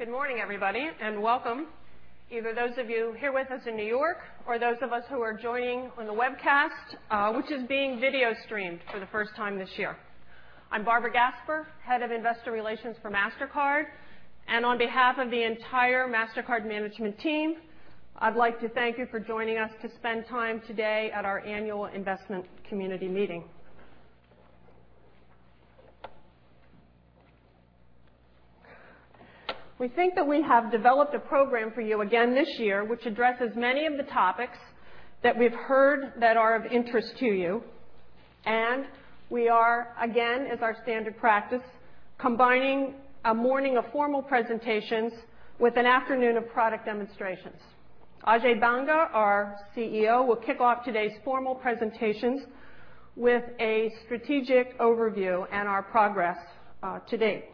Good morning, everybody, and welcome. Either those of you here with us in New York or those of us who are joining on the webcast, which is being video streamed for the first time this year. I am Barbara Gasper, Head of Investor Relations for Mastercard, and on behalf of the entire Mastercard management team, I would like to thank you for joining us to spend time today at our annual investment community meeting. We think that we have developed a program for you again this year, which addresses many of the topics that we have heard that are of interest to you, and we are, again, as our standard practice, combining a morning of formal presentations with an afternoon of product demonstrations. Ajay Banga, our CEO, will kick off today's formal presentations with a strategic overview and our progress to date.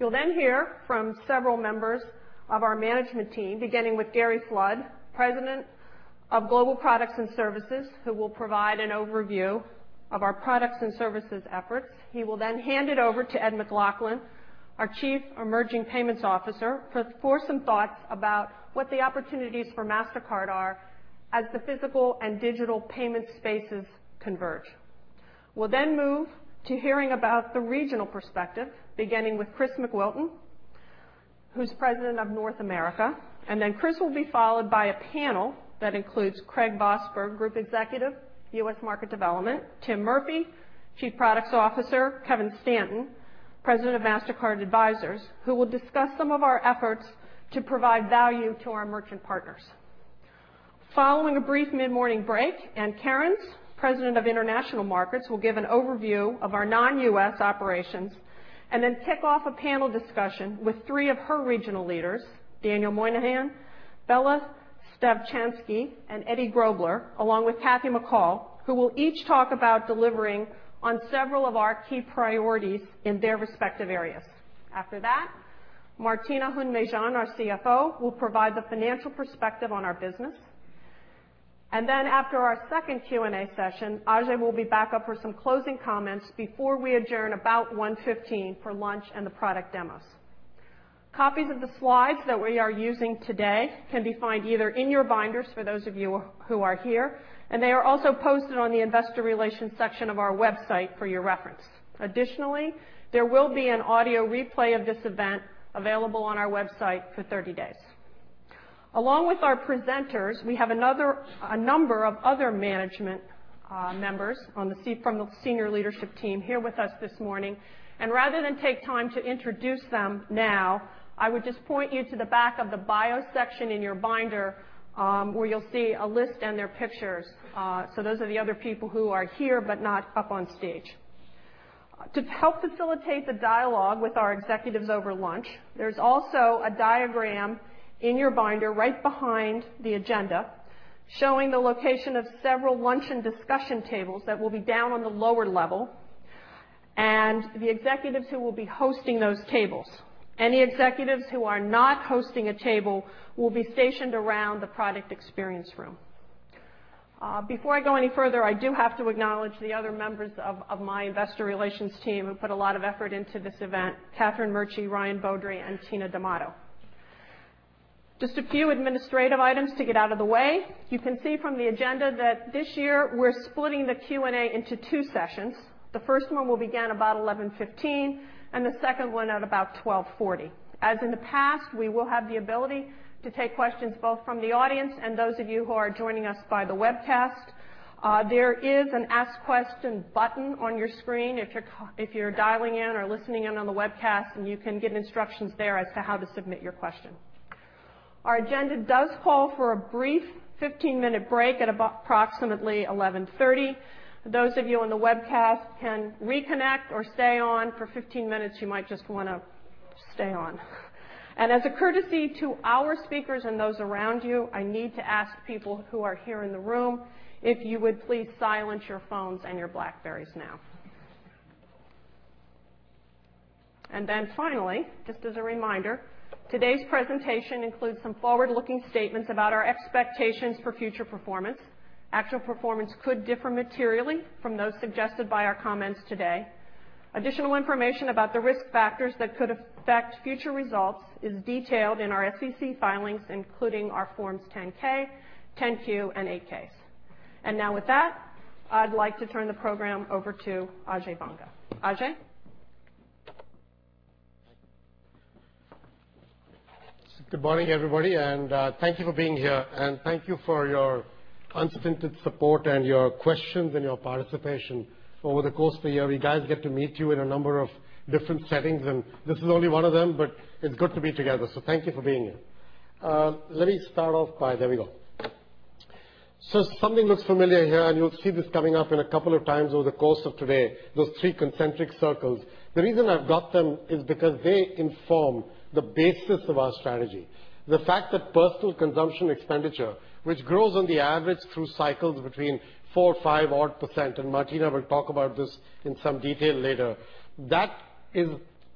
You will then hear from several members of our management team, beginning with Gary Flood, President of Global Products and Services, who will provide an overview of our products and services efforts. He will then hand it over to Ed McLaughlin, our Chief Emerging Payments Officer, for some thoughts about what the opportunities for Mastercard are as the physical and digital payment spaces converge. We will then move to hearing about the regional perspective, beginning with Chris McWilton, who is President of North America, and Chris will be followed by a panel that includes Craig Vosburg, Group Executive U.S. Market Development, Tim Murphy, Chief Products Officer, Kevin Stanton, President of Mastercard Advisors, who will discuss some of our efforts to provide value to our merchant partners. Following a brief mid-morning break, Ann Cairns, President of International Markets, will give an overview of our non-U.S. operations and then kick off a panel discussion with three of her regional leaders, Daniel Monehin, Bella Stavchansky, and Eddie Grobler, along with Kathy McCall, who will each talk about delivering on several of our key priorities in their respective areas. After that, Martina Hund-Mejean, our CFO, will provide the financial perspective on our business. After our second Q&A session, Ajay will be back up for some closing comments before we adjourn about 1:15 P.M. for lunch and the product demos. Copies of the slides that we are using today can be found either in your binders for those of you who are here, and they are also posted on the investor relations section of our website for your reference. Additionally, there will be an audio replay of this event available on our website for 30 days. Along with our presenters, we have a number of other management members from the senior leadership team here with us this morning. Rather than take time to introduce them now, I would just point you to the back of the bio section in your binder, where you will see a list and their pictures. Those are the other people who are here but not up on stage. To help facilitate the dialogue with our executives over lunch, there is also a diagram in your binder right behind the agenda, showing the location of several lunch and discussion tables that will be down on the lower level, and the executives who will be hosting those tables. Any executives who are not hosting a table will be stationed around the product experience room. Before I go any further, I do have to acknowledge the other members of my investor relations team who put a lot of effort into this event, Catherine Murchie, Ryan Beaudry, and Tina D'Amato. Just a few administrative items to get out of the way. You can see from the agenda that this year we're splitting the Q&A into two sessions. The first one will begin about 11:15 A.M., and the second one at about 12:40 P.M. As in the past, we will have the ability to take questions both from the audience and those of you who are joining us by the webcast. There is an 'ask question' button on your screen if you're dialing in or listening in on the webcast, and you can get instructions there as to how to submit your question. Our agenda does call for a brief 15-minute break at approximately 11:30 A.M. Those of you on the webcast can reconnect or stay on for 15 minutes. You might just want to stay on. As a courtesy to our speakers and those around you, I need to ask people who are here in the room if you would please silence your phones and your BlackBerries now. Finally, just as a reminder, today's presentation includes some forward-looking statements about our expectations for future performance. Actual performance could differ materially from those suggested by our comments today. Additional information about the risk factors that could affect future results is detailed in our SEC filings, including our forms 10-K, 10-Q, and 8-Ks. Now with that, I'd like to turn the program over to Ajay Banga. Ajay. Good morning, everybody, thank you for being here. Thank you for your unstinted support and your questions and your participation over the course of the year. We guys get to meet you in a number of different settings, and this is only one of them, but it's good to be together, thank you for being here. Let me start off. There we go. Something looks familiar here, and you'll see this coming up in a couple of times over the course of today, those three concentric circles. The reason I've got them is because they inform the basis of our strategy. The fact that personal consumption expenditure, which grows on the average through cycles between 4% or 5%-odd%, and Martina will talk about this in some detail later.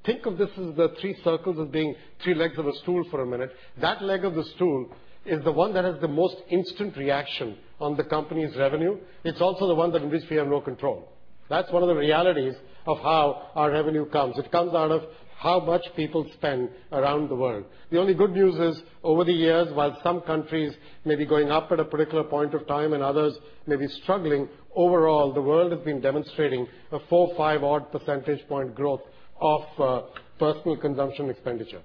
Think of this as the three circles as being three legs of a stool for a minute. That leg of the stool is the one that has the most instant reaction on the company's revenue. It's also the one that in which we have no control. That's one of the realities of how our revenue comes. It comes out of how much people spend around the world. The only good news is, over the years, while some countries may be going up at a particular point of time and others may be struggling, overall, the world has been demonstrating a four, five-odd percentage point growth of personal consumption expenditure.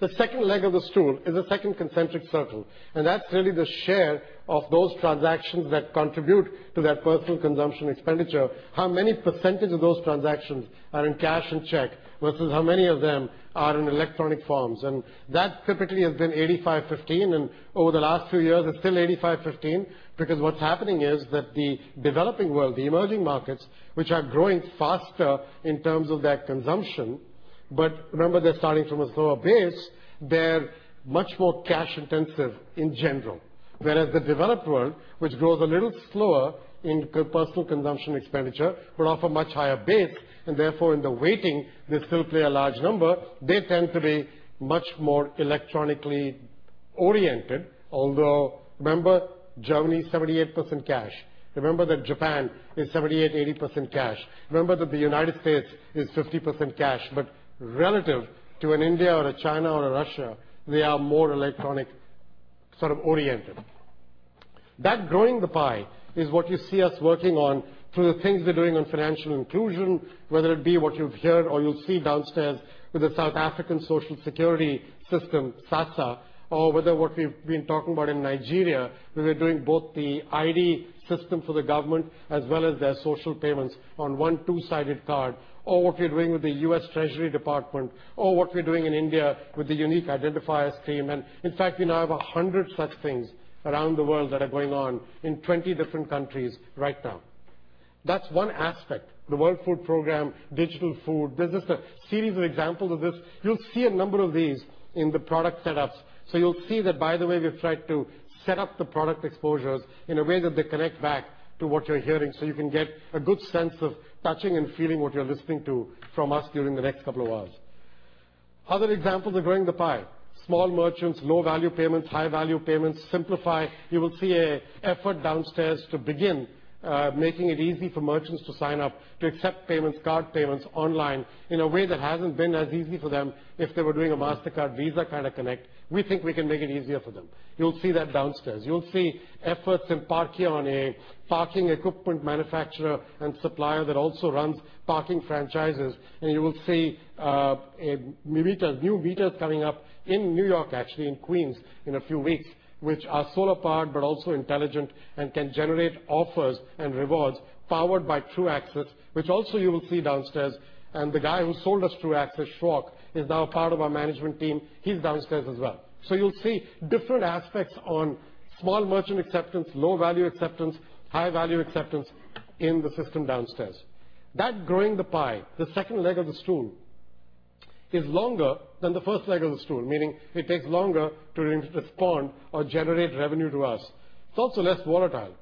The second leg of the stool is the second concentric circle, that's really the share of those transactions that contribute to that personal consumption expenditure, how many percentage of those transactions are in cash and check versus how many of them are in electronic forms. That typically has been 85/15, and over the last few years it's still 85/15 because what's happening is that the developing world, the emerging markets, which are growing faster in terms of their consumption, but remember they're starting from a lower base, they're much more cash intensive in general. Whereas the developed world, which grows a little slower in personal consumption expenditure but off a much higher base, and therefore in the weighting they still play a large number, they tend to be much more electronically oriented. Remember, Germany is 78% cash. Remember that Japan is 78%, 80% cash. Remember that the United States is 50% cash. Relative to an India or a China or a Russia, they are more electronic oriented. That growing the pie is what you see us working on through the things we're doing on financial inclusion, whether it be what you've heard or you'll see downstairs with the South African Social Security System, SASSA. Or whether what we've been talking about in Nigeria, where we're doing both the ID system for the government as well as their social payments on one two-sided card. Or what we're doing with the U.S. Department of the Treasury, or what we're doing in India with the unique identifiers team. In fact, we now have 100 such things around the world that are going on in 20 different countries right now. That's one aspect. The World Food Programme, Digital Food. There's just a series of examples of this. You'll see a number of these in the product setups. You'll see that, by the way, we've tried to set up the product exposures in a way that they connect back to what you're hearing so you can get a good sense of touching and feeling what you're listening to from us during the next couple of hours. Other examples of growing the pie. Small merchants, low-value payments, high-value payments, Simplify. You will see an effort downstairs to begin making it easy for merchants to sign up to accept payments, card payments online in a way that hasn't been as easy for them if they were doing a Mastercard, Visa kind of connect. We think we can make it easier for them. You'll see that downstairs. You'll see efforts in Parkeon a parking equipment manufacturer and supplier that also runs parking franchises. You will see new meters coming up in New York, actually in Queens, in a few weeks, which are solar-powered but also intelligent and can generate offers and rewards powered by Truaxis, which also you will see downstairs. The guy who sold us Truaxis, Ashok, is now a part of our management team. He's downstairs as well. You'll see different aspects on small merchant acceptance, low-value acceptance, high-value acceptance in the system downstairs. That growing the pie, the second leg of the stool, is longer than the first leg of the stool, meaning it takes longer to respond or generate revenue to us. It's also less volatile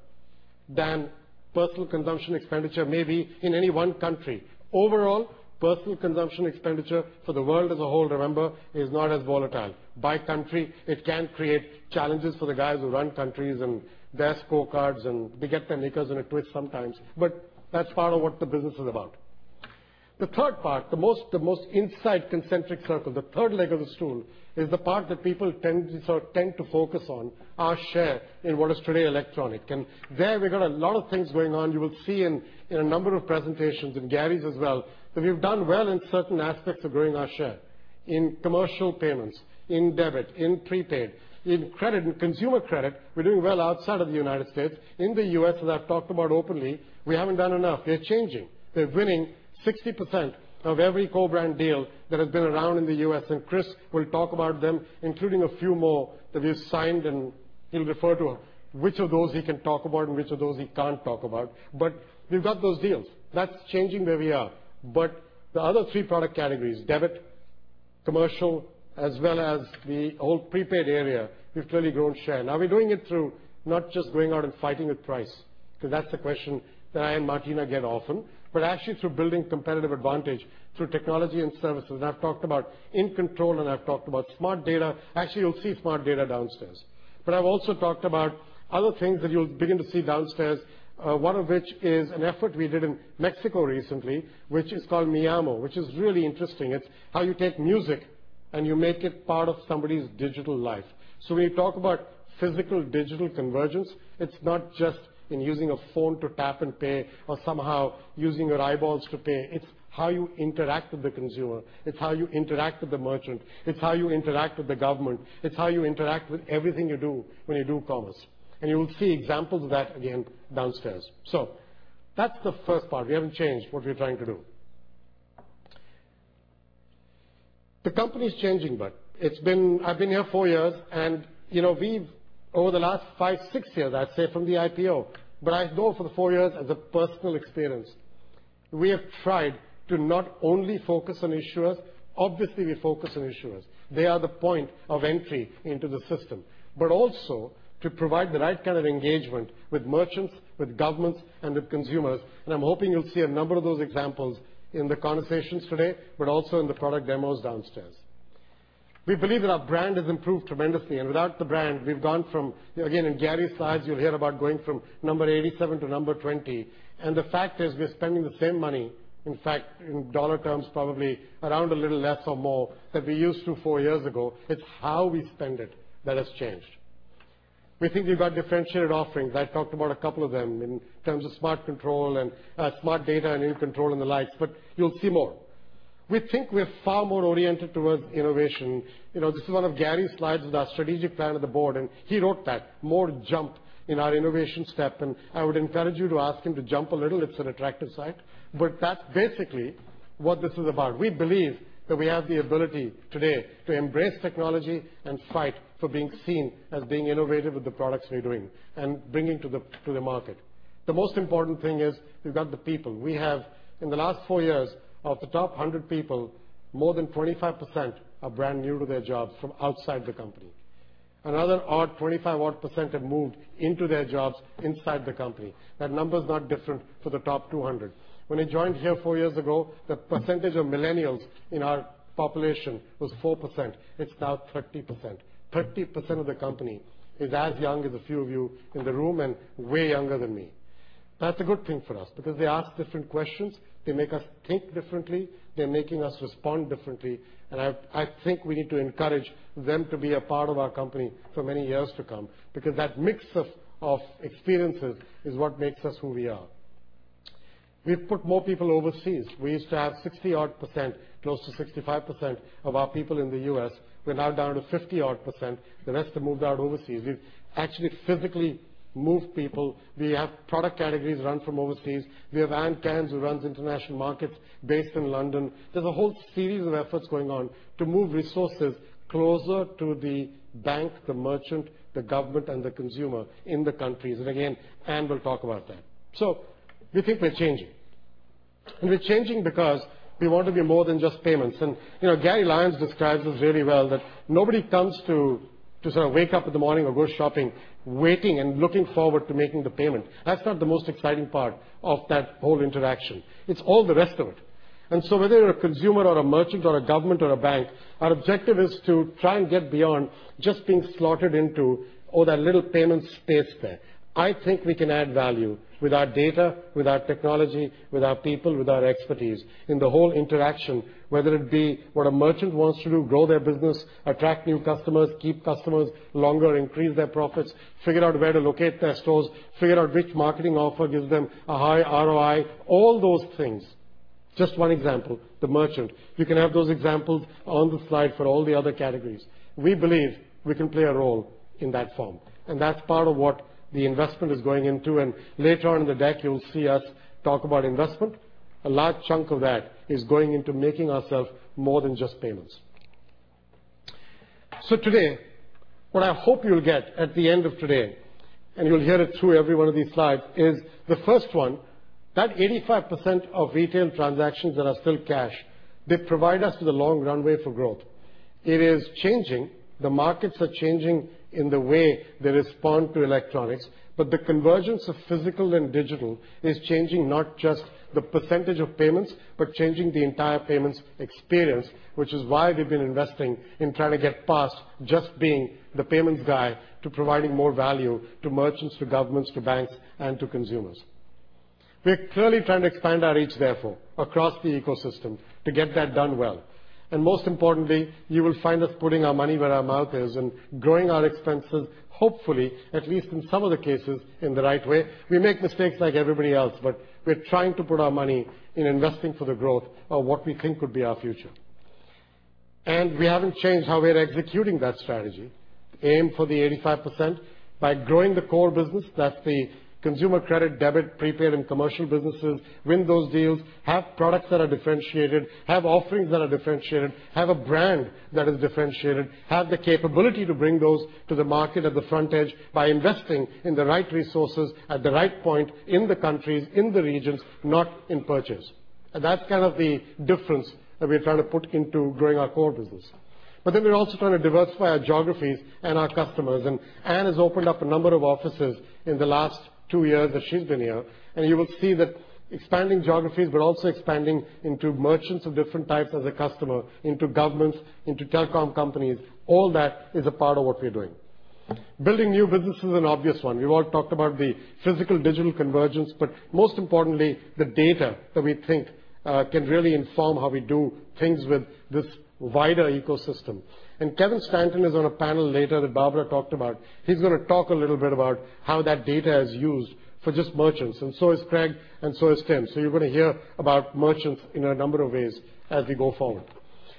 than personal consumption expenditure, maybe in any one country. Overall, personal consumption expenditure for the world as a whole, remember, is not as volatile. By country, it can create challenges for the guys who run countries and their scorecards, and they get their knickers in a twist sometimes. That is part of what the business is about. The third part, the most inside concentric circle, the third leg of the stool, is the part that people tend to focus on, our share in what is today electronic. There we have got a lot of things going on. You will see in a number of presentations, in Gary's as well, that we have done well in certain aspects of growing our share. In commercial payments, in debit, in prepaid, in credit and consumer credit, we are doing well outside of the United States. In the U.S., as I have talked about openly, we have not done enough. They are changing. They are winning 60% of every co-brand deal that has been around in the U.S., and Chris will talk about them, including a few more that we have signed, and he will refer to which of those he can talk about and which of those he cannot talk about. We have got those deals. That is changing where we are. The other three product categories, debit, commercial, as well as the old prepaid area, we have clearly grown share. Now we are doing it through not just going out and fighting with price, because that is the question that I and Martina get often, but actually through building competitive advantage through technology and services. I have talked about In Control, and I have talked about Smart Data. Actually, you will see Smart Data downstairs. I have also talked about other things that you will begin to see downstairs, one of which is an effort we did in Mexico recently, which is called Mi Amo, which is really interesting. It is how you take music and you make it part of somebody's digital life. When you talk about physical-digital convergence, it is not just in using a phone to tap and pay or somehow using your eyeballs to pay. It is how you interact with the consumer. It is how you interact with the merchant. It is how you interact with the government. It is how you interact with everything you do when you do commerce. You will see examples of that again downstairs. That is the first part. We have not changed what we are trying to do. The company's changing, but. I have been here four years, and we have, over the last five, six years, I would say from the IPO, but I know for the four years as a personal experience, we have tried to not only focus on issuers. Obviously, we focus on issuers. They are the point of entry into the system. Also to provide the right kind of engagement with merchants, with governments, and with consumers. I am hoping you will see a number of those examples in the conversations today, but also in the product demos downstairs. We believe that our brand has improved tremendously. Without the brand, we have gone from, again, in Gary's slides, you will hear about going from number 87 to number 20. The fact is, we are spending the same money, in fact, in dollar terms, probably around a little less or more than we used to four years ago. It's how we spend it that has changed. We think we've got differentiated offerings. I've talked about a couple of them in terms of Smart Control and Smart Data and In Control and the likes, you'll see more. We think we're far more oriented towards innovation. This is one of Gary Lyons' slides with our strategic plan of the board, and he wrote that, more jump in our innovation step, and I would encourage you to ask him to jump a little. It's an attractive slide. That's basically what this is about. We believe that we have the ability today to embrace technology and fight for being seen as being innovative with the products we're doing and bringing to the market. The most important thing is we've got the people. We have, in the last 4 years, of the top 100 people, more than 25% are brand new to their jobs from outside the company. Another 25 odd percent have moved into their jobs inside the company. That number is not different for the top 200. When I joined here 4 years ago, the percentage of millennials in our population was 4%. It's now 30%. 30% of the company is as young as a few of you in the room and way younger than me. That's a good thing for us because they ask different questions. They make us think differently. They're making us respond differently. I think we need to encourage them to be a part of our company for many years to come because that mix of experiences is what makes us who we are. We've put more people overseas. We used to have 60 odd percent, close to 65% of our people in the U.S. We're now down to 50 odd percent. The rest have moved out overseas. We've actually physically moved people. We have product categories run from overseas. We have Ann Cairns, who runs International Markets based in London. There's a whole series of efforts going on to move resources closer to the bank, the merchant, the government, and the consumer in the countries. Again, Ann will talk about that. We think we're changing. We're changing because we want to be more than just payments. Gary Lyons describes this really well that nobody comes to sort of wake up in the morning or go shopping, waiting and looking forward to making the payment. That's not the most exciting part of that whole interaction. It's all the rest of it. Whether you're a consumer or a merchant or a government or a bank, our objective is to try and get beyond just being slotted into all that little payment space there. I think we can add value with our data, with our technology, with our people, with our expertise in the whole interaction, whether it be what a merchant wants to do, grow their business, attract new customers, keep customers longer, increase their profits, figure out where to locate their stores, figure out which marketing offer gives them a high ROI, all those things. Just one example, the merchant. You can have those examples on the slide for all the other categories. We believe we can play a role in that form, that's part of what the investment is going into. Later on in the deck, you'll see us talk about investment. A large chunk of that is going into making ourselves more than just payments. Today, what I hope you'll get at the end of today, and you'll hear it through every one of these slides, is the first one, that 85% of retail transactions that are still cash, they provide us with a long runway for growth. It is changing. The markets are changing in the way they respond to electronics, but the convergence of physical and digital is changing not just the percentage of payments, but changing the entire payments experience, which is why we've been investing in trying to get past just being the payments guy to providing more value to merchants, to governments, to banks, and to consumers. We're clearly trying to expand our reach, therefore, across the ecosystem to get that done well. Most importantly, you will find us putting our money where our mouth is and growing our expenses, hopefully, at least in some of the cases, in the right way. We make mistakes like everybody else, but we're trying to put our money in investing for the growth of what we think could be our future. We haven't changed how we're executing that strategy. Aim for the 85% by growing the core business. That's the consumer credit, debit, prepaid, and commercial businesses. Win those deals, have products that are differentiated, have offerings that are differentiated, have a brand that is differentiated, have the capability to bring those to the market at the front edge by investing in the right resources at the right point in the countries, in the regions, not in Purchase. That's kind of the difference that we're trying to put into growing our core business. We're also trying to diversify our geographies and our customers. Ann has opened up a number of offices in the last two years that she's been here. You will see that expanding geographies, we're also expanding into merchants of different types as a customer, into governments, into telecom companies. All that is a part of what we're doing. Building new business is an obvious one. We've all talked about the physical-digital convergence, but most importantly, the data that we think can really inform how we do things with this wider ecosystem. Kevin Stanton is on a panel later that Barbara talked about. He's going to talk a little bit about how that data is used for just merchants, and so is Craig, and so is Tim. You're going to hear about merchants in a number of ways as we go forward.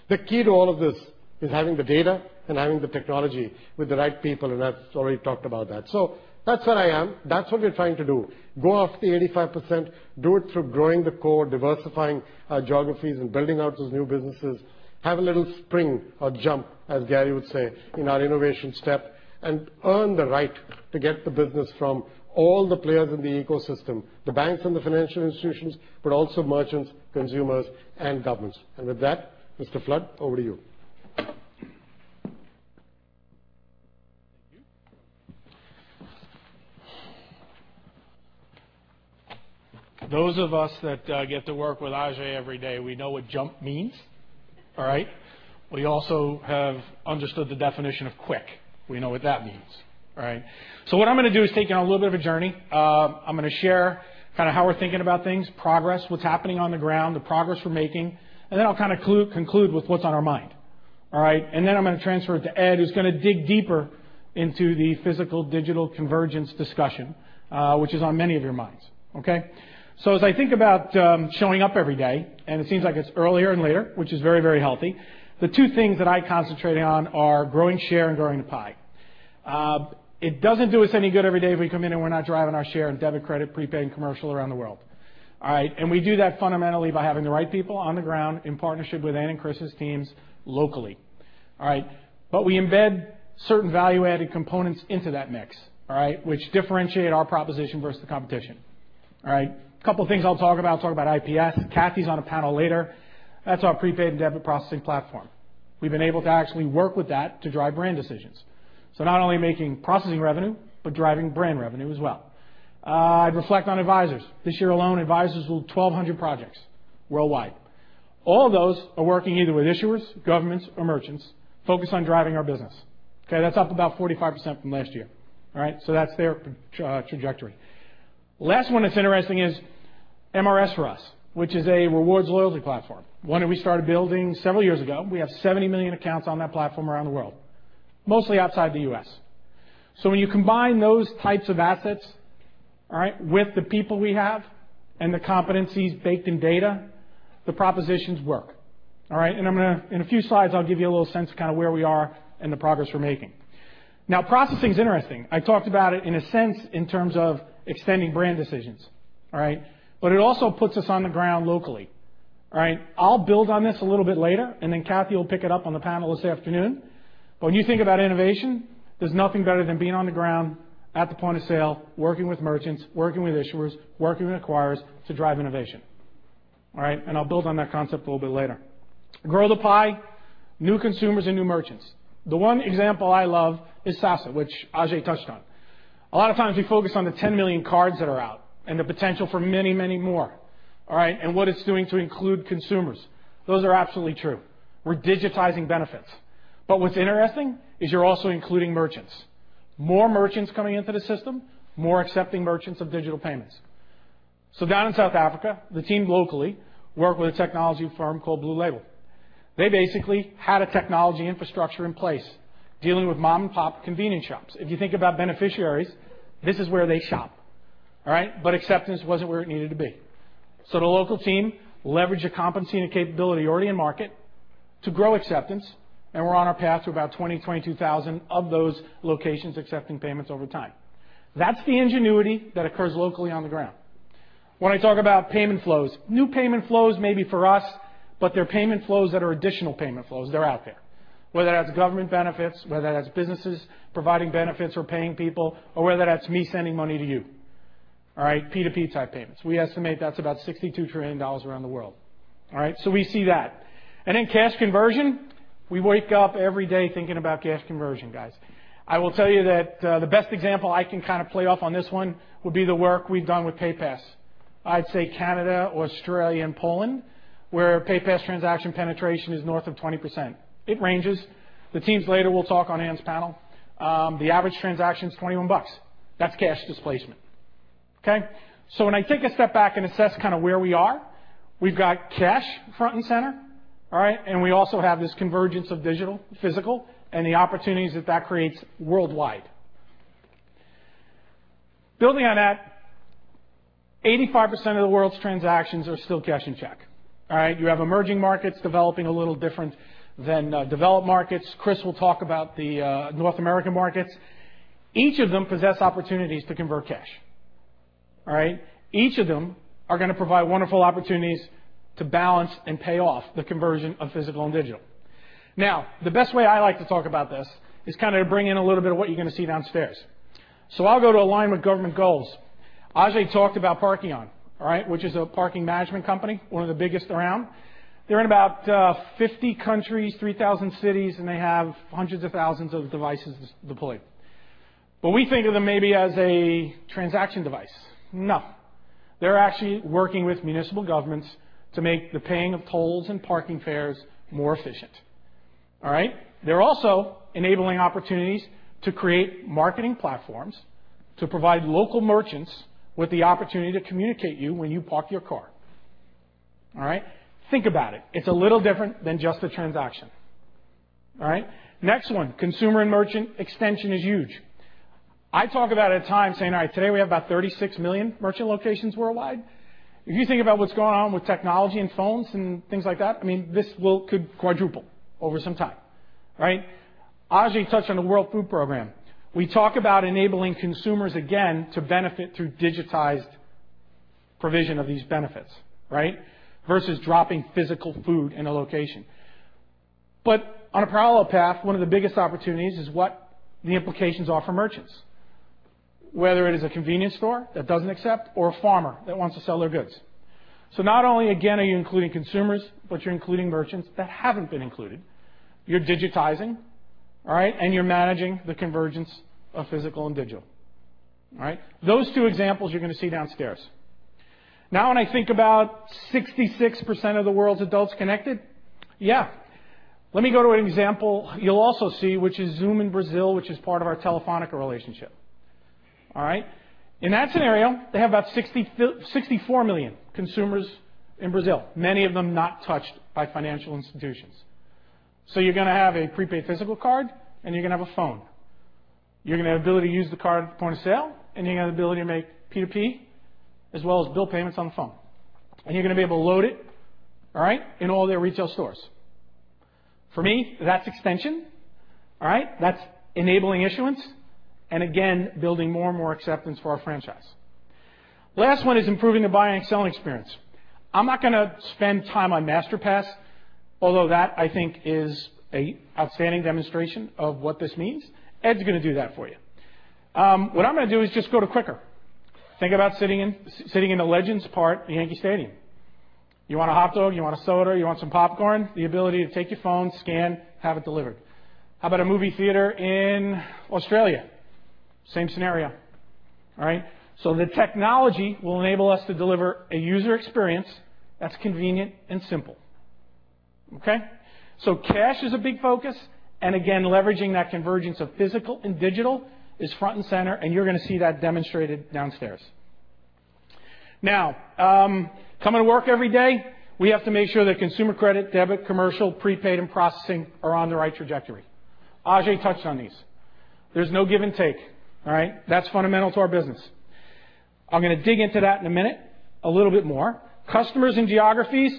The key to all of this is having the data and having the technology with the right people, I've already talked about that. That's where I am. That's what we're trying to do. Go after the 85%, do it through growing the core, diversifying our geographies, and building out those new businesses. Have a little spring or jump, as Gary would say, in our innovation step, earn the right to get the business from all the players in the ecosystem, the banks and the financial institutions, but also merchants, consumers, and governments. With that, Mr. Flood, over to you. Those of us that get to work with Ajay every day, we know what jump means. All right? We also have understood the definition of quick. We know what that means, right? What I'm going to do is take you on a little bit of a journey. I'm going to share kind of how we're thinking about things, progress, what's happening on the ground, the progress we're making, and then I'll conclude with what's on our mind. All right? Then I'm going to transfer it to Ed, who's going to dig deeper into the physical-digital convergence discussion, which is on many of your minds. Okay? As I think about showing up every day, and it seems like it's earlier and later, which is very healthy, the two things that I concentrate on are growing share and growing the pie. It doesn't do us any good every day if we come in and we're not driving our share in debit, credit, prepaid, and commercial around the world. All right? We do that fundamentally by having the right people on the ground in partnership with Ann and Chris's teams locally. All right? We embed certain value-added components into that mix, which differentiate our proposition versus the competition. All right? A couple things I'll talk about. I'll talk about IPS. Kathy's on a panel later. That's our prepaid and debit processing platform. We've been able to actually work with that to drive brand decisions. Not only making processing revenue, but driving brand revenue as well. I'd reflect on Advisors. This year alone, Advisors will do 1,200 projects worldwide. All of those are working either with issuers, governments, or merchants focused on driving our business. Okay? That's up about 45% from last year. All right? That's their trajectory. Last one that's interesting is MRS for us, which is a rewards loyalty platform, one that we started building several years ago. We have 70 million accounts on that platform around the world, mostly outside the U.S. When you combine those types of assets with the people we have and the competencies baked in data, the propositions work. All right? In a few slides, I'll give you a little sense of where we are and the progress we're making. Now, processing is interesting. I talked about it in a sense in terms of extending brand decisions. All right? It also puts us on the ground locally. All right? I'll build on this a little bit later, then Kathy will pick it up on the panel this afternoon. When you think about innovation, there's nothing better than being on the ground at the point of sale, working with merchants, working with issuers, working with acquirers to drive innovation. All right? I'll build on that concept a little bit later. Grow the pie, new consumers, and new merchants. The one example I love is SASSA, which Ajay touched on. A lot of times, we focus on the 10 million cards that are out and the potential for many more. All right? What it's doing to include consumers. Those are absolutely true. We're digitizing benefits. What's interesting is you're also including merchants. More merchants coming into the system, more accepting merchants of digital payments. Down in South Africa, the team locally worked with a technology firm called Blue Label. They basically had a technology infrastructure in place dealing with mom-and-pop convenience shops. If you think about beneficiaries, this is where they shop. All right? Acceptance wasn't where it needed to be. The local team leveraged a competency and a capability already in market to grow acceptance, and we're on our path to about 20,000 to 22,000 of those locations accepting payments over time. That's the ingenuity that occurs locally on the ground. When I talk about payment flows, new payment flows may be for us, but they're payment flows that are additional payment flows. They're out there. Whether that's government benefits, whether that's businesses providing benefits or paying people, or whether that's me sending money to you. All right? P2P type payments. We estimate that's about $62 trillion around the world. All right? We see that. Cash conversion, we wake up every day thinking about cash conversion, guys. I will tell you that the best example I can kind of play off on this one would be the work we've done with PayPass. I'd say Canada, Australia, and Poland, where PayPass transaction penetration is north of 20%. It ranges. The teams later will talk on Ann's panel. The average transaction is $21. That's cash displacement. Okay? When I take a step back and assess where we are, we've got cash front and center. All right? We also have this convergence of digital, physical, and the opportunities that that creates worldwide. Building on that, 85% of the world's transactions are still cash and check. All right? You have emerging markets developing a little different than developed markets. Chris will talk about the North American markets. Each of them possess opportunities to convert cash. All right? Each of them are going to provide wonderful opportunities to balance and pay off the conversion of physical and digital. Now, the best way I like to talk about this is to bring in a little bit of what you're going to see downstairs. I'll go to align with government goals. Ajay talked about Parkeon, which is a parking management company, one of the biggest around. They're in about 50 countries, 3,000 cities, and they have hundreds of thousands of devices deployed. We think of them maybe as a transaction device. No. They're actually working with municipal governments to make the paying of tolls and parking fares more efficient. All right? They're also enabling opportunities to create marketing platforms to provide local merchants with the opportunity to communicate with you when you park your car. All right? Think about it. It's a little different than just a transaction. All right? Next one, consumer and merchant extension is huge. I talk about a time saying, all right, today we have about 36 million merchant locations worldwide. If you think about what's going on with technology and phones and things like that, this could quadruple over some time. All right? Ajay touched on the World Food Programme. We talk about enabling consumers again to benefit through digitized provision of these benefits, versus dropping physical food in a location. On a parallel path, one of the biggest opportunities is what the implications are for merchants. Whether it is a convenience store that doesn't accept or a farmer that wants to sell their goods. Not only again are you including consumers, but you're including merchants that haven't been included. You're digitizing, all right? You're managing the convergence of physical and digital. All right? Those two examples you're going to see downstairs. When I think about 66% of the world's adults connected. Let me go to an example you'll also see, which is Zuum in Brazil, which is part of our Telefónica relationship. In that scenario, they have about 64 million consumers in Brazil, many of them not touched by financial institutions. You're going to have a prepaid physical card, and you're going to have a phone. You're going to have ability to use the card at the point of sale, and you're going to have the ability to make P2P as well as bill payments on the phone. You're going to be able to load it in all their retail stores. For me, that's extension. That's enabling issuance and again, building more and more acceptance for our franchise. Last one is improving the buying and selling experience. I'm not going to spend time on Masterpass, although that, I think, is an outstanding demonstration of what this means. Ed's going to do that for you. What I'm going to do is just go to Qkr!. Think about sitting in the Legends part of Yankee Stadium. You want a hot dog, you want a soda, or you want some popcorn? The ability to take your phone, scan, have it delivered. How about a movie theater in Australia? Same scenario. The technology will enable us to deliver a user experience that's convenient and simple. Cash is a big focus, and again, leveraging that convergence of physical and digital is front and center, and you're going to see that demonstrated downstairs. Coming to work every day, we have to make sure that consumer credit, debit, commercial, prepaid, and processing are on the right trajectory. Ajay touched on these. There's no give and take. That's fundamental to our business. I'm going to dig into that in a minute a little bit more. Customers and geographies,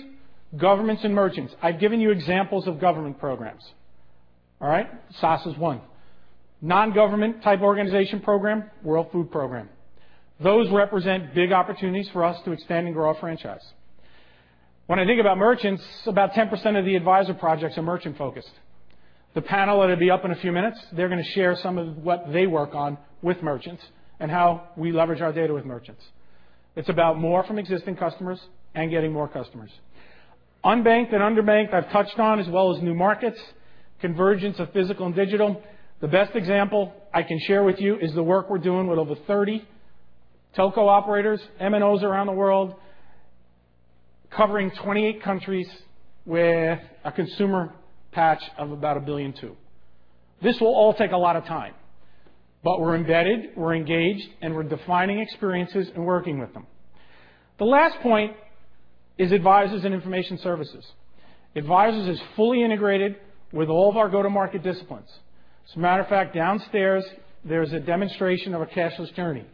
governments and merchants. I've given you examples of government programs. SASSA is one. Non-government type organization program, World Food Programme. Those represent big opportunities for us to expand and grow our franchise. I think about merchants, about 10% of the advisor projects are merchant-focused. The panel that'll be up in a few minutes, they're going to share some of what they work on with merchants and how we leverage our data with merchants. It's about more from existing customers and getting more customers. Unbanked and underbanked, I've touched on, as well as new markets, convergence of physical and digital. The best example I can share with you is the work we're doing with over 30 telco operators, MNOs around the world, covering 28 countries with a consumer patch of about 1.2 billion. This will all take a lot of time. We're embedded, we're engaged, and we're defining experiences and working with them. The last point is advisors and information services. Advisors is fully integrated with all of our go-to-market disciplines. As a matter of fact, downstairs, there is a demonstration of a cashless journey.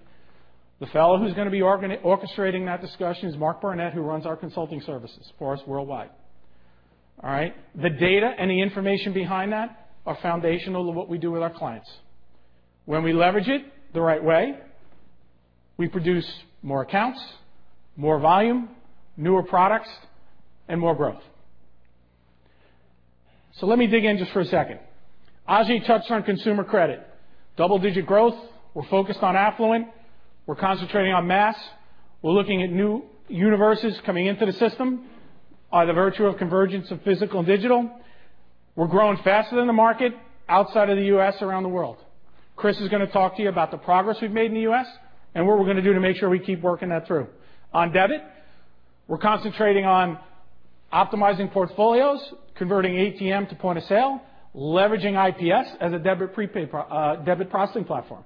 The fellow who's going to be orchestrating that discussion is Mark Barnett, who runs our consulting services for us worldwide. The data and the information behind that are foundational to what we do with our clients. When we leverage it the right way, we produce more accounts, more volume, newer products, and more growth. Let me dig in just for a second. Ajay touched on consumer credit. Double-digit growth. We're focused on affluent. We're concentrating on mass. We're looking at new universes coming into the system by the virtue of convergence of physical and digital. We're growing faster than the market outside of the U.S. around the world. Chris is going to talk to you about the progress we've made in the U.S. and what we're going to do to make sure we keep working that through. On debit, we're concentrating on optimizing portfolios, converting ATM to point of sale, leveraging IPS as a debit processing platform.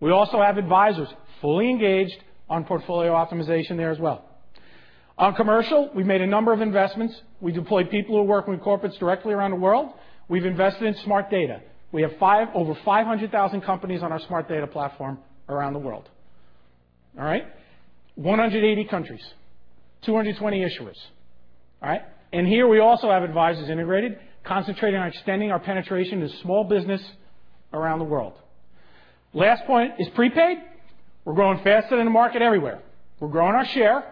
We also have Advisors fully engaged on portfolio optimization there as well. On commercial, we've made a number of investments. We deploy people who work with corporates directly around the world. We've invested in Smart Data. We have over 500,000 companies on our Smart Data platform around the world. All right? 180 countries, 220 issuers. All right? Here we also have Advisors integrated, concentrating on extending our penetration to small business around the world. Last point is prepaid. We're growing faster than the market everywhere. We're growing our share,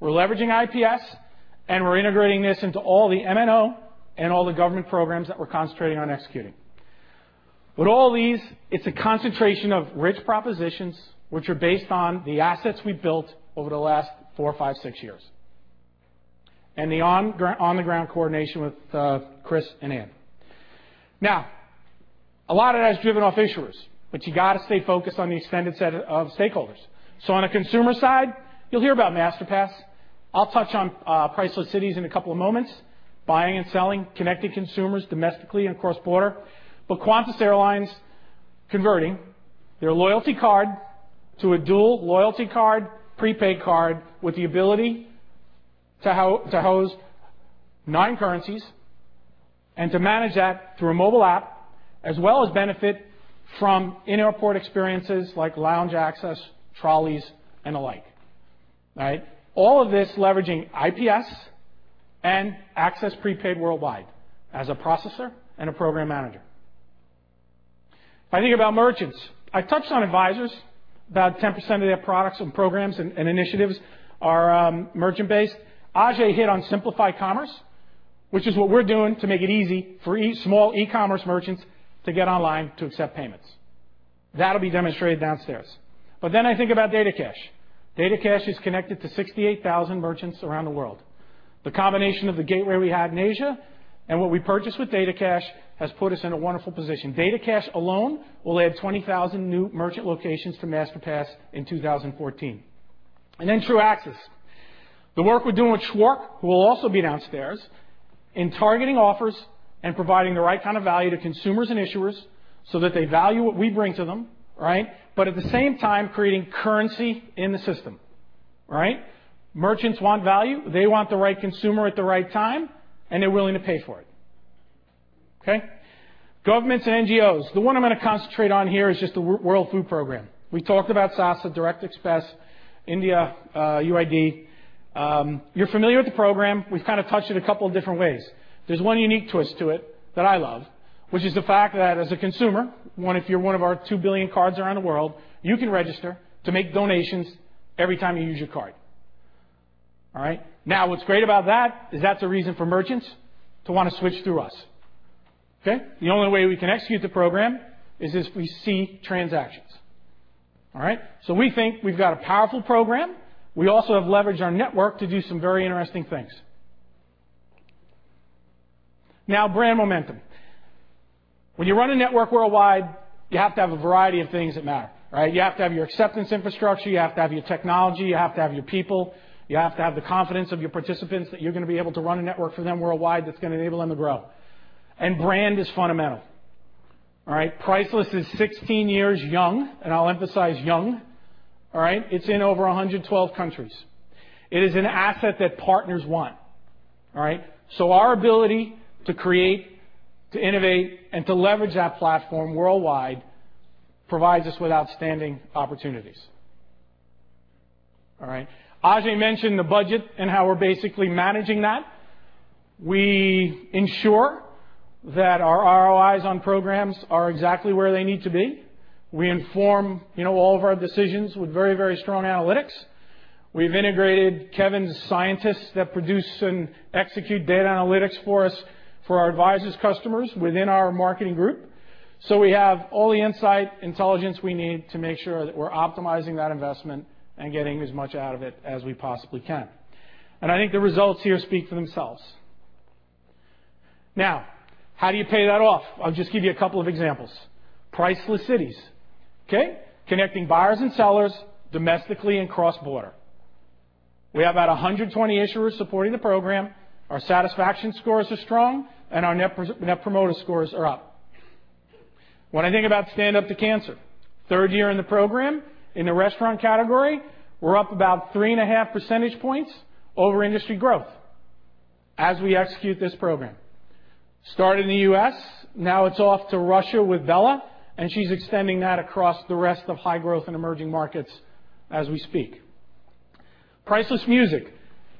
we're leveraging IPS, and we're integrating this into all the MNO and all the government programs that we're concentrating on executing. With all these, it's a concentration of rich propositions which are based on the assets we've built over the last four, five, six years, and the on-the-ground coordination with Chris and Ann. A lot of that is driven off issuers, you got to stay focused on the extended set of stakeholders. On a consumer side, you'll hear about Masterpass. I'll touch on Priceless Cities in a couple of moments, buying and selling, connecting consumers domestically and cross-border. Qantas Airlines converting their loyalty card to a dual loyalty card, prepaid card with the ability to host nine currencies and to manage that through a mobile app, as well as benefit from in-airport experiences like lounge access, trolleys, and the like. All right? All of this leveraging IPS and Access Prepaid Worldwide as a processor and a program manager. If I think about merchants, I touched on Advisors. About 10% of their products and programs and initiatives are merchant-based. Ajay hit on Simplify Commerce, which is what we're doing to make it easy for small e-commerce merchants to get online to accept payments. That'll be demonstrated downstairs. I think about DataCash. DataCash is connected to 68,000 merchants around the world. The combination of the gateway we had in Asia and what we purchased with DataCash has put us in a wonderful position. DataCash alone will add 20,000 new merchant locations to Masterpass in 2014. Truaxis. The work we're doing with Schwark, who will also be downstairs, in targeting offers and providing the right kind of value to consumers and issuers so that they value what we bring to them. At the same time, creating currency in the system. Merchants want value. They want the right consumer at the right time, and they're willing to pay for it. Okay? Governments and NGOs. The one I'm going to concentrate on here is just the World Food Programme. We talked about SASSA, Direct Express, India, UID. You're familiar with the program. We've kind of touched it a couple of different ways. There's one unique twist to it that I love, which is the fact that as a consumer, if you're one of our 2 billion cards around the world, you can register to make donations every time you use your card. All right. Now, what's great about that is that's a reason for merchants to want to switch through us. Okay. The only way we can execute the program is if we see transactions. All right. We think we've got a powerful program. We also have leveraged our network to do some very interesting things. Now, brand momentum. When you run a network worldwide, you have to have a variety of things that matter. You have to have your acceptance infrastructure, you have to have your technology, you have to have your people, you have to have the confidence of your participants that you're going to be able to run a network for them worldwide that's going to enable them to grow. Brand is fundamental. Priceless is 16 years young, and I'll emphasize young. It's in over 112 countries. It is an asset that partners want. Our ability to create, to innovate, and to leverage that platform worldwide provides us with outstanding opportunities. All right. Ajay mentioned the budget and how we're basically managing that. We ensure that our ROIs on programs are exactly where they need to be. We inform all of our decisions with very strong analytics. We've integrated Kevin's scientists that produce and execute data analytics for us, for our Advisors customers within our marketing group. We have all the insight, intelligence we need to make sure that we're optimizing that investment and getting as much out of it as we possibly can. I think the results here speak for themselves. Now, how do you pay that off? I'll just give you a couple of examples. Priceless Cities. Connecting buyers and sellers domestically and cross-border. We have about 120 issuers supporting the program. Our satisfaction scores are strong and our net promoter scores are up. When I think about Stand Up To Cancer, third year in the program in the restaurant category, we're up about 3.5 percentage points over industry growth as we execute this program. Started in the U.S., now it's off to Russia with Bella, and she's extending that across the rest of high growth and emerging markets as we speak. Priceless Music.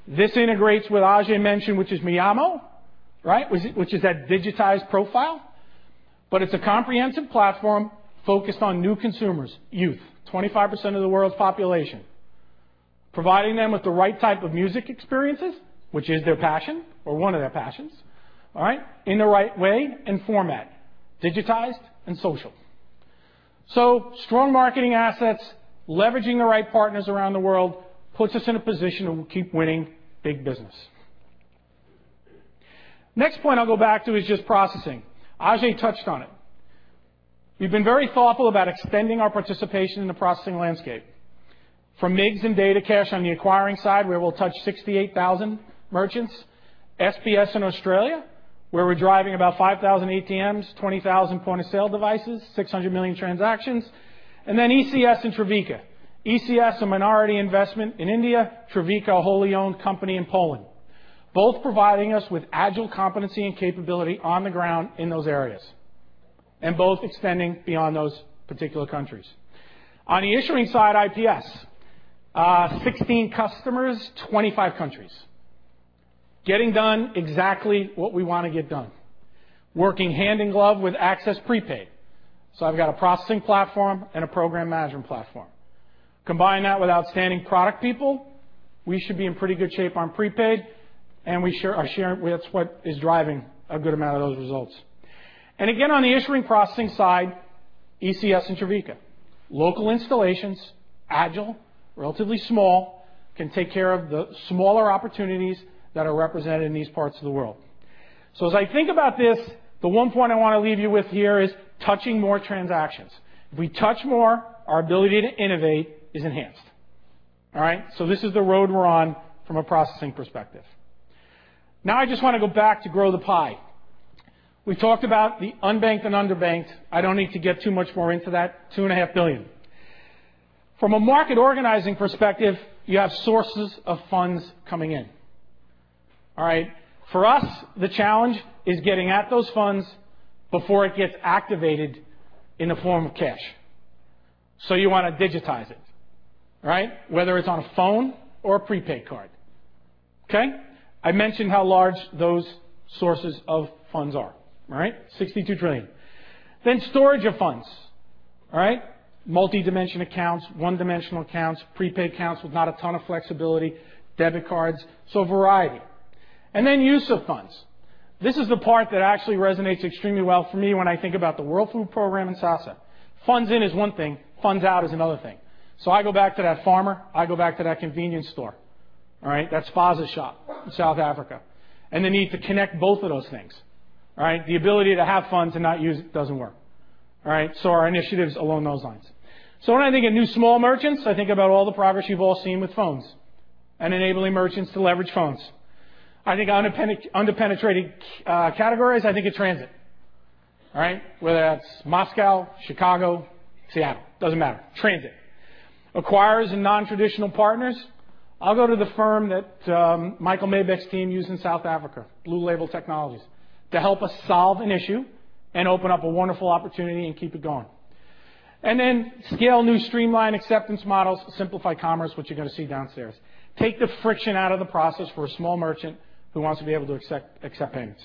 This integrates what Ajay mentioned, which is Myamo. Which is that digitized profile. It's a comprehensive platform focused on new consumers, youth, 25% of the world's population. Providing them with the right type of music experiences, which is their passion or one of their passions in the right way and format, digitized and social. Strong marketing assets, leveraging the right partners around the world puts us in a position where we'll keep winning big business. Next point I'll go back to is just processing. Ajay touched on it. We've been very thoughtful about extending our participation in the processing landscape. From MIGS and DataCash on the acquiring side, where we'll touch 68,000 merchants, SBS in Australia, where we're driving about 5,000 ATMs, 20,000 point-of-sale devices, 600 million transactions, and then ECS and Trevica. ECS, a minority investment in India, Trevica, a wholly owned company in Poland, both providing us with agile competency and capability on the ground in those areas, both extending beyond those particular countries. On the issuing side, IPS. 16 customers, 25 countries. Getting done exactly what we want to get done. Working hand in glove with Access Prepaid. I've got a processing platform and a program management platform. Combine that with outstanding product people, we should be in pretty good shape on prepaid, and that's what is driving a good amount of those results. Again, on the issuing processing side, ECS and Trevica. Local installations, agile, relatively small, can take care of the smaller opportunities that are represented in these parts of the world. As I think about this, the one point I want to leave you with here is touching more transactions. If we touch more, our ability to innovate is enhanced. All right? This is the road we're on from a processing perspective. Now I just want to go back to grow the pie. We talked about the unbanked and underbanked. I don't need to get too much more into that, two and a half billion. From a market organizing perspective, you have sources of funds coming in. All right? For us, the challenge is getting at those funds before it gets activated in the form of cash. You want to digitize it. Whether it's on a phone or a prepaid card. Okay? I mentioned how large those sources of funds are. $62 trillion. Then storage of funds. Multi-dimension accounts, one-dimensional accounts, prepaid accounts with not a ton of flexibility, debit cards. A variety. Then use of funds. This is the part that actually resonates extremely well for me when I think about the World Food Programme and SASSA. Funds in is one thing, funds out is another thing. I go back to that farmer, I go back to that convenience store. All right? That's Flash Shop in South Africa, and the need to connect both of those things. All right? The ability to have funds and not use it doesn't work. All right? Our initiative's along those lines. When I think of new small merchants, I think about all the progress you've all seen with phones and enabling merchants to leverage phones. I think under-penetrated categories, I think of transit. All right? Whether that's Moscow, Chicago, Seattle, doesn't matter, transit. Acquirers and non-traditional partners, I'll go to the firm that Michael Miebach's team used in South Africa, Blue Label Telecoms, to help us solve an issue and open up a wonderful opportunity and keep it going. Then scale new streamlined acceptance models to Simplify Commerce, which you're going to see downstairs. Take the friction out of the process for a small merchant who wants to be able to accept payments.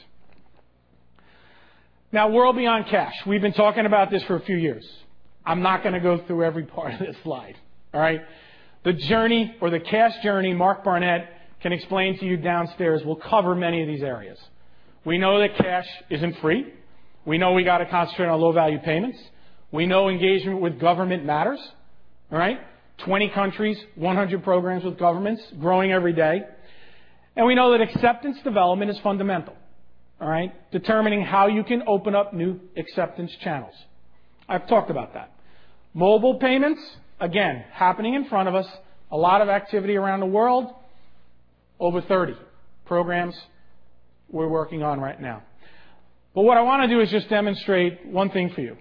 Now, world beyond cash. We've been talking about this for a few years. I'm not going to go through every part of this slide. All right? The journey or the cash journey Mark Barnett can explain to you downstairs will cover many of these areas. We know that cash isn't free. We know we got to concentrate on low-value payments. We know engagement with government matters. All right? 20 countries, 100 programs with governments growing every day, and we know that acceptance development is fundamental. All right? Determining how you can open up new acceptance channels. I've talked about that. Mobile payments, again, happening in front of us. A lot of activity around the world. Over 30 programs we're working on right now. What I want to do is just demonstrate one thing for you.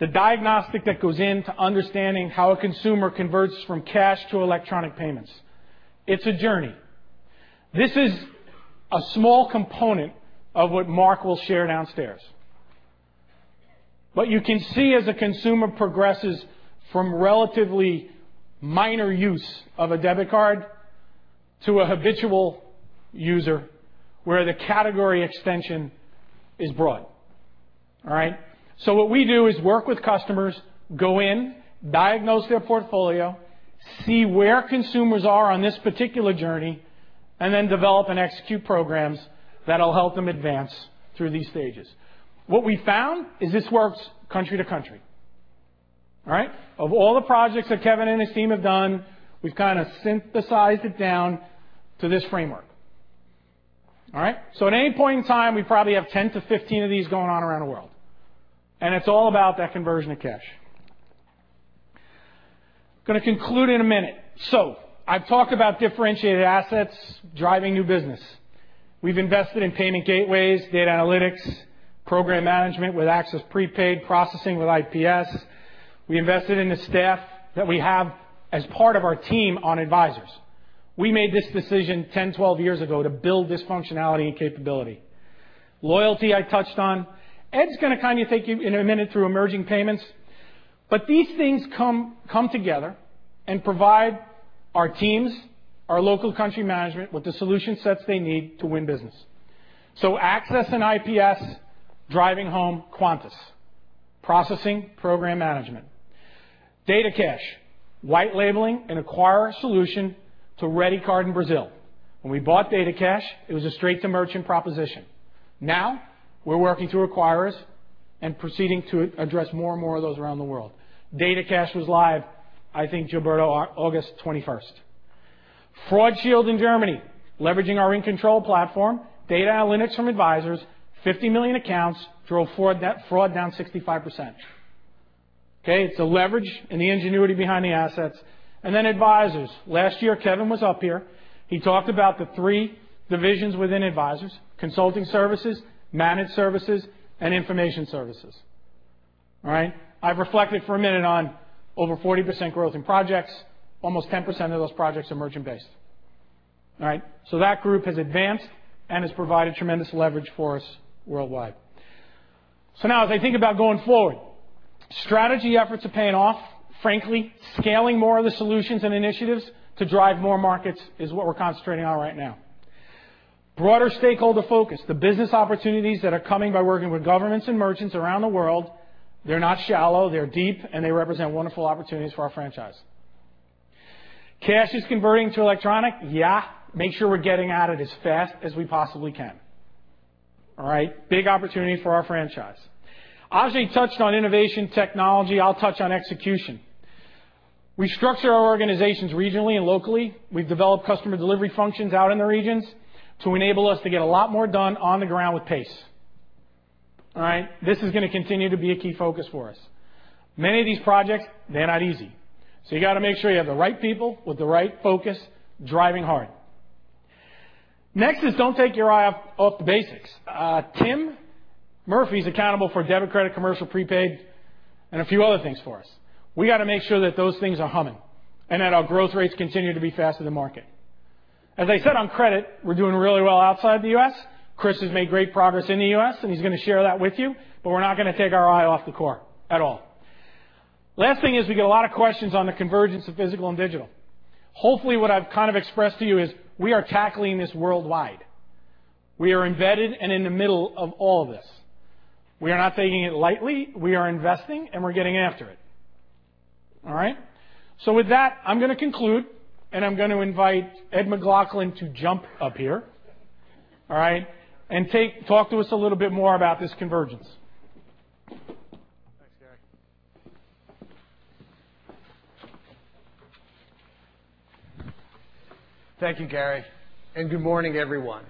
The diagnostic that goes into understanding how a consumer converts from cash to electronic payments. It's a journey. This is a small component of what Mark will share downstairs. But you can see as a consumer progresses from relatively minor use of a debit card to a habitual user, where the category extension is broad. All right? What we do is work with customers, go in, diagnose their portfolio, see where consumers are on this particular journey, and then develop and execute programs that will help them advance through these stages. What we found is this works country to country. All right? Of all the projects that Kevin and his team have done, we've kind of synthesized it down to this framework. All right? At any point in time, we probably have 10 to 15 of these going on around the world, and it's all about that conversion to cash. Going to conclude in a minute. I've talked about differentiated assets driving new business. We've invested in payment gateways, data analytics, program management with Access Prepaid, processing with IPS. We invested in the staff that we have as part of our team on Advisors. We made this decision 10, 12 years ago to build this functionality and capability. Loyalty, I touched on. Ed's going to kind of take you in a minute through emerging payments, but these things come together and provide our teams, our local country management with the solution sets they need to win business. Access and IPS driving home Qantas, processing, program management. DataCash, white labeling, and acquirer solution to Redecard in Brazil. When we bought DataCash, it was a straight-to-merchant proposition. Now we're working through acquirers and proceeding to address more and more of those around the world. DataCash was live, I think, Gilberto, August 21st. Fraud Shield in Germany, leveraging our In Control platform, data analytics from Advisors, 50 million accounts drove fraud down 65%. Okay? It's the leverage and the ingenuity behind the assets. And then Advisors. Last year, Kevin was up here. He talked about the three divisions within Advisors, consulting services, managed services, and information services. All right? I've reflected for a minute on over 40% growth in projects. Almost 10% of those projects are merchant-based. All right? So that group has advanced and has provided tremendous leverage for us worldwide. Now as I think about going forward, strategy efforts are paying off. Frankly, scaling more of the solutions and initiatives to drive more markets is what we're concentrating on right now. Broader stakeholder focus, the business opportunities that are coming by working with governments and merchants around the world, they're not shallow, they're deep, and they represent wonderful opportunities for our franchise. Cash is converting to electronic. Yeah. Make sure we're getting at it as fast as we possibly can. All right? Big opportunity for our franchise. Ajay touched on innovation technology. I'll touch on execution. We structure our organizations regionally and locally. We've developed customer delivery functions out in the regions to enable us to get a lot more done on the ground with pace. All right? This is gonna continue to be a key focus for us. Many of these projects, they're not easy. You got to make sure you have the right people with the right focus driving hard. Next is don't take your eye off the basics. Tim Murphy's accountable for debit, credit, commercial prepaid, and a few other things for us. We got to make sure that those things are humming and that our growth rates continue to be faster than market. As I said on credit, we're doing really well outside the U.S. Chris has made great progress in the U.S., and he's going to share that with you, but we're not going to take our eye off the core at all. Last thing is we get a lot of questions on the convergence of physical and digital. Hopefully, what I've kind of expressed to you is we are tackling this worldwide. We are embedded and in the middle of all this. We are not taking it lightly. We are investing, and we're getting after it. All right. With that, I'm going to conclude, and I'm going to invite Ed McLaughlin to jump up here. All right. Talk to us a little bit more about this convergence. Thanks, Gary. Thank you, Gary, and good morning, everyone.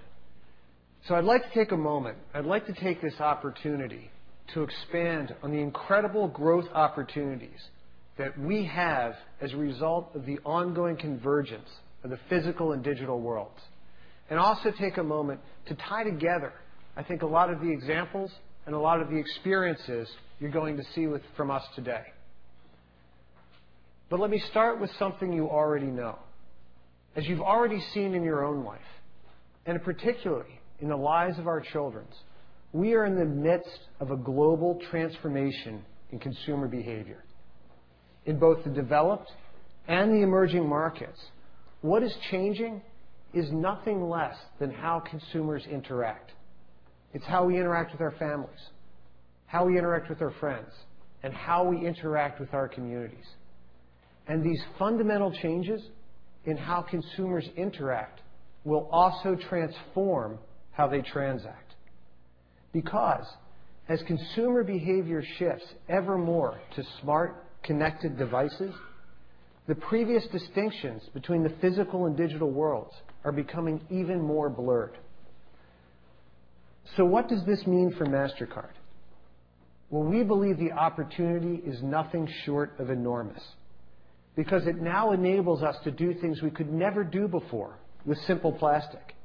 I'd like to take a moment, I'd like to take this opportunity to expand on the incredible growth opportunities that we have as a result of the ongoing convergence of the physical and digital worlds. Also take a moment to tie together, I think, a lot of the examples and a lot of the experiences you're going to see from us today. Let me start with something you already know. As you've already seen in your own life, and particularly in the lives of our children, we are in the midst of a global transformation in consumer behavior. In both the developed and the emerging markets, what is changing is nothing less than how consumers interact. It's how we interact with our families, how we interact with our friends, and how we interact with our communities. These fundamental changes in how consumers interact will also transform how they transact. Because as consumer behavior shifts ever more to smart connected devices, the previous distinctions between the physical and digital worlds are becoming even more blurred. What does this mean for Mastercard? Well, we believe the opportunity is nothing short of enormous because it now enables us to do things we could never do before with simple plastic.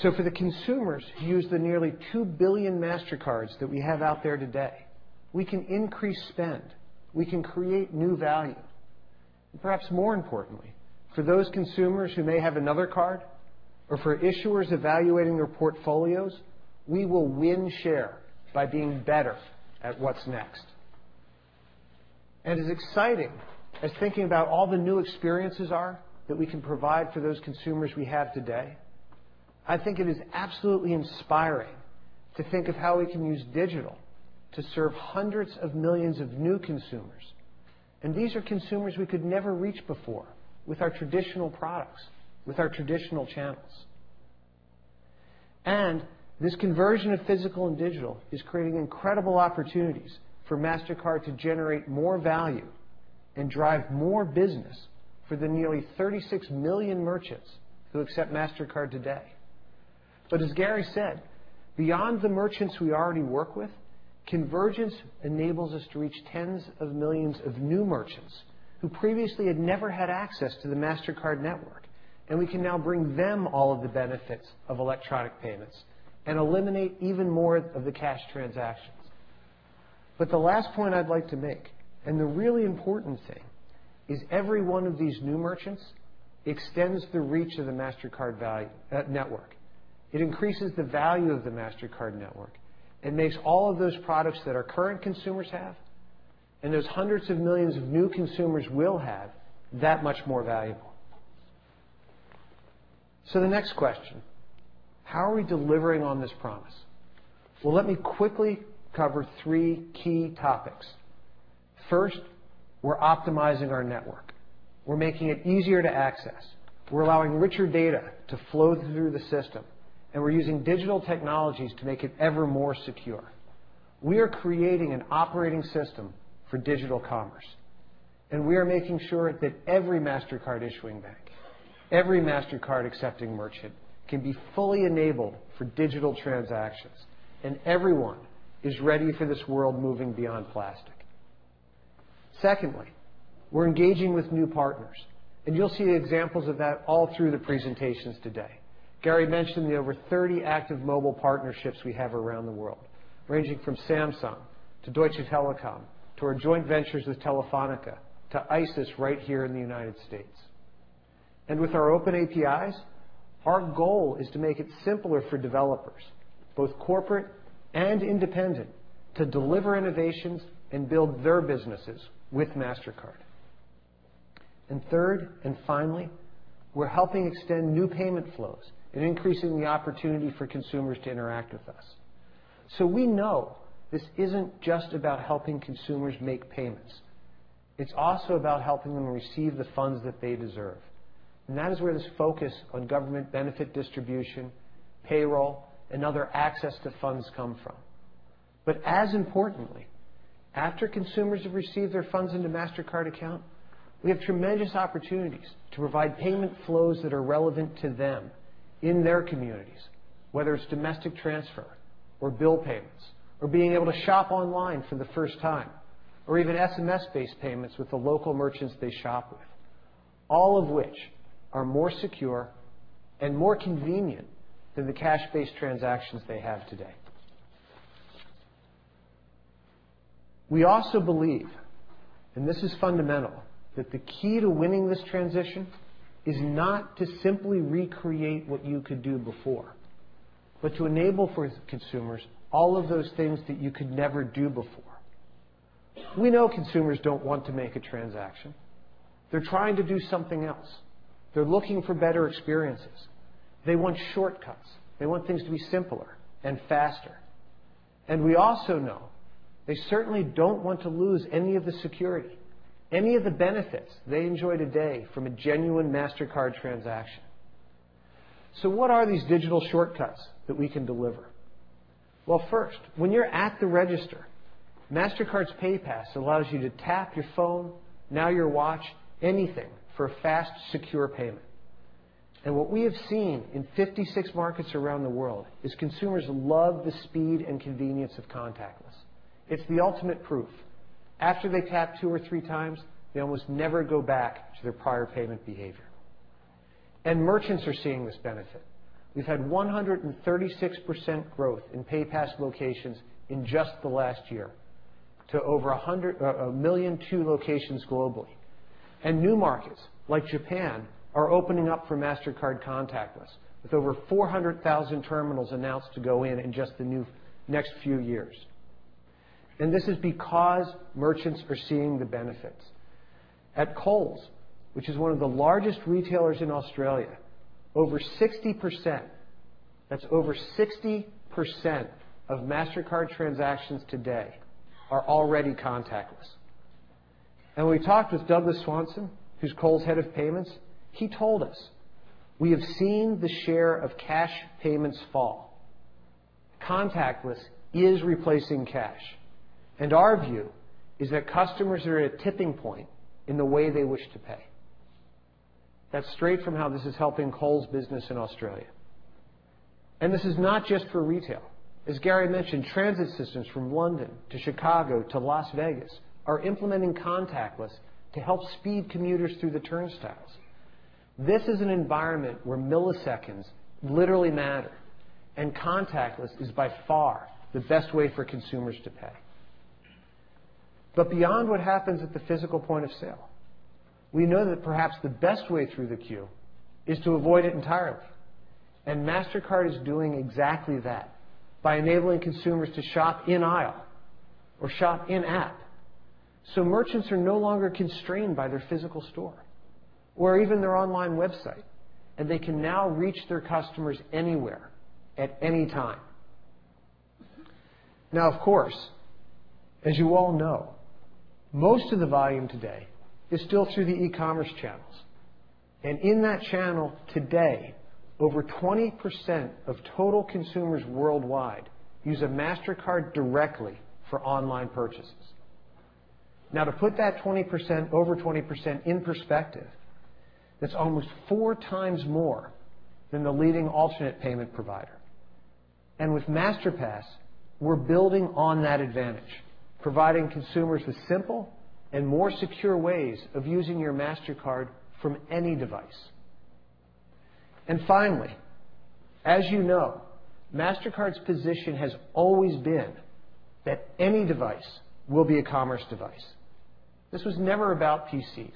For the consumers who use the nearly 2 billion Mastercards that we have out there today, we can increase spend. We can create new value. Perhaps more importantly, for those consumers who may have another card or for issuers evaluating their portfolios, we will win share by being better at what's next. As exciting as thinking about all the new experiences are that we can provide for those consumers we have today, I think it is absolutely inspiring to think of how we can use digital to serve hundreds of millions of new consumers. These are consumers we could never reach before with our traditional products, with our traditional channels. This conversion of physical and digital is creating incredible opportunities for Mastercard to generate more value and drive more business for the nearly 36 million merchants who accept Mastercard today. As Gary said, beyond the merchants we already work with, convergence enables us to reach tens of millions of new merchants who previously had never had access to the Mastercard network. We can now bring them all of the benefits of electronic payments and eliminate even more of the cash transactions. The last point I'd like to make, and the really important thing, is every one of these new merchants extends the reach of the Mastercard network. It increases the value of the Mastercard network and makes all of those products that our current consumers have and those hundreds of millions of new consumers will have that much more valuable. The next question: how are we delivering on this promise? Let me quickly cover three key topics. First, we're optimizing our network. We're making it easier to access. We're allowing richer data to flow through the system, and we're using digital technologies to make it ever more secure. We are creating an operating system for digital commerce, and we are making sure that every Mastercard issuing bank, every Mastercard accepting merchant, can be fully enabled for digital transactions. Everyone is ready for this world moving beyond plastic. Secondly, we're engaging with new partners, and you'll see examples of that all through the presentations today. Gary mentioned the over 30 active mobile partnerships we have around the world, ranging from Samsung to Deutsche Telekom, to our joint ventures with Telefónica, to ISIS right here in the United States. With our open APIs, our goal is to make it simpler for developers, both corporate and independent, to deliver innovations and build their businesses with Mastercard. Third and finally, we're helping extend new payment flows and increasing the opportunity for consumers to interact with us. We know this isn't just about helping consumers make payments. It's also about helping them receive the funds that they deserve. That is where this focus on government benefit distribution, payroll, and other access to funds come from. As importantly, after consumers have received their funds into Mastercard account, we have tremendous opportunities to provide payment flows that are relevant to them in their communities, whether it's domestic transfer or bill payments or being able to shop online for the first time or even SMS-based payments with the local merchants they shop with, all of which are more secure and more convenient than the cash-based transactions they have today. We also believe, and this is fundamental, that the key to winning this transition is not to simply recreate what you could do before, but to enable for consumers all of those things that you could never do before. We know consumers don't want to make a transaction. They're trying to do something else. They're looking for better experiences. They want shortcuts. They want things to be simpler and faster. We also know they certainly don't want to lose any of the security, any of the benefits they enjoy today from a genuine Mastercard transaction. What are these digital shortcuts that we can deliver? First, when you're at the register, Mastercard's PayPass allows you to tap your phone, now your watch, anything for a fast, secure payment. What we have seen in 56 markets around the world is consumers love the speed and convenience of contactless. It's the ultimate proof. After they tap two or three times, they almost never go back to their prior payment behavior. Merchants are seeing this benefit. We've had 136% growth in PayPass locations in just the last year to over 1.2 million locations globally. New markets like Japan are opening up for Mastercard contactless, with over 400,000 terminals announced to go in in just the next few years. This is because merchants are seeing the benefits. At Coles, which is one of the largest retailers in Australia, over 60%, that's over 60%, of Mastercard transactions today are already contactless. When we talked with Douglas Swanson, who's Coles' head of payments, he told us, "We have seen the share of cash payments fall. Contactless is replacing cash. Our view is that customers are at a tipping point in the way they wish to pay." That's straight from how this is helping Coles' business in Australia. This is not just for retail. As Gary mentioned, transit systems from London to Chicago to Las Vegas are implementing contactless to help speed commuters through the turnstiles. This is an environment where milliseconds literally matter, contactless is by far the best way for consumers to pay. Beyond what happens at the physical point of sale, we know that perhaps the best way through the queue is to avoid it entirely. Mastercard is doing exactly that by enabling consumers to shop in-aisle or shop in-app. Merchants are no longer constrained by their physical store or even their online website, and they can now reach their customers anywhere at any time. Of course, as you all know, most of the volume today is still through the e-commerce channels. In that channel today, over 20% of total consumers worldwide use a Mastercard directly for online purchases. To put that over 20% in perspective, that's almost 4 times more than the leading alternate payment provider. With Masterpass, we're building on that advantage, providing consumers with simple and more secure ways of using your Mastercard from any device. Finally, as you know, Mastercard's position has always been that any device will be a commerce device. This was never about PCs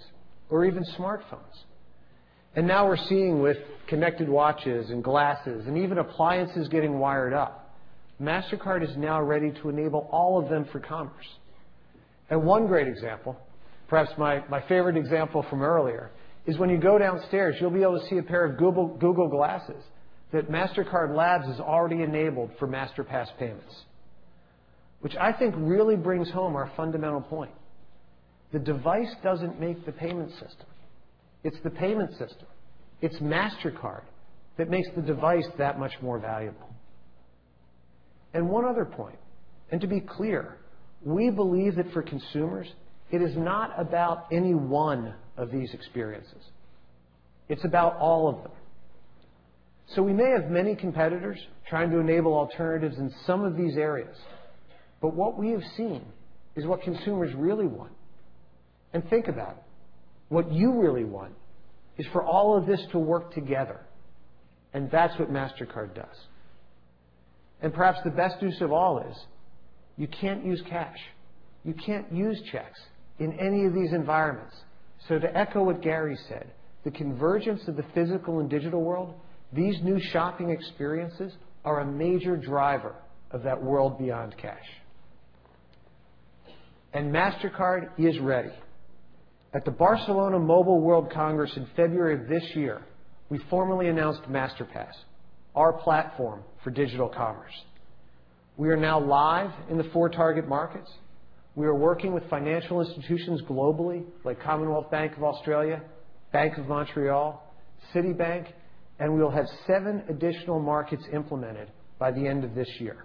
or even smartphones. Now we're seeing with connected watches and glasses and even appliances getting wired up. Mastercard is now ready to enable all of them for commerce. One great example, perhaps my favorite example from earlier, is when you go downstairs, you'll be able to see a pair of Google Glass that Mastercard Labs has already enabled for Masterpass payments. Which I think really brings home our fundamental point. The device doesn't make the payment system. It's the payment system. It's Mastercard that makes the device that much more valuable. One other point, to be clear, we believe that for consumers, it is not about any one of these experiences. It's about all of them. We may have many competitors trying to enable alternatives in some of these areas, what we have seen is what consumers really want. Think about it. What you really want is for all of this to work together, that's what Mastercard does. Perhaps the best news of all is you can't use cash. You can't use checks in any of these environments. To echo what Gary said, the convergence of the physical and digital world, these new shopping experiences are a major driver of that world beyond cash. Mastercard is ready. At the Barcelona Mobile World Congress in February of this year, we formally announced Masterpass, our platform for digital commerce. We are now live in the four target markets. We are working with financial institutions globally, like Commonwealth Bank of Australia, Bank of Montreal, Citibank, we will have seven additional markets implemented by the end of this year.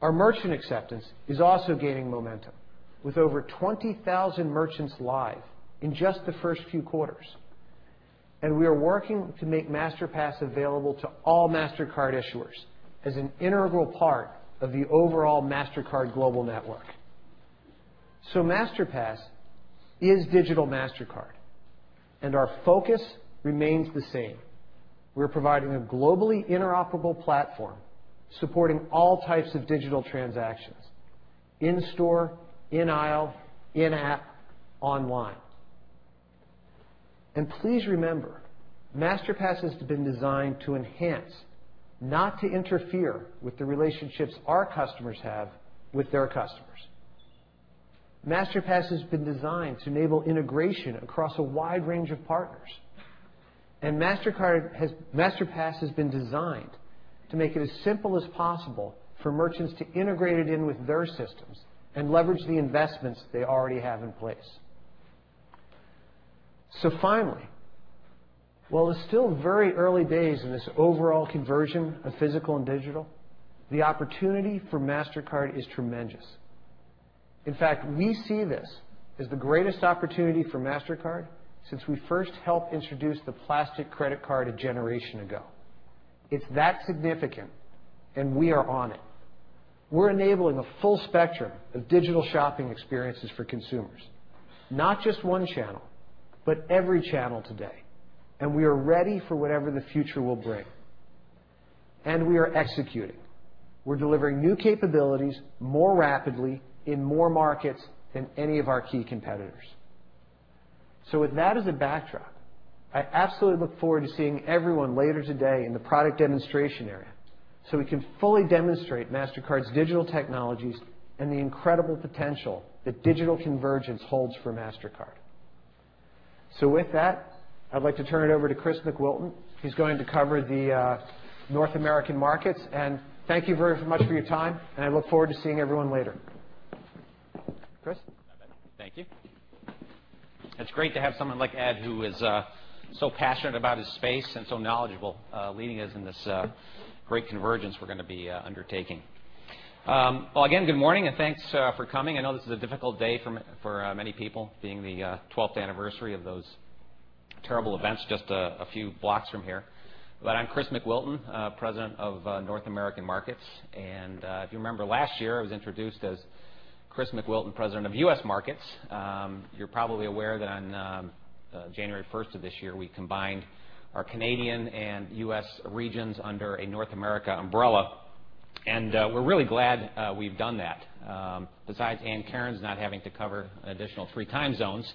Our merchant acceptance is also gaining momentum, with over 20,000 merchants live in just the first few quarters. We are working to make Masterpass available to all Mastercard issuers as an integral part of the overall Mastercard global network. Masterpass is digital Mastercard, our focus remains the same. We're providing a globally interoperable platform supporting all types of digital transactions in store, in aisle, in app, online. Please remember, Masterpass has been designed to enhance, not to interfere with the relationships our customers have with their customers. Masterpass has been designed to enable integration across a wide range of partners. Masterpass has been designed to make it as simple as possible for merchants to integrate it in with their systems and leverage the investments they already have in place. Finally, while it's still very early days in this overall conversion of physical and digital, the opportunity for Mastercard is tremendous. In fact, we see this as the greatest opportunity for Mastercard since we first helped introduce the plastic credit card a generation ago. It's that significant, we are on it. We're enabling a full spectrum of digital shopping experiences for consumers. Not just one channel, every channel today, we are ready for whatever the future will bring. We are executing. We're delivering new capabilities more rapidly in more markets than any of our key competitors. With that as a backdrop, I absolutely look forward to seeing everyone later today in the product demonstration area we can fully demonstrate Mastercard's digital technologies and the incredible potential that digital convergence holds for Mastercard. With that, I'd like to turn it over to Chris McWilton, who's going to cover the North American markets. Thank you very much for your time, I look forward to seeing everyone later. Chris? Thank you. It's great to have someone like Ed who is so passionate about his space and so knowledgeable, leading us in this great convergence we're going to be undertaking. Good morning and thanks for coming. I know this is a difficult day for many people, being the 12th anniversary of those terrible events just a few blocks from here. I'm Chris McWilton, President of North American Markets. If you remember last year, I was introduced as Chris McWilton, President of U.S. Markets. You're probably aware that on January 1st of this year, we combined our Canadian and U.S. regions under a North America umbrella. We're really glad we've done that. Besides Ann Cairns's not having to cover an additional three time zones,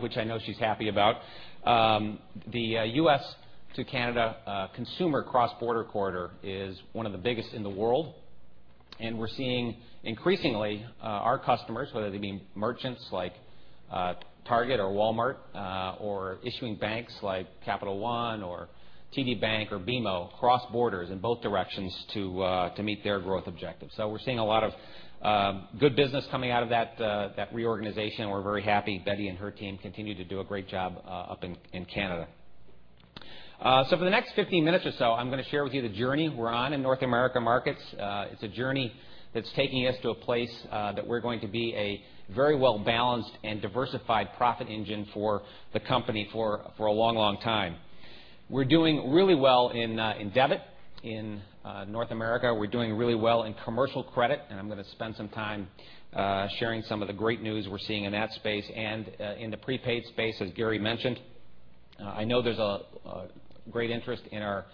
which I know she's happy about. The U.S. to Canada consumer cross-border corridor is one of the biggest in the world. We're seeing increasingly our customers, whether they be merchants like Target or Walmart or issuing banks like Capital One or TD Bank or BMO, cross borders in both directions to meet their growth objectives. We're seeing a lot of good business coming out of that reorganization. We're very happy Betty and her team continue to do a great job up in Canada. For the next 15 minutes or so, I'm going to share with you the journey we're on in North America Markets. It's a journey that's taking us to a place that we're going to be a very well-balanced and diversified profit engine for the company for a long time. We're doing really well in debit in North America. We're doing really well in commercial credit. I'm going to spend some time sharing some of the great news we're seeing in that space and in the prepaid space, as Gary mentioned. I know there's a great interest in our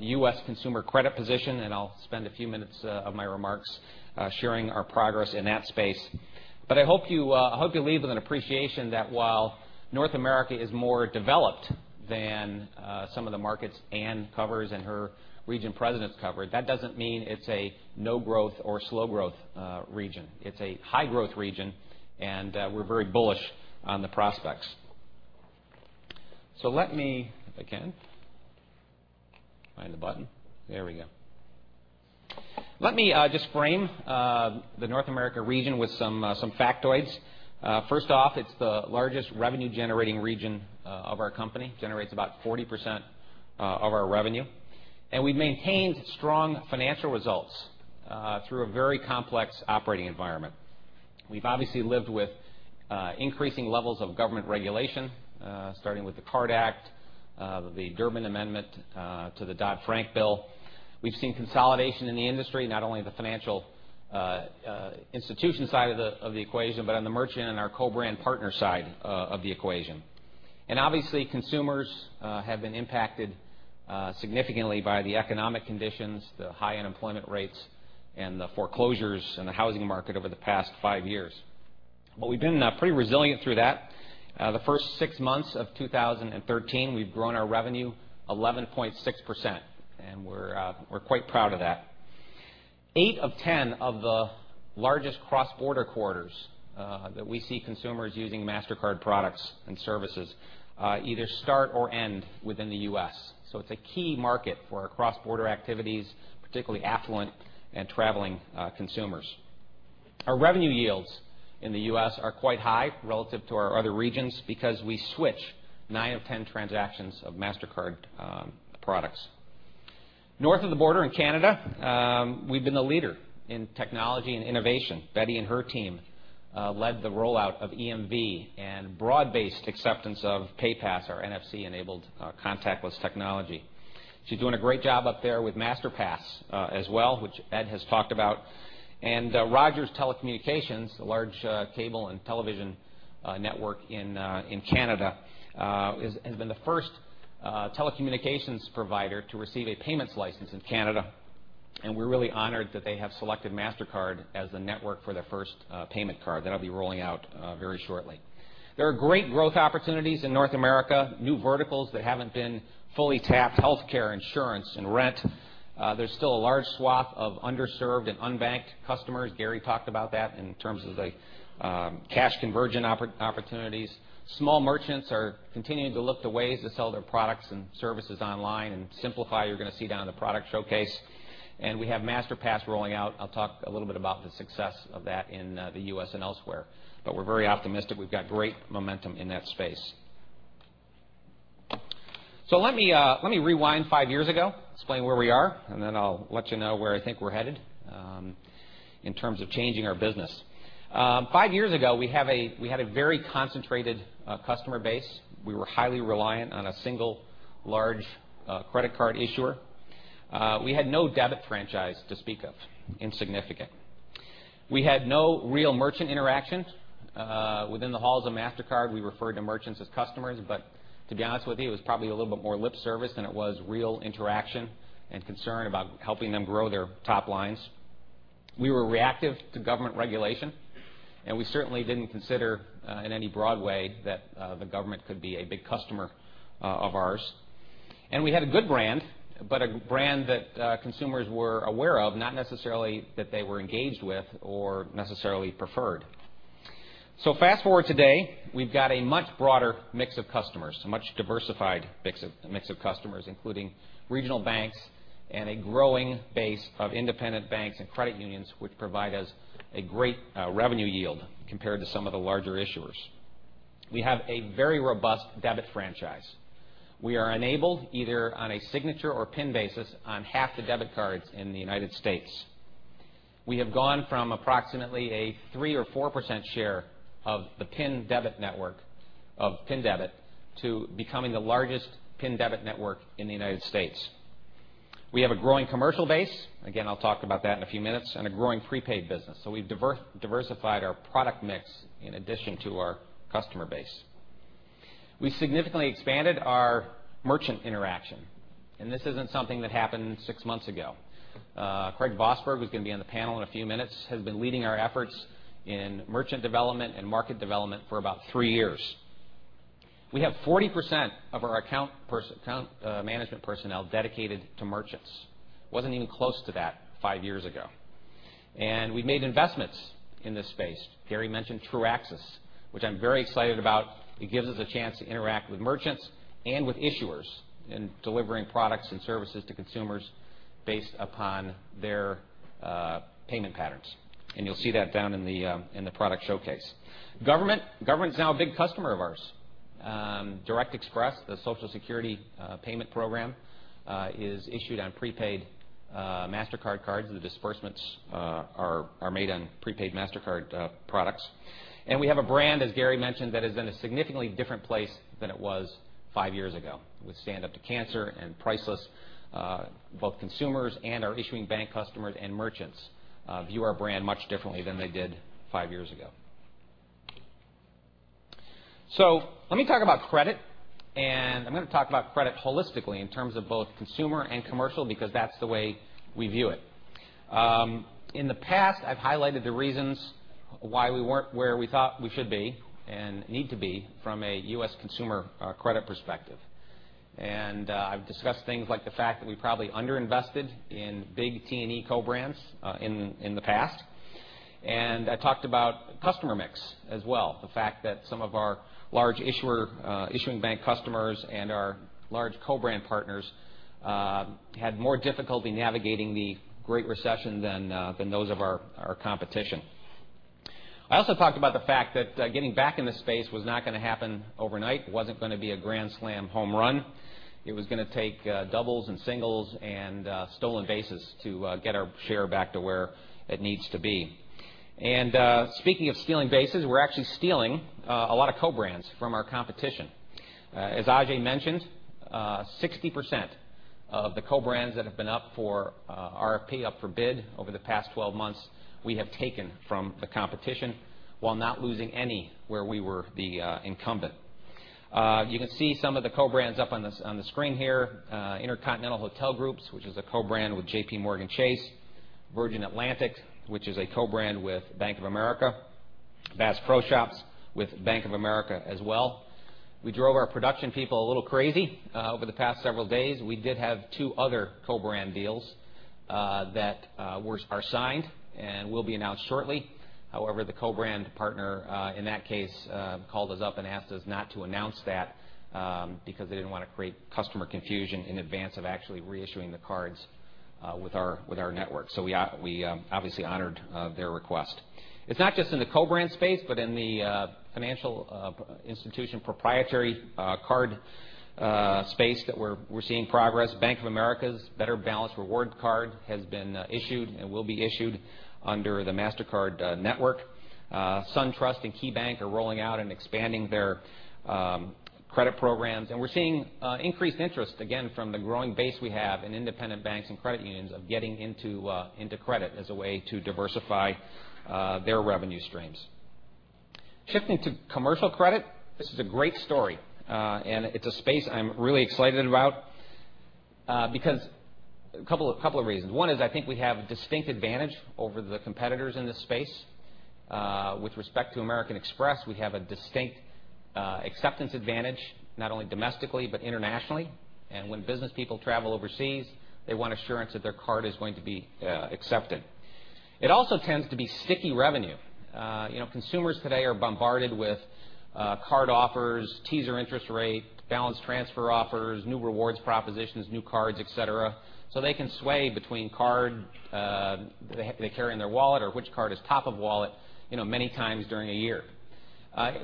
U.S. consumer credit position. I'll spend a few minutes of my remarks sharing our progress in that space. I hope you leave with an appreciation that while North America is more developed than some of the markets Ann covers and her region presidents cover, that doesn't mean it's a no-growth or slow-growth region. It's a high-growth region. We're very bullish on the prospects. Let me, if I can find the button. There we go. Let me just frame the North America region with some factoids. First off, it's the largest revenue-generating region of our company. Generates about 40% of our revenue. We've maintained strong financial results through a very complex operating environment. We've obviously lived with increasing levels of government regulation, starting with the Card Act, the Durbin amendment to the Dodd-Frank bill. We've seen consolidation in the industry, not only the financial institution side of the equation, but on the merchant and our co-brand partner side of the equation. Obviously, consumers have been impacted significantly by the economic conditions, the high unemployment rates, and the foreclosures in the housing market over the past five years. We've been pretty resilient through that. The first six months of 2013, we've grown our revenue 11.6%. We're quite proud of that. Eight of 10 of the largest cross-border corridors that we see consumers using Mastercard products and services either start or end within the U.S. It's a key market for our cross-border activities, particularly affluent and traveling consumers. Our revenue yields in the U.S. are quite high relative to our other regions because we switch nine of 10 transactions of Mastercard products. North of the border in Canada, we've been the leader in technology and innovation. Betty and her team led the rollout of EMV and broad-based acceptance of PayPass, our NFC-enabled contactless technology. She's doing a great job up there with Masterpass as well, which Ed has talked about. Rogers Communications, a large cable and television network in Canada, has been the first telecommunications provider to receive a payments license in Canada. We're really honored that they have selected Mastercard as the network for their first payment card. That'll be rolling out very shortly. There are great growth opportunities in North America, new verticals that haven't been fully tapped, healthcare, insurance, and rent. There's still a large swath of underserved and unbanked customers. Gary talked about that in terms of the cash conversion opportunities. Small merchants are continuing to look to ways to sell their products and services online. Simplify, you're going to see down in the product showcase. We have Masterpass rolling out. I'll talk a little bit about the success of that in the U.S. and elsewhere. We're very optimistic. We've got great momentum in that space. Let me rewind five years ago, explain where we are, then I'll let you know where I think we're headed in terms of changing our business. Five years ago, we had a very concentrated customer base. We were highly reliant on a single large credit card issuer. We had no debit franchise to speak of. Insignificant. We had no real merchant interaction. Within the halls of Mastercard, we referred to merchants as customers, but to be honest with you, it was probably a little bit more lip service than it was real interaction and concern about helping them grow their top lines. We were reactive to government regulation. We certainly didn't consider in any broad way that the government could be a big customer of ours. We had a good brand, but a brand that consumers were aware of, not necessarily that they were engaged with or necessarily preferred. Fast-forward today, we've got a much broader mix of customers, a much diversified mix of customers, including regional banks and a growing base of independent banks and credit unions, which provide us a great revenue yield compared to some of the larger issuers. We have a very robust debit franchise. We are enabled either on a signature or PIN basis on half the debit cards in the United States. We have gone from approximately a 3% or 4% share of the PIN debit network of PIN debit to becoming the largest PIN debit network in the United States. We have a growing commercial base, again, I'll talk about that in a few minutes, and a growing prepaid business. We've diversified our product mix in addition to our customer base. We significantly expanded our merchant interaction, and this isn't something that happened six months ago. Craig Vosburg, who's going to be on the panel in a few minutes, has been leading our efforts in merchant development and market development for about three years. We have 40% of our account management personnel dedicated to merchants. Wasn't even close to that five years ago. We made investments in this space. Gary mentioned Truaxis, which I'm very excited about. It gives us a chance to interact with merchants and with issuers in delivering products and services to consumers based upon their payment patterns. You'll see that down in the product showcase. Government is now a big customer of ours. Direct Express, the Social Security payment program, is issued on prepaid Mastercard cards, and disbursements are made on prepaid Mastercard products. We have a brand, as Gary mentioned, that is in a significantly different place than it was five years ago. With Stand Up To Cancer and Priceless, both consumers and our issuing bank customers and merchants view our brand much differently than they did five years ago. Let me talk about credit, and I'm going to talk about credit holistically in terms of both consumer and commercial, because that's the way we view it. In the past, I've highlighted the reasons why we weren't where we thought we should be and need to be from a U.S. consumer credit perspective. I've discussed things like the fact that we probably underinvested in big T&E co-brands in the past. I talked about customer mix as well. The fact that some of our large issuing bank customers and our large co-brand partners had more difficulty navigating the Great Recession than those of our competition. I also talked about the fact that getting back in the space was not going to happen overnight. It wasn't going to be a grand slam home run. It was going to take doubles and singles and stolen bases to get our share back to where it needs to be. Speaking of stealing bases, we're actually stealing a lot of co-brands from our competition. As Ajay mentioned, 60% of the co-brands that have been up for RFP, up for bid over the past 12 months, we have taken from the competition while not losing any where we were the incumbent. You can see some of the co-brands up on the screen here. InterContinental Hotels Group, which is a co-brand with JPMorgan Chase. Virgin Atlantic, which is a co-brand with Bank of America. Bass Pro Shops with Bank of America as well. We drove our production people a little crazy over the past several days. We did have two other co-brand deals that are signed and will be announced shortly. However, the co-brand partner in that case called us up and asked us not to announce that because they didn't want to create customer confusion in advance of actually reissuing the cards with our network. We obviously honored their request. It's not just in the co-brand space, but in the financial institution proprietary card space that we're seeing progress. Bank of America's Better Balance Rewards card has been issued and will be issued under the Mastercard network. SunTrust and KeyBank are rolling out and expanding their credit programs. We're seeing increased interest again from the growing base we have in independent banks and credit unions of getting into credit as a way to diversify their revenue streams. Shifting to commercial credit, this is a great story. It's a space I'm really excited about because a couple of reasons. One is, I think we have a distinct advantage over the competitors in this space. With respect to American Express, we have a distinct acceptance advantage, not only domestically but internationally. When business people travel overseas, they want assurance that their card is going to be accepted. It also tends to be sticky revenue. Consumers today are bombarded with card offers, teaser interest rate, balance transfer offers, new rewards propositions, new cards, et cetera, so they can sway between card they carry in their wallet or which card is top of wallet, many times during a year.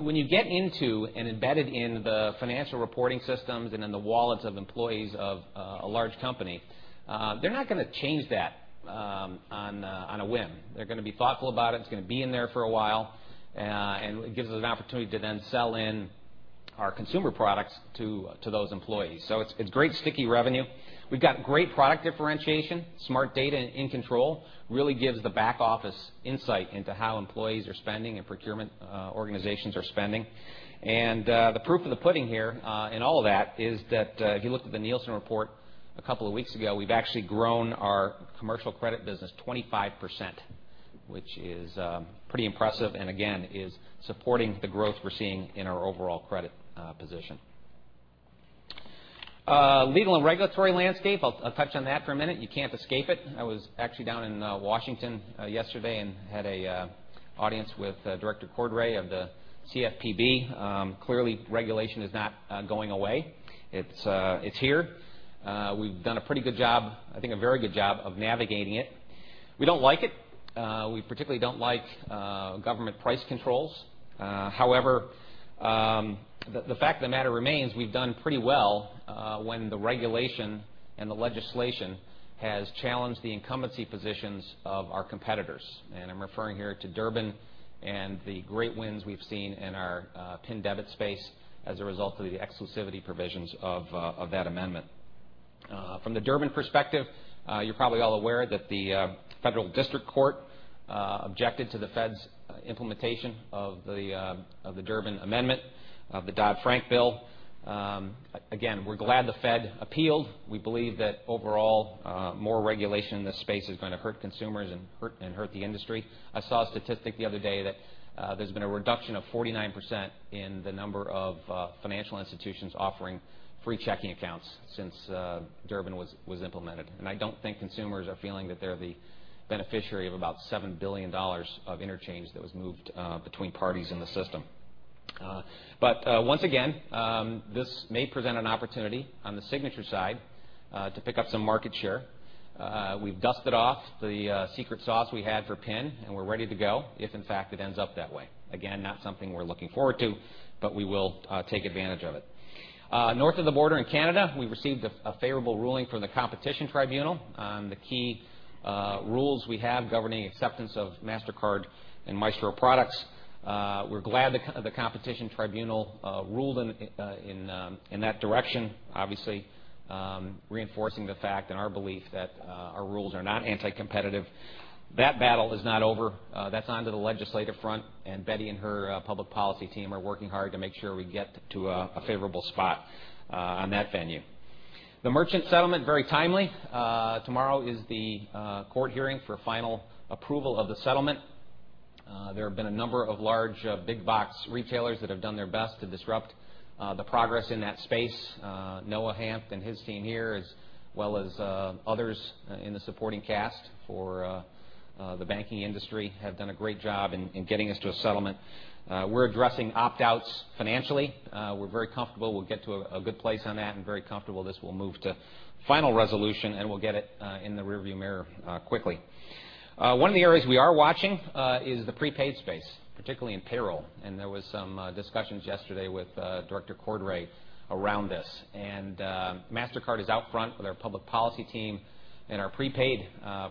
When you get into and embedded in the financial reporting systems and in the wallets of employees of a large company, they're not going to change that on a whim. They're going to be thoughtful about it. It's going to be in there for a while, it gives us an opportunity to then sell in our consumer products to those employees. It's great sticky revenue. We've got great product differentiation, Smart Data In Control, really gives the back-office insight into how employees are spending and procurement organizations are spending. The proof of the pudding here, in all of that is that, if you looked at the Nielsen report a couple of weeks ago, we've actually grown our commercial credit business 25%, which is pretty impressive, and again, is supporting the growth we're seeing in our overall credit position. Legal and regulatory landscape, I'll touch on that for a minute. You can't escape it. I was actually down in Washington yesterday and had an audience with Director Cordray of the CFPB. Clearly, regulation is not going away. It's here. We've done a pretty good job, I think a very good job of navigating it. We don't like it. We particularly don't like government price controls. However, the fact of the matter remains, we've done pretty well when the regulation and the legislation has challenged the incumbency positions of our competitors. I'm referring here to the Durbin Amendment and the great wins we've seen in our PIN debit space as a result of the exclusivity provisions of that amendment. From the Durbin Amendment perspective, you're probably all aware that the federal district court objected to the Fed's implementation of the Durbin Amendment of the Dodd-Frank bill. We're glad the Fed appealed. We believe that overall, more regulation in this space is going to hurt consumers and hurt the industry. I saw a statistic the other day that there's been a reduction of 49% in the number of financial institutions offering free checking accounts since the Durbin Amendment was implemented. I don't think consumers are feeling that they're the beneficiary of about $7 billion of interchange that was moved between parties in the system. Once again, this may present an opportunity on the signature side to pick up some market share. We've dusted off the secret sauce we had for PIN, we're ready to go, if in fact it ends up that way. Not something we're looking forward to, but we will take advantage of it. North of the border in Canada, we received a favorable ruling from the Competition Tribunal on the key rules we have governing acceptance of Mastercard and Maestro products. We're glad the Competition Tribunal ruled in that direction, obviously, reinforcing the fact and our belief that our rules are not anti-competitive. That battle is not over. That's on to the legislative front, Betty and her public policy team are working hard to make sure we get to a favorable spot on that venue. The merchant settlement, very timely. Tomorrow is the court hearing for final approval of the settlement. There have been a number of large big box retailers that have done their best to disrupt the progress in that space. Noah Hanft and his team here, as well as others in the supporting cast for the banking industry, have done a great job in getting us to a settlement. We're addressing opt-outs financially. We're very comfortable we'll get to a good place on that and very comfortable this will move to final resolution, and we'll get it in the rearview mirror quickly. One of the areas we are watching is the prepaid space, particularly in payroll, and there was some discussions yesterday with Director Cordray around this. Mastercard is out front with our public policy team and our prepaid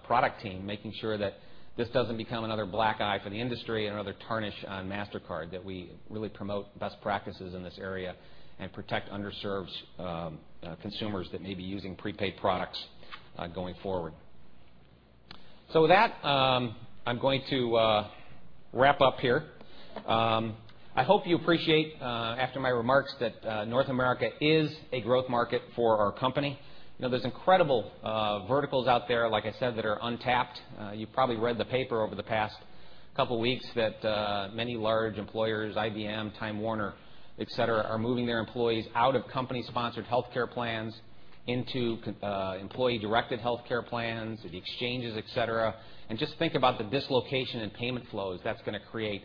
product team, making sure that this doesn't become another black eye for the industry and another tarnish on Mastercard, that we really promote best practices in this area and protect underserved consumers that may be using prepaid products going forward. With that, I'm going to wrap up here. I hope you appreciate, after my remarks, that North America is a growth market for our company. There's incredible verticals out there, like I said, that are untapped. You probably read the paper over the past couple of weeks that many large employers, IBM, Time Warner, et cetera, are moving their employees out of company-sponsored healthcare plans into employee-directed healthcare plans or the exchanges, et cetera. Just think about the dislocation in payment flows that's going to create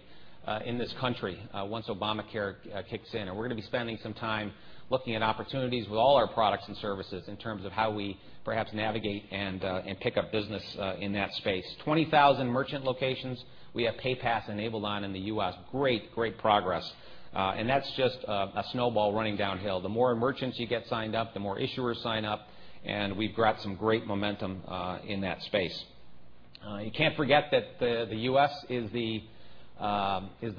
in this country once Obamacare kicks in. We're going to be spending some time looking at opportunities with all our products and services in terms of how we perhaps navigate and pick up business in that space. 20,000 merchant locations we have Masterpass enabled on in the U.S. Great progress. That's just a snowball running downhill. The more merchants you get signed up, the more issuers sign up, and we've got some great momentum in that space. You can't forget that the U.S. is the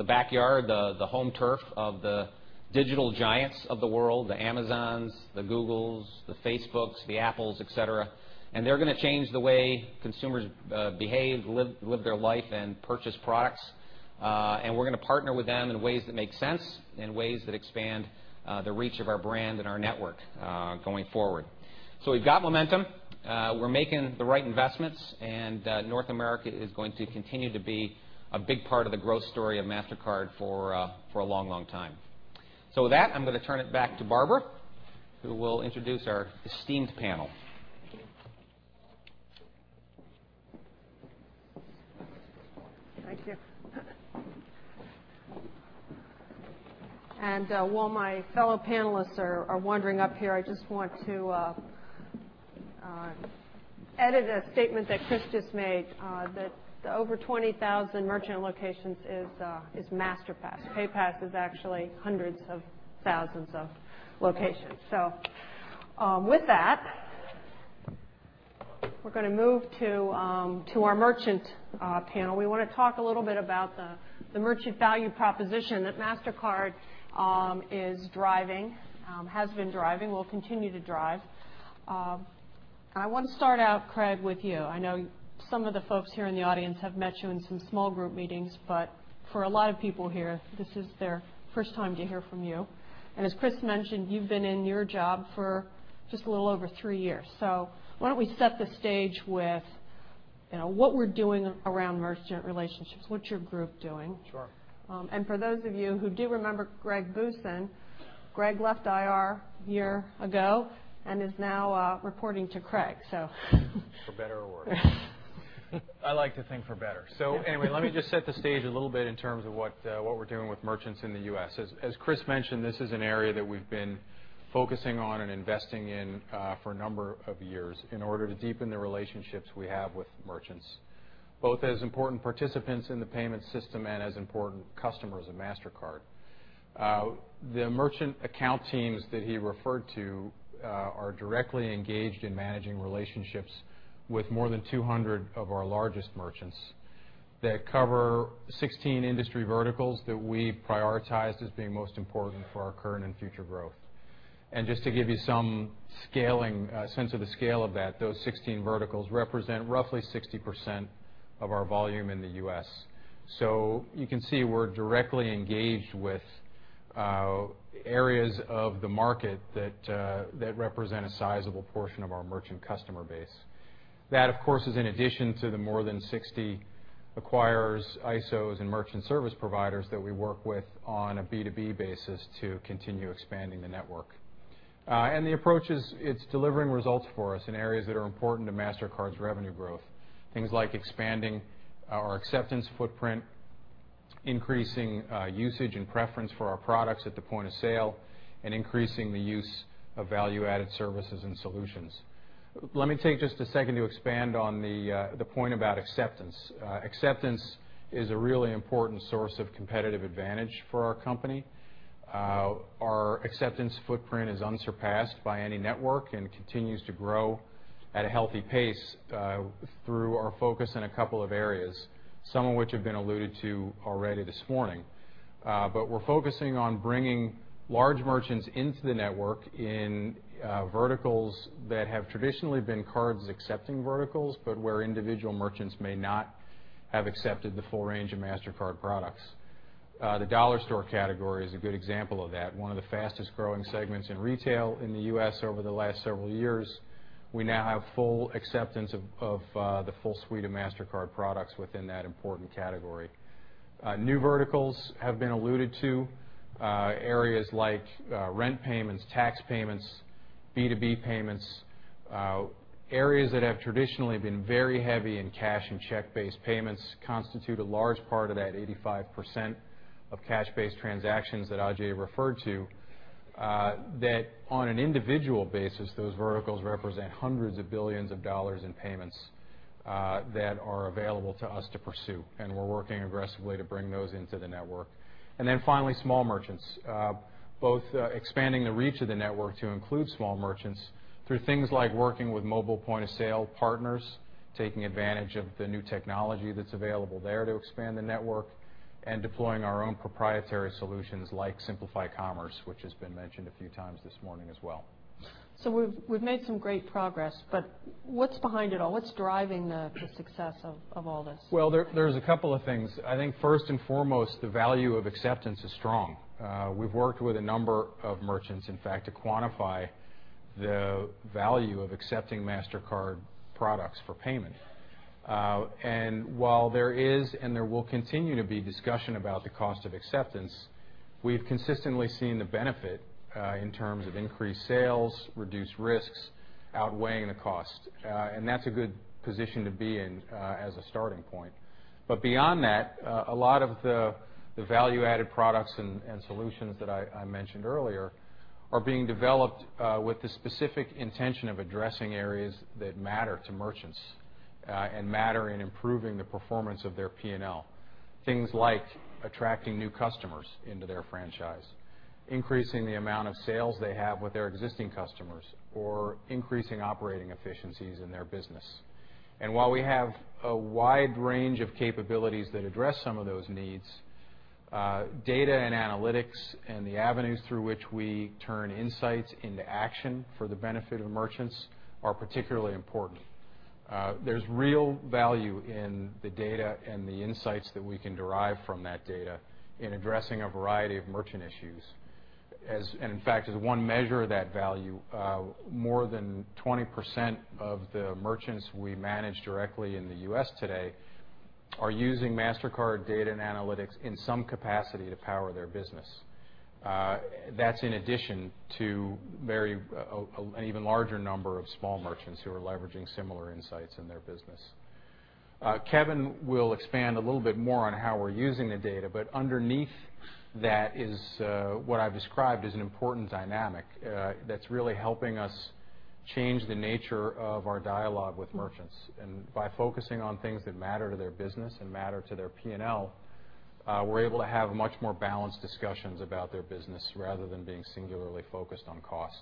backyard, the home turf of the digital giants of the world, the Amazons, the Googles, the Facebooks, the Apples, et cetera, and they're going to change the way consumers behave, live their life, and purchase products. We're going to partner with them in ways that make sense, in ways that expand the reach of our brand and our network going forward. We've got momentum. We're making the right investments, and North America is going to continue to be a big part of the growth story of Mastercard for a long time. With that, I'm going to turn it back to Barbara, who will introduce our esteemed panel. Thank you. While my fellow panelists are wandering up here, I just want to add a statement that Chris just made, that over 20,000 merchant locations is Masterpass. PayPass is actually hundreds of thousands of locations. With that, we're going to move to our merchant panel. We want to talk a little bit about the merchant value proposition that Mastercard is driving, has been driving, will continue to drive. I want to start out, Craig, with you. I know some of the folks here in the audience have met you in some small group meetings, but for a lot of people here, this is their first time to hear from you. As Chris mentioned, you've been in your job for just a little over 3 years. Why don't we set the stage with what we're doing around merchant relationships. What's your group doing? Sure. For those of you who do remember Greg Boosin, Greg left IR a year ago and is now reporting to Craig. For better or worse. I like to think for better. Anyway, let me just set the stage a little bit in terms of what we're doing with merchants in the U.S. As Chris mentioned, this is an area that we've been focusing on and investing in for a number of years in order to deepen the relationships we have with merchants, both as important participants in the payment system and as important customers of Mastercard. The merchant account teams that he referred to are directly engaged in managing relationships with more than 200 of our largest merchants that cover 16 industry verticals that we've prioritized as being most important for our current and future growth. Just to give you some sense of the scale of that, those 16 verticals represent roughly 60% of our volume in the U.S. You can see we're directly engaged with areas of the market that represent a sizable portion of our merchant customer base. That, of course, is in addition to the more than 60 acquirers, ISOs, and merchant service providers that we work with on a B2B basis to continue expanding the network. The approach is delivering results for us in areas that are important to Mastercard's revenue growth. Things like expanding our acceptance footprint, increasing usage and preference for our products at the point of sale, and increasing the use of value-added services and solutions. Let me take just a second to expand on the point about acceptance. Acceptance is a really important source of competitive advantage for our company. Our acceptance footprint is unsurpassed by any network and continues to grow at a healthy pace through our focus in a couple of areas, some of which have been alluded to already this morning. We're focusing on bringing large merchants into the network in verticals that have traditionally been card-accepting verticals, but where individual merchants may not have accepted the full range of Mastercard products. The dollar store category is a good example of that. One of the fastest-growing segments in retail in the U.S. over the last several years, we now have full acceptance of the full suite of Mastercard products within that important category. New verticals have been alluded to. Areas like rent payments, tax payments, B2B payments. Areas that have traditionally been very heavy in cash and check-based payments constitute a large part of that 85% of cash-based transactions that Ajay referred to, that on an individual basis, those verticals represent hundreds of billions of dollars in payments that are available to us to pursue. We're working aggressively to bring those into the network. Finally, small merchants. Both expanding the reach of the network to include small merchants through things like working with mobile point-of-sale partners, taking advantage of the new technology that's available there to expand the network, and deploying our own proprietary solutions like Simplify Commerce, which has been mentioned a few times this morning as well. We've made some great progress, what's behind it all? What's driving the success of all this? Well, there's a couple of things. I think first and foremost, the value of acceptance is strong. We've worked with a number of merchants, in fact, to quantify the value of accepting Mastercard products for payment. While there is and there will continue to be discussion about the cost of acceptance, we've consistently seen the benefit in terms of increased sales, reduced risks outweighing the cost. That's a good position to be in as a starting point. Beyond that, a lot of the value-added products and solutions that I mentioned earlier are being developed with the specific intention of addressing areas that matter to merchants and matter in improving the performance of their P&L. Things like attracting new customers into their franchise, increasing the amount of sales they have with their existing customers, or increasing operating efficiencies in their business. While we have a wide range of capabilities that address some of those needs. Data and analytics and the avenues through which we turn insights into action for the benefit of merchants are particularly important. There's real value in the data and the insights that we can derive from that data in addressing a variety of merchant issues. In fact, as one measure of that value, more than 20% of the merchants we manage directly in the U.S. today are using Mastercard data and analytics in some capacity to power their business. That's in addition to an even larger number of small merchants who are leveraging similar insights in their business. Kevin will expand a little bit more on how we're using the data, but underneath that is what I've described as an important dynamic that's really helping us change the nature of our dialogue with merchants. By focusing on things that matter to their business and matter to their P&L, we're able to have much more balanced discussions about their business rather than being singularly focused on cost.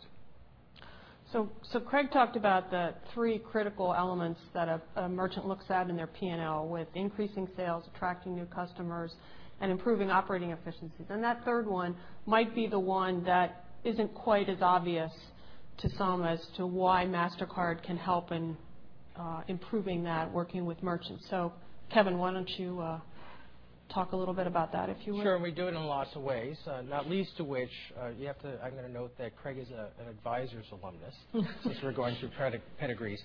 Craig talked about the three critical elements that a merchant looks at in their P&L with increasing sales, attracting new customers, and improving operating efficiencies. That third one might be the one that isn't quite as obvious to some as to why Mastercard can help in improving that working with merchants. Kevin, why don't you talk a little bit about that, if you would? Sure, we do it in lots of ways, not least of which, I'm going to note that Craig is an Advisors alumnus. Since we're going through pedigrees.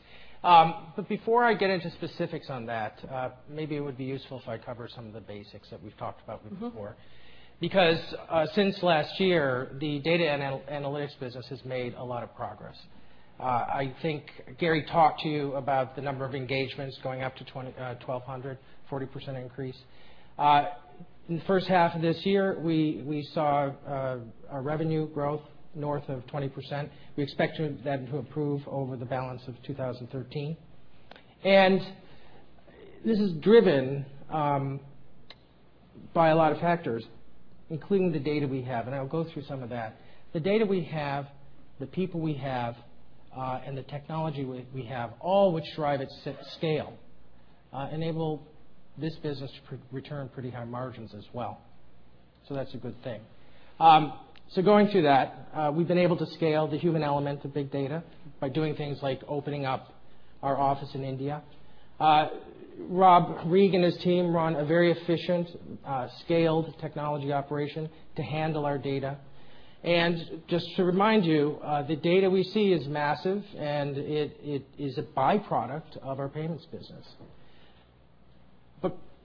Before I get into specifics on that, maybe it would be useful if I cover some of the basics that we've talked about before. Since last year, the data analytics business has made a lot of progress. Gary talked to you about the number of engagements going up to 1,200, a 40% increase. In the first half of this year, we saw a revenue growth north of 20%. We expect that to improve over the balance of 2013. This is driven by a lot of factors, including the data we have, I'll go through some of that. The data we have, the people we have, and the technology we have, all which drive at scale, enable this business to return pretty high margins as well. That's a good thing. Going through that, we've been able to scale the human element of big data by doing things like opening up our office in India. Rob Reeg and his team run a very efficient, scaled technology operation to handle our data. Just to remind you, the data we see is massive, and it is a by-product of our payments business.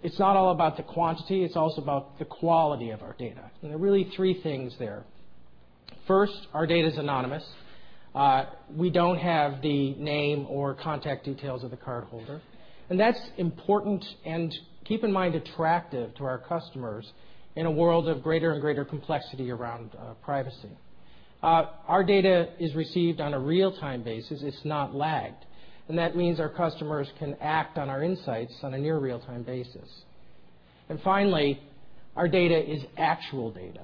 It's not all about the quantity, it's also about the quality of our data. There are really three things there. First, our data is anonymous. We don't have the name or contact details of the cardholder. That's important and, keep in mind, attractive to our customers in a world of greater and greater complexity around privacy. Our data is received on a real-time basis. It's not lagged. That means our customers can act on our insights on a near real-time basis. Finally, our data is actual data.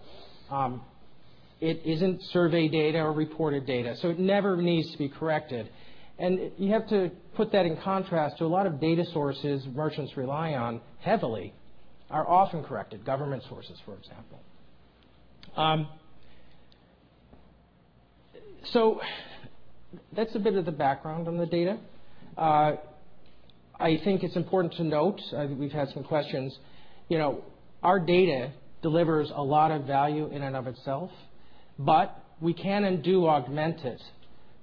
It isn't survey data or reported data, so it never needs to be corrected. You have to put that in contrast to a lot of data sources merchants rely on heavily are often corrected, government sources, for example. That's a bit of the background on the data. I think it's important to note, I think we've had some questions. Our data delivers a lot of value in and of itself, but we can and do augment it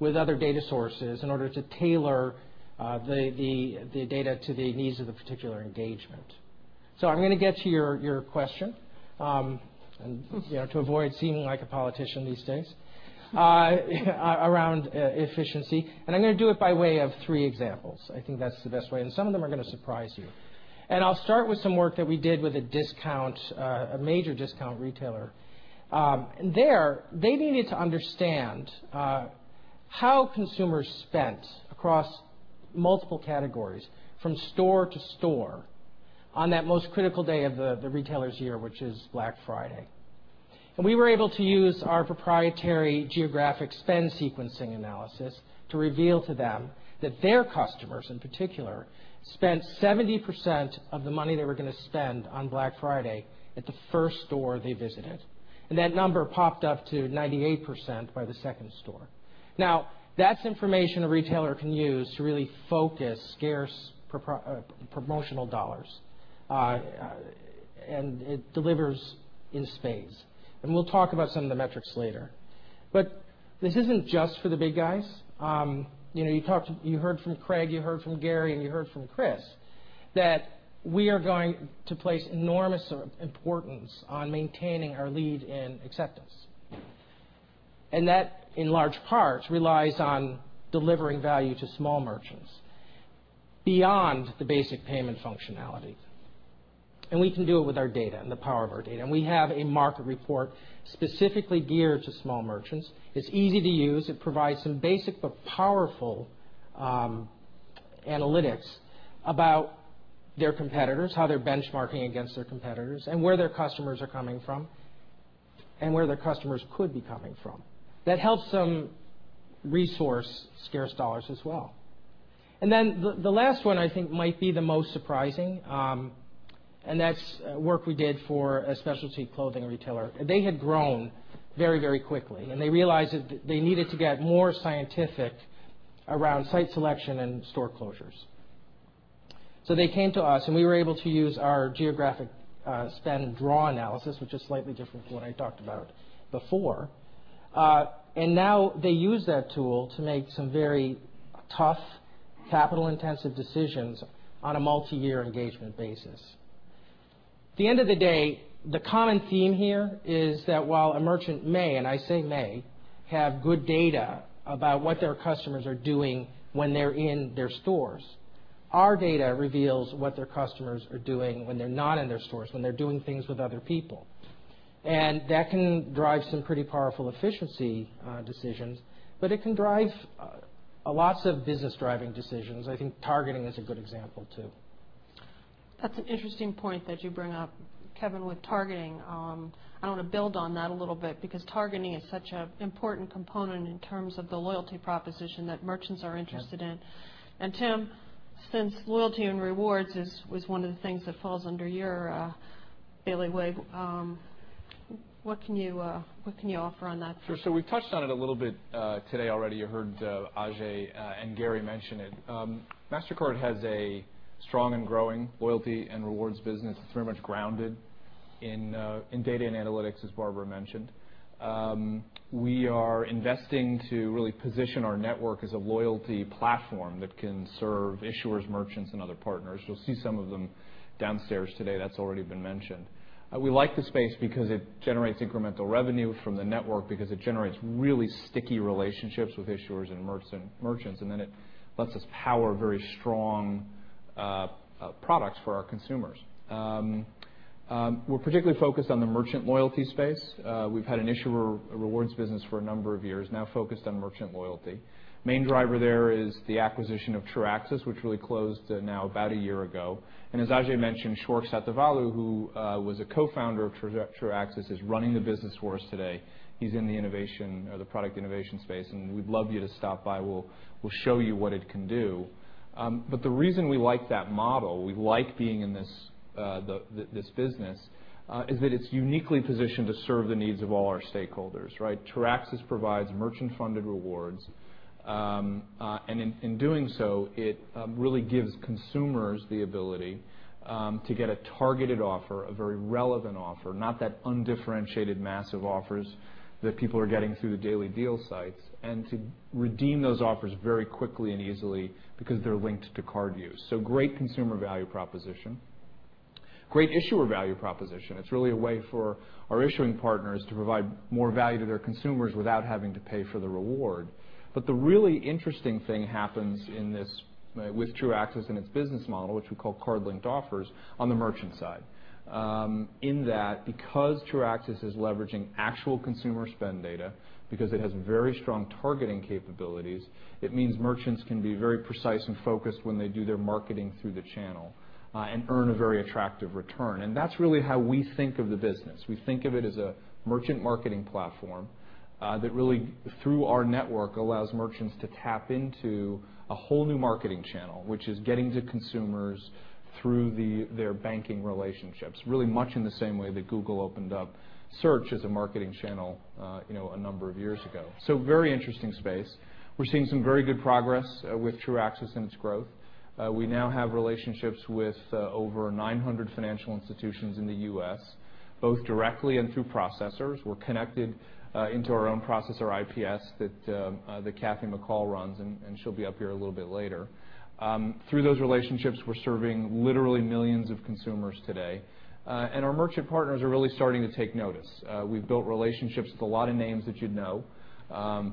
with other data sources in order to tailor the data to the needs of the particular engagement. I'm going to get to your question to avoid seeming like a politician these days around efficiency. I'm going to do it by way of three examples. I think that's the best way, some of them are going to surprise you. I'll start with some work that we did with a major discount retailer. There, they needed to understand how consumers spent across multiple categories from store to store on that most critical day of the retailer's year, which is Black Friday. We were able to use our proprietary geographic spend sequencing analysis to reveal to them that their customers, in particular, spent 70% of the money they were going to spend on Black Friday at the first store they visited. That number popped up to 98% by the second store. Now, that's information a retailer can use to really focus scarce promotional dollars. It delivers in spades. We'll talk about some of the metrics later. This isn't just for the big guys. You heard from Craig, you heard from Gary, and you heard from Chris that we are going to place enormous importance on maintaining our lead in acceptance. That, in large part, relies on delivering value to small merchants beyond the basic payment functionality. We can do it with our data and the power of our data. We have a market report specifically geared to small merchants. It's easy to use. It provides some basic but powerful analytics about their competitors, how they're benchmarking against their competitors, and where their customers are coming from, and where their customers could be coming from. That helps them resource scarce dollars as well. Then the last one I think might be the most surprising, and that's work we did for a specialty clothing retailer. They had grown very quickly, and they realized that they needed to get more scientific around site selection and store closures. They came to us, we were able to use our geographic spend and draw analysis, which is slightly different from what I talked about before. Now they use that tool to make some very tough capital-intensive decisions on a multi-year engagement basis. The end of the day, the common theme here is that while a merchant may, and I say may, have good data about what their customers are doing when they're in their stores, our data reveals what their customers are doing when they're not in their stores, when they're doing things with other people. That can drive some pretty powerful efficiency decisions, but it can drive lots of business-driving decisions. I think targeting is a good example too. That's an interesting point that you bring up, Kevin, with targeting. I want to build on that a little bit because targeting is such an important component in terms of the loyalty proposition that merchants are interested in. Yeah. Tim, since loyalty and rewards was one of the things that falls under your bailiwick, what can you offer on that? Sure. We've touched on it a little bit today already. You heard Ajay and Gary mention it. Mastercard has a strong and growing loyalty and rewards business. It's very much grounded in data and analytics, as Barbara mentioned. We are investing to really position our network as a loyalty platform that can serve issuers, merchants, and other partners. You'll see some of them downstairs today, that's already been mentioned. We like the space because it generates incremental revenue from the network, because it generates really sticky relationships with issuers and merchants, it lets us power very strong products for our consumers. We're particularly focused on the merchant loyalty space. We've had an issuer rewards business for a number of years, now focused on merchant loyalty. Main driver there is the acquisition of Truaxis, which really closed now about a year ago. As Ajay mentioned, Schwark Satyavolu who was a co-founder of Truaxis, is running the business for us today. He's in the product innovation space, we'd love you to stop by. We'll show you what it can do. The reason we like that model, we like being in this business is that it's uniquely positioned to serve the needs of all our stakeholders, right? Truaxis provides merchant-funded rewards. In doing so, it really gives consumers the ability to get a targeted offer, a very relevant offer, not that undifferentiated massive offers that people are getting through the daily deal sites, to redeem those offers very quickly and easily because they're linked to card use. Great consumer value proposition. Great issuer value proposition. It's really a way for our issuing partners to provide more value to their consumers without having to pay for the reward. The really interesting thing happens with Truaxis and its business model, which we call card-linked offers, on the merchant side. In that, because Truaxis is leveraging actual consumer spend data because it has very strong targeting capabilities, it means merchants can be very precise and focused when they do their marketing through the channel and earn a very attractive return. That's really how we think of the business. We think of it as a merchant marketing platform that really, through our network, allows merchants to tap into a whole new marketing channel, which is getting to consumers through their banking relationships, really much in the same way that Google opened up search as a marketing channel a number of years ago. Very interesting space. We're seeing some very good progress with Truaxis and its growth. We now have relationships with over 900 financial institutions in the U.S., both directly and through processors. We're connected into our own processor, IPS, that Kathy McCall runs, she'll be up here a little bit later. Through those relationships, we're serving literally millions of consumers today. Our merchant partners are really starting to take notice. We've built relationships with a lot of names that you'd know.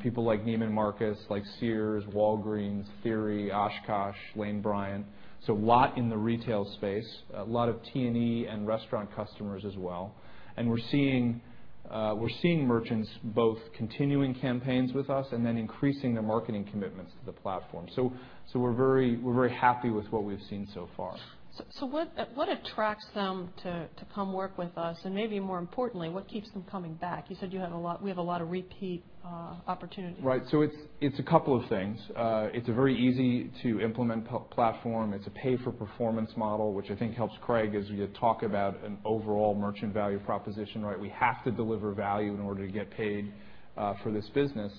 People like Neiman Marcus, like Sears, Walgreens, Theory, OshKosh B'gosh, Lane Bryant. A lot in the retail space, a lot of T&E and restaurant customers as well. We're seeing merchants both continuing campaigns with us increasing their marketing commitments to the platform. We're very happy with what we've seen so far. What attracts them to come work with us? Maybe more importantly, what keeps them coming back? You said we have a lot of repeat opportunities. Right. It's a couple of things. It's a very easy-to-implement platform. It's a pay-for-performance model, which I think helps Craig as you talk about an overall merchant value proposition, right? We have to deliver value in order to get paid for this business.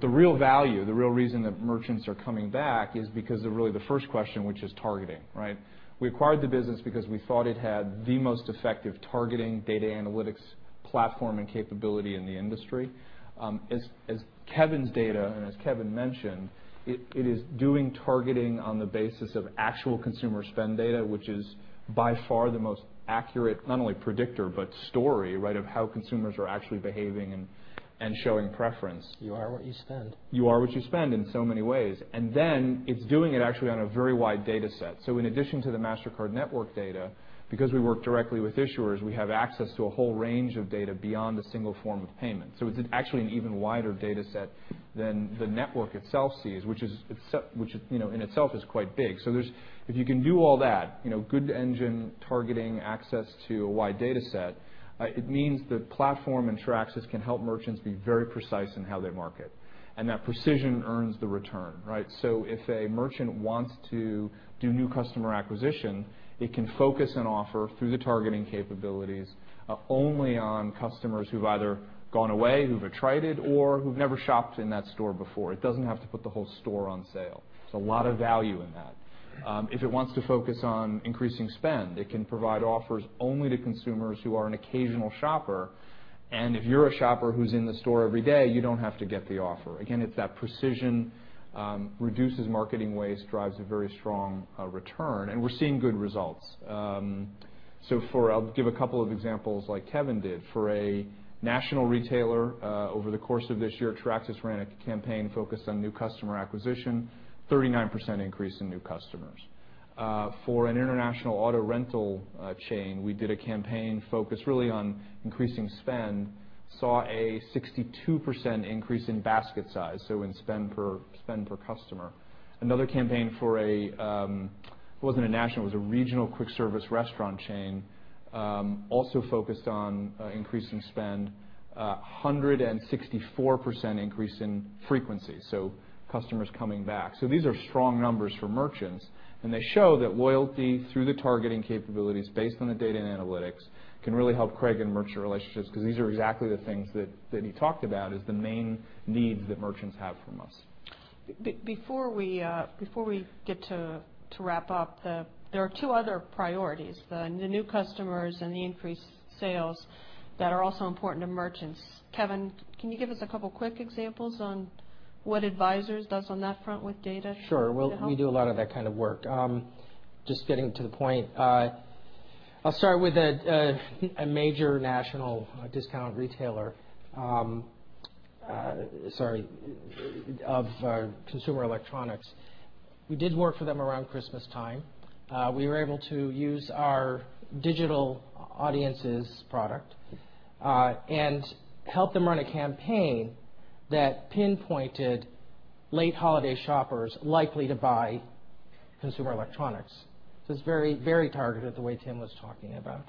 The real value, the real reason that merchants are coming back is because of really the first question, which is targeting, right? We acquired the business because we thought it had the most effective targeting data analytics platform and capability in the industry. As Kevin's data, as Kevin mentioned, it is doing targeting on the basis of actual consumer spend data, which is by far the most accurate, not only predictor, but story, right, of how consumers are actually behaving and showing preference. You are what you spend. You are what you spend in so many ways. It's doing it actually on a very wide data set. In addition to the Mastercard network data, because we work directly with issuers, we have access to a whole range of data beyond the single form of payment. It's actually an even wider data set than the network itself sees, which in itself is quite big. If you can do all that, good engine targeting access to a wide data set, it means the platform and Truaxis can help merchants be very precise in how they market. That precision earns the return, right? If a merchant wants to do new customer acquisition, it can focus an offer through the targeting capabilities only on customers who've either gone away, who've attrited, or who've never shopped in that store before. It doesn't have to put the whole store on sale. There's a lot of value in that. If it wants to focus on increasing spend, it can provide offers only to consumers who are an occasional shopper. If you're a shopper who's in the store every day, you don't have to get the offer. Again, it's that precision reduces marketing waste, drives a very strong return, and we're seeing good results. I'll give a couple of examples like Kevin did. For a national retailer, over the course of this year, Truaxis ran a campaign focused on new customer acquisition, 39% increase in new customers. For an international auto rental chain, we did a campaign focused really on increasing spend, saw a 62% increase in basket size, so in spend per customer. Another campaign for a regional quick-service restaurant chain, also focused on increasing spend, 164% increase in frequency, so customers coming back. These are strong numbers for merchants, and they show that loyalty through the targeting capabilities based on the data and analytics can really help Craig in merchant relationships because these are exactly the things that he talked about as the main needs that merchants have from us. Before we get to wrap up. There are two other priorities, the new customers and the increased sales that are also important to merchants. Kevin, can you give us a couple of quick examples on what Advisors does on that front with data to help? Well, we do a lot of that kind of work. Just getting to the point. I'll start with a major national discount retailer of consumer electronics. We did work for them around Christmas time. We were able to use our digital audiences product, and help them run a campaign that pinpointed late holiday shoppers likely to buy consumer electronics. It's very targeted the way Tim was talking about.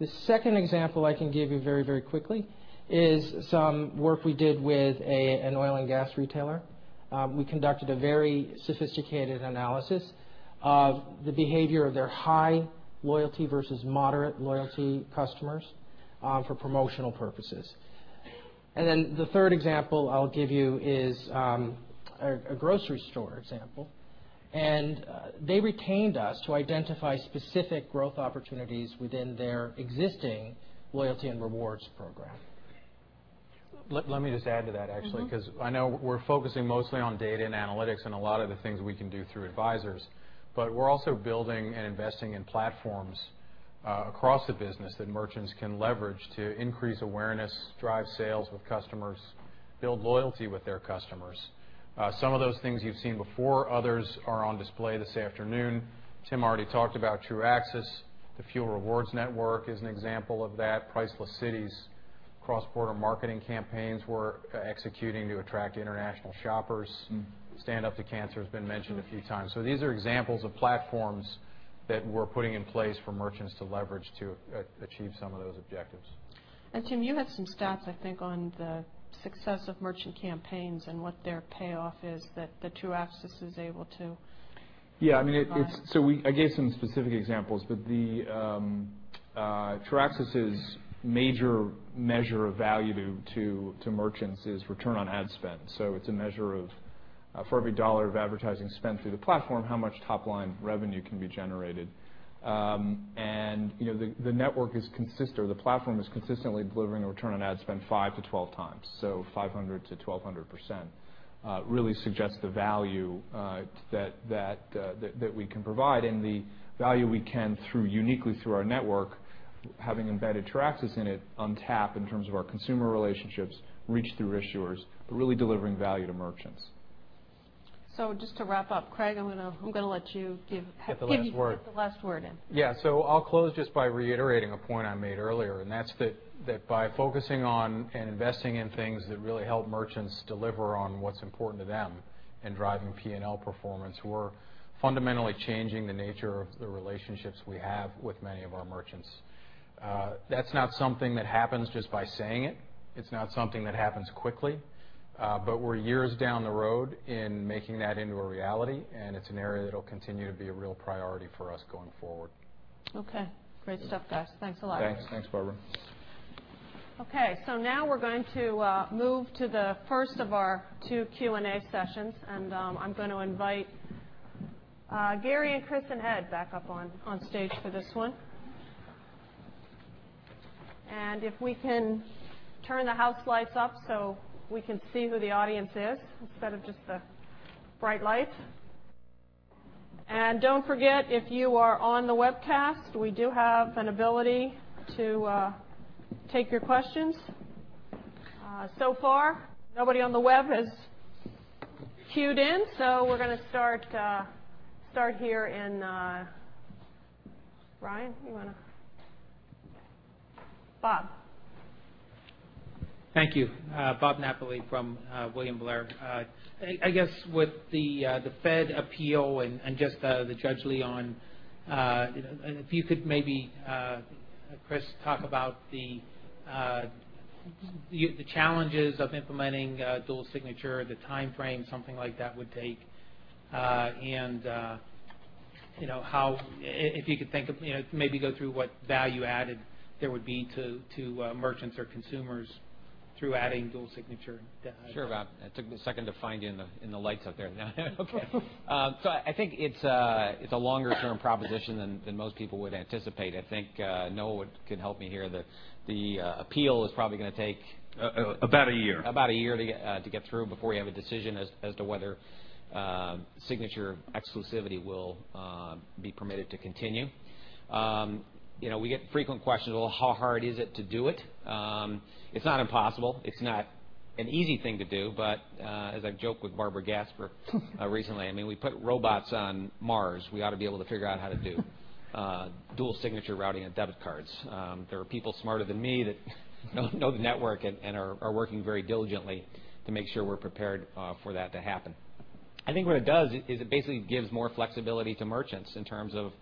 The second example I can give you very quickly is some work we did with an oil and gas retailer. We conducted a very sophisticated analysis of the behavior of their high loyalty versus moderate loyalty customers for promotional purposes. The third example I'll give you is, a grocery store example, and they retained us to identify specific growth opportunities within their existing loyalty and rewards program. Let me just add to that actually. I know we're focusing mostly on data and analytics and a lot of the things we can do through Advisors, but we're also building and investing in platforms across the business that merchants can leverage to increase awareness, drive sales with customers, build loyalty with their customers. Some of those things you've seen before, others are on display this afternoon. Tim already talked about Truaxis. The Fuel Rewards network is an example of that. Priceless Cities, cross-border marketing campaigns we're executing to attract international shoppers. Stand Up To Cancer has been mentioned a few times. These are examples of platforms that we're putting in place for merchants to leverage to achieve some of those objectives. Tim, you had some stats, I think, on the success of merchant campaigns and what their payoff is that the Truaxis is able to provide. I gave some specific examples, but the Truaxis' major measure of value to merchants is return on ad spend. It's a measure of for every $ of advertising spent through the platform, how much top-line revenue can be generated. The platform is consistently delivering a return on ad spend five to 12 times, so 500%-1,200%, really suggests the value that we can provide and the value we can uniquely through our network, having embedded Truaxis in it, untap in terms of our consumer relationships, reach through issuers, but really delivering value to merchants. Just to wrap up, Craig, I'm going to let you give. Get the last word. Get the last word in. Yeah. I'll close just by reiterating a point I made earlier, and that's that by focusing on and investing in things that really help merchants deliver on what's important to them and driving P&L performance, we're fundamentally changing the nature of the relationships we have with many of our merchants. That's not something that happens just by saying it. It's not something that happens quickly, but we're years down the road in making that into a reality, and it's an area that'll continue to be a real priority for us going forward. Okay. Great stuff, guys. Thanks a lot. Thanks. Thanks, Barbara. Okay. Now we're going to move to the first of our two Q&A sessions, and I'm going to invite Gary and Chris and Ed back up on stage for this one. If we can turn the house lights up so we can see who the audience is instead of just the bright lights. Don't forget, if you are on the webcast, we do have an ability to take your questions. So far nobody on the web has queued in, so we're going to start here in Brian, you want to? Bob. Thank you. Bob Napoli from William Blair. I guess with the Fed appeal and just Judge Leon, if you could maybe, Chris, talk about the challenges of implementing dual signature, the timeframe something like that would take, if you could think of maybe go through what value-added there would be to merchants or consumers through adding dual signature to that. Sure, Bob. It took me a second to find you in the lights up there. I think it's a longer-term proposition than most people would anticipate. I think Noah can help me here, that the appeal is probably going to take- About a year About a year to get through before we have a decision as to whether signature exclusivity will be permitted to continue. We get frequent questions, well, how hard is it to do it? It's not impossible. It's not an easy thing to do. As I joked with Barbara Gasper recently, we put robots on Mars. We ought to be able to figure out how to do dual signature routing and debit cards. There are people smarter than me that know the network and are working very diligently to make sure we're prepared for that to happen. I think what it does is it basically gives more flexibility to merchants in terms of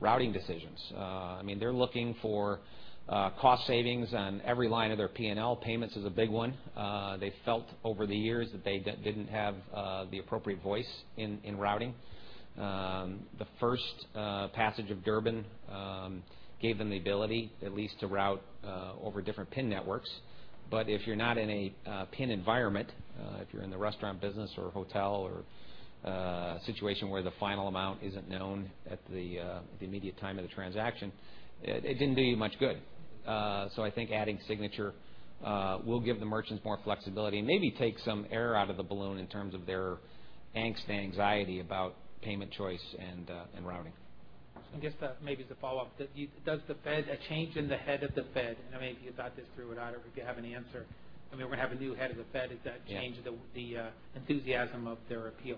routing decisions. They're looking for cost savings on every line of their P&L. Payments is a big one. They felt over the years that they didn't have the appropriate voice in routing. The first passage of Durbin gave them the ability at least to route over different PIN networks. If you're not in a PIN environment, if you're in the restaurant business or a hotel or a situation where the final amount isn't known at the immediate time of the transaction, it didn't do you much good. I think adding signature will give the merchants more flexibility and maybe take some air out of the balloon in terms of their angst and anxiety about payment choice and routing. I guess maybe as a follow-up. Does a change in the head of the Fed, and maybe you thought this through or not, or if you have an answer. We're going to have a new head of the Fed. Does that change the enthusiasm of their appeal?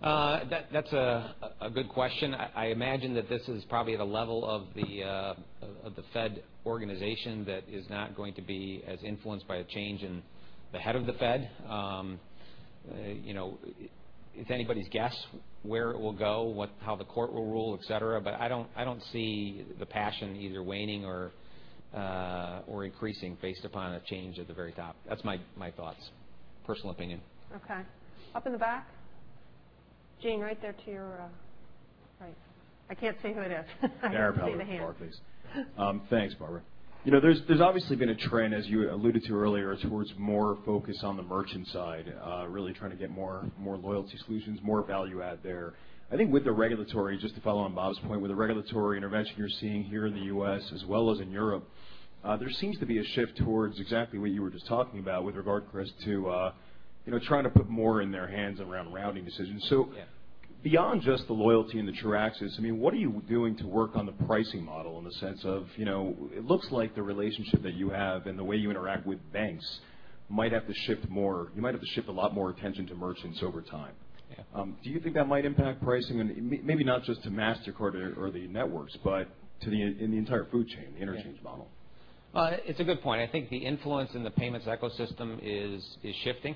That's a good question. I imagine that this is probably at a level of the Fed organization that is not going to be as influenced by a change in the head of the Fed. It's anybody's guess where it will go, how the court will rule, et cetera. I don't see the passion either waning or increasing based upon a change at the very top. That's my thoughts. Personal opinion. Okay. Up in the back. Gene, right there to your right. I can't see who it is. I can see the hand. Aaron Powell with Barron's. Thanks, Barbara. There's obviously been a trend, as you alluded to earlier, towards more focus on the merchant side, really trying to get more loyalty solutions, more value add there. I think with the regulatory, just to follow on Bob's point, with the regulatory intervention you're seeing here in the U.S. as well as in Europe, there seems to be a shift towards exactly what you were just talking about with regard, Chris, to trying to put more in their hands around routing decisions. Yeah. Beyond just the loyalty and the Truaxis, what are you doing to work on the pricing model in the sense of it looks like the relationship that you have and the way you interact with banks, you might have to shift a lot more attention to merchants over time. Yeah. Do you think that might impact pricing, and maybe not just to Mastercard or the networks, but in the entire food chain, the interchange model? It's a good point. I think the influence in the payments ecosystem is shifting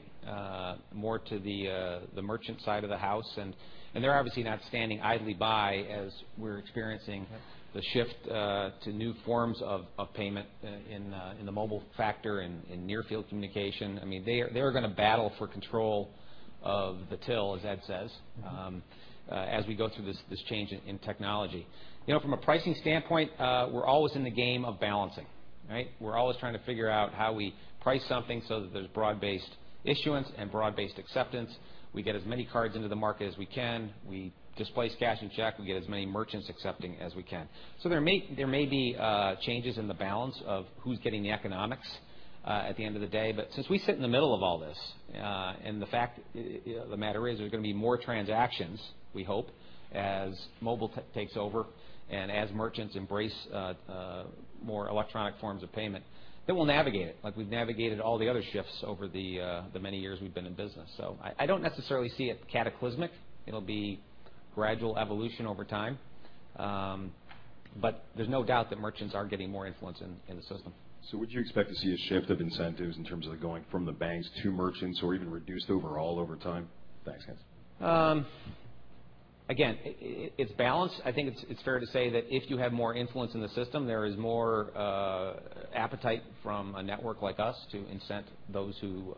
more to the merchant side of the house, and they're obviously not standing idly by as we're experiencing the shift to new forms of payment in the mobile factor and in near-field communication. They are going to battle for control of the till, as Ed says, as we go through this change in technology. From a pricing standpoint, we're always in the game of balancing. We're always trying to figure out how we price something so that there's broad-based issuance and broad-based acceptance. We get as many cards into the market as we can. We displace cash and check. We get as many merchants accepting as we can. There may be changes in the balance of who's getting the economics at the end of the day. Since we sit in the middle of all this, and the fact of the matter is there's going to be more transactions, we hope, as mobile takes over and as merchants embrace more electronic forms of payment, then we'll navigate it like we've navigated all the other shifts over the many years we've been in business. I don't necessarily see it cataclysmic. It'll be gradual evolution over time. There's no doubt that merchants are getting more influence in the system. Would you expect to see a shift of incentives in terms of it going from the banks to merchants or even reduced overall over time? Thanks, guys. Again, it's balanced. I think it's fair to say that if you have more influence in the system, there is more appetite from a network like us to incent those who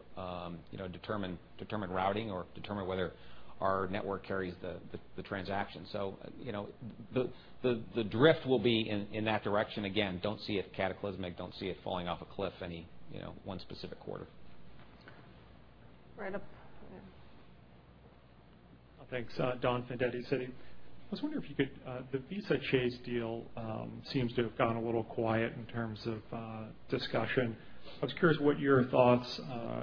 determine routing or determine whether our network carries the transaction. The drift will be in that direction. Again, don't see it cataclysmic. Don't see it falling off a cliff any one specific quarter. Right up there. Thanks. Donald Fandetti, Citi. The Visa Chase deal seems to have gone a little quiet in terms of discussion. I was curious what your thoughts,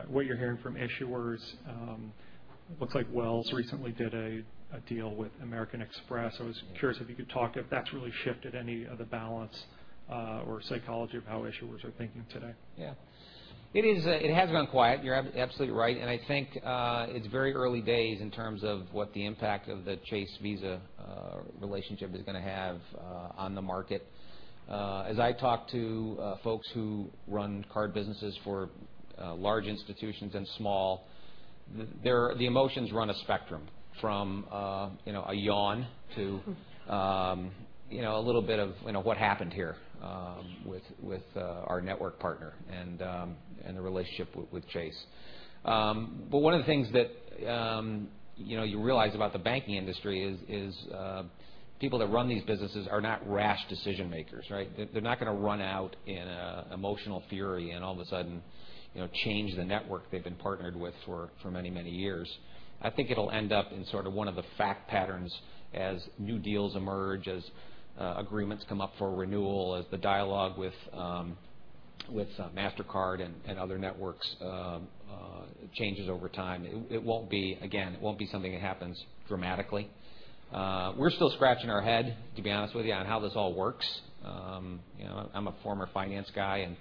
what you're hearing from issuers. Looks like Wells recently did a deal with American Express. I was curious if you could talk if that's really shifted any of the balance or psychology of how issuers are thinking today. Yeah. It has gone quiet. You're absolutely right, I think it's very early days in terms of what the impact of the Chase Visa relationship is going to have on the market. One of the things that you realize about the banking industry is people that run these businesses are not rash decision-makers. They're not going to run out in emotional fury and all of a sudden change the network they've been partnered with for many, many years. I think it'll end up in sort of one of the fact patterns as new deals emerge, as agreements come up for renewal, as the dialogue with Mastercard and other networks changes over time. Again, it won't be something that happens dramatically. We're still scratching our head, to be honest with you, on how this all works. I'm a former finance guy,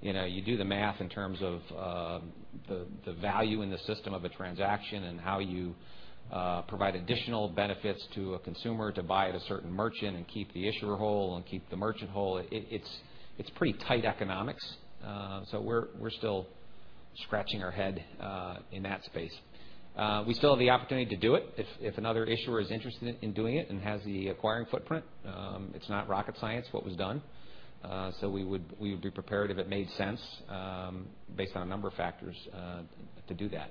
you do the math in terms of the value in the system of a transaction and how you provide additional benefits to a consumer to buy at a certain merchant and keep the issuer whole and keep the merchant whole. It's pretty tight economics. We're still scratching our head in that space. We still have the opportunity to do it if another issuer is interested in doing it and has the acquiring footprint. It's not rocket science what was done. We would be prepared if it made sense based on a number of factors to do that.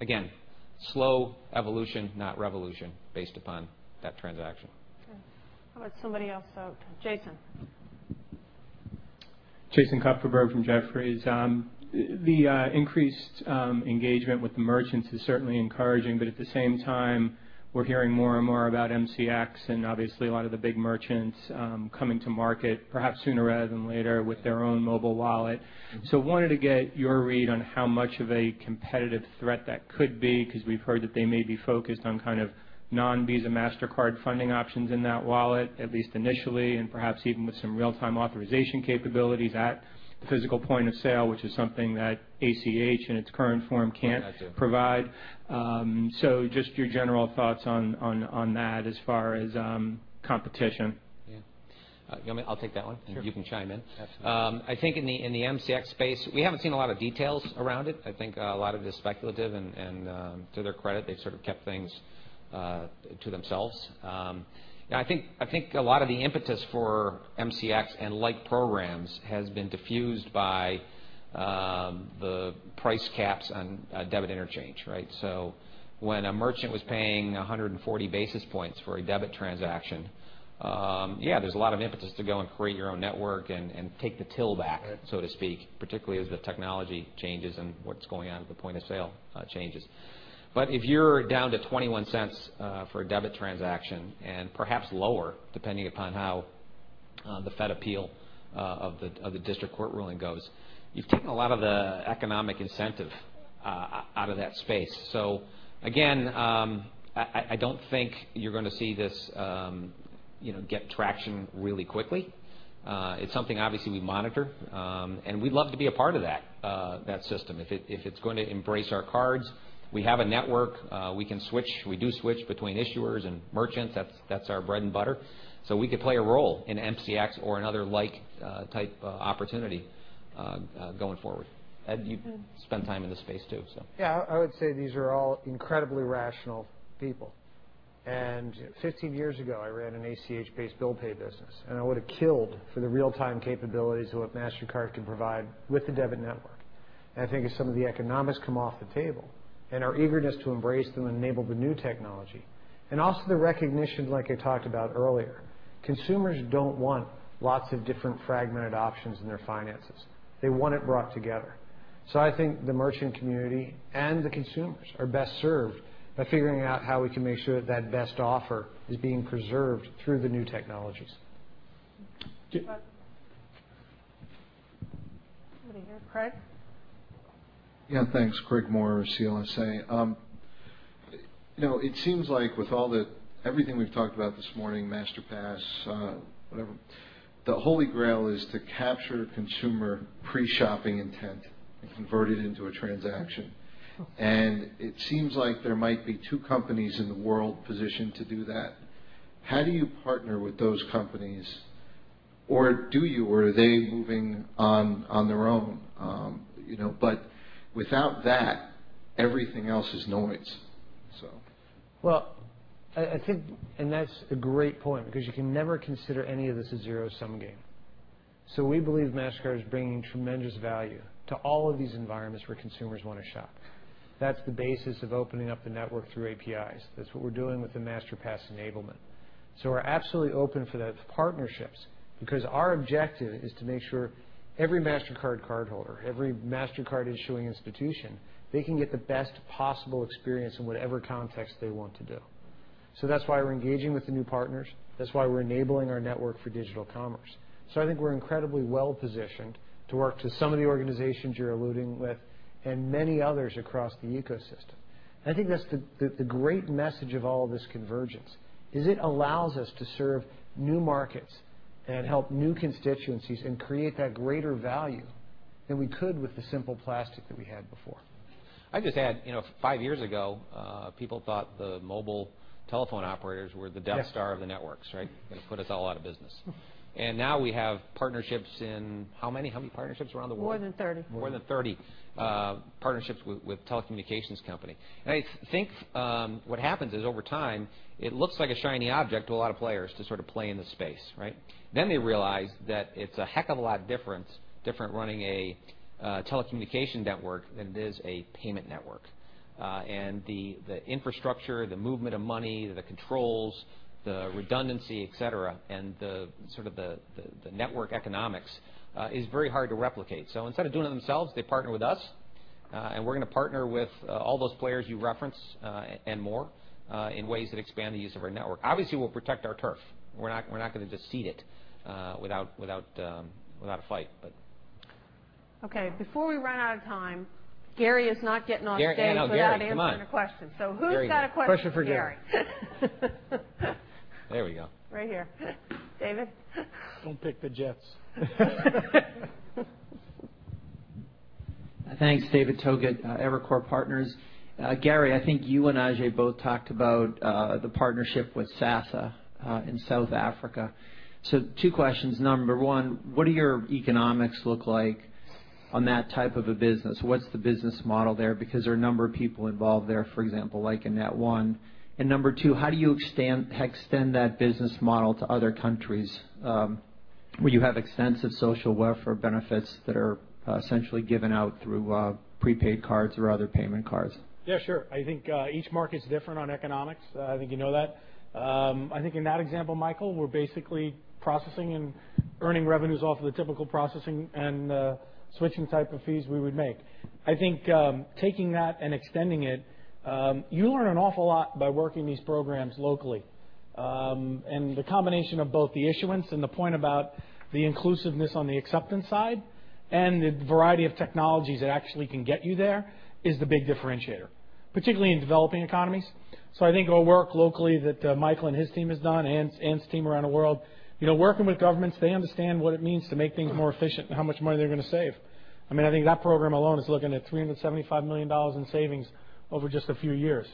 Again, slow evolution, not revolution based upon that transaction. Okay. How about somebody else? Jason. Jason Kupferberg from Jefferies. The increased engagement with the merchants is certainly encouraging. At the same time, we're hearing more and more about MCX and obviously a lot of the big merchants coming to market perhaps sooner rather than later with their own mobile wallet. Wanted to get your read on how much of a competitive threat that could be, because we've heard that they may be focused on kind of non-Visa, Mastercard funding options in that wallet, at least initially, and perhaps even with some real-time authorization capabilities at the physical point of sale, which is something that ACH in its current form can't provide. Got you. Just your general thoughts on that as far as competition. Yeah. I'll take that one. Sure. You can chime in. Absolutely. I think in the MCX space, we haven't seen a lot of details around it. I think a lot of it is speculative, and to their credit, they've sort of kept things to themselves. I think a lot of the impetus for MCX and like programs has been diffused by the price caps on debit interchange. When a merchant was paying 140 basis points for a debit transaction, yeah, there's a lot of impetus to go and create your own network and take the till back- Right so to speak, particularly as the technology changes and what's going on at the point of sale changes. If you're down to $0.21 for a debit transaction, and perhaps lower, depending upon how the Fed appeal of the district court ruling goes, you've taken a lot of the economic incentive out of that space. Again, I don't think you're going to see this get traction really quickly. It's something obviously we monitor. We'd love to be a part of that system if it's going to embrace our cards. We have a network. We can switch. We do switch between issuers and merchants. That's our bread and butter. We could play a role in MCX or another like type opportunity going forward. Ed, you spend time in this space, too. Yeah, I would say these are all incredibly rational people. 15 years ago, I ran an ACH-based bill pay business, and I would have killed for the real-time capabilities of what Mastercard can provide with the debit network. I think as some of the economics come off the table and our eagerness to embrace them enable the new technology, also the recognition, like I talked about earlier, consumers don't want lots of different fragmented options in their finances. They want it brought together. I think the merchant community and the consumers are best served by figuring out how we can make sure that that best offer is being preserved through the new technologies. Do- Somebody here. Craig? Yeah, thanks. Craig Moore, CLSA. It seems like with everything we've talked about this morning, Masterpass, whatever, the holy grail is to capture consumer pre-shopping intent and convert it into a transaction. It seems like there might be two companies in the world positioned to do that. How do you partner with those companies? Or do you, or are they moving on their own? Without that, everything else is noise. Well, that's a great point because you can never consider any of this a zero-sum game. We believe Mastercard is bringing tremendous value to all of these environments where consumers want to shop. That's the basis of opening up the network through APIs. That's what we're doing with the Masterpass enablement. We're absolutely open for those partnerships because our objective is to make sure every Mastercard cardholder, every Mastercard issuing institution, they can get the best possible experience in whatever context they want to do. That's why we're engaging with the new partners. That's why we're enabling our network for digital commerce. I think we're incredibly well-positioned to work to some of the organizations you're alluding with and many others across the ecosystem. I think that's the great message of all of this convergence, is it allows us to serve new markets and help new constituencies and create that greater value than we could with the simple plastic that we had before. I just had five years ago, people thought the mobile telephone operators were the Death Star of the networks. Right? Going to put us all out of business. Now we have partnerships in how many partnerships around the world? More than 30. More than 30 partnerships with telecommunications company. I think what happens is over time, it looks like a shiny object to a lot of players to sort of play in the space, right? They realize that it's a heck of a lot different running a telecommunication network than it is a payment network. The infrastructure, the movement of money, the controls, the redundancy, et cetera, and the sort of the network economics is very hard to replicate. Instead of doing it themselves, they partner with us, and we're going to partner with all those players you referenced and more in ways that expand the use of our network. Obviously, we'll protect our turf. We're not going to just cede it without a fight. Okay, before we run out of time, Gary is not getting off stage. Ann, no, Gary, come on. without answering a question. Who's got a question for Gary? There we go. Right here. David? Don't pick the Jets. Thanks. David Togut, Evercore Partners. Gary, I think you and Ajay both talked about the partnership with SASSA in South Africa. Two questions. Number one, what do your economics look like on that type of a business? What's the business model there? Because there are a number of people involved there, for example, like Net1. Number two, how do you extend that business model to other countries where you have extensive social welfare benefits that are essentially given out through prepaid cards or other payment cards? Yeah, sure. I think each market's different on economics. I think you know that. I think in that example, Michael, we're basically processing and earning revenues off of the typical processing and switching type of fees we would make. I think taking that and extending it, you learn an awful lot by working these programs locally. The combination of both the issuance and the point about the inclusiveness on the acceptance side and the variety of technologies that actually can get you there is the big differentiator, particularly in developing economies. I think our work locally that Michael and his team has done, Ann's team around the world, working with governments, they understand what it means to make things more efficient and how much money they're going to save. I think that program alone is looking at $375 million in savings over just a few years.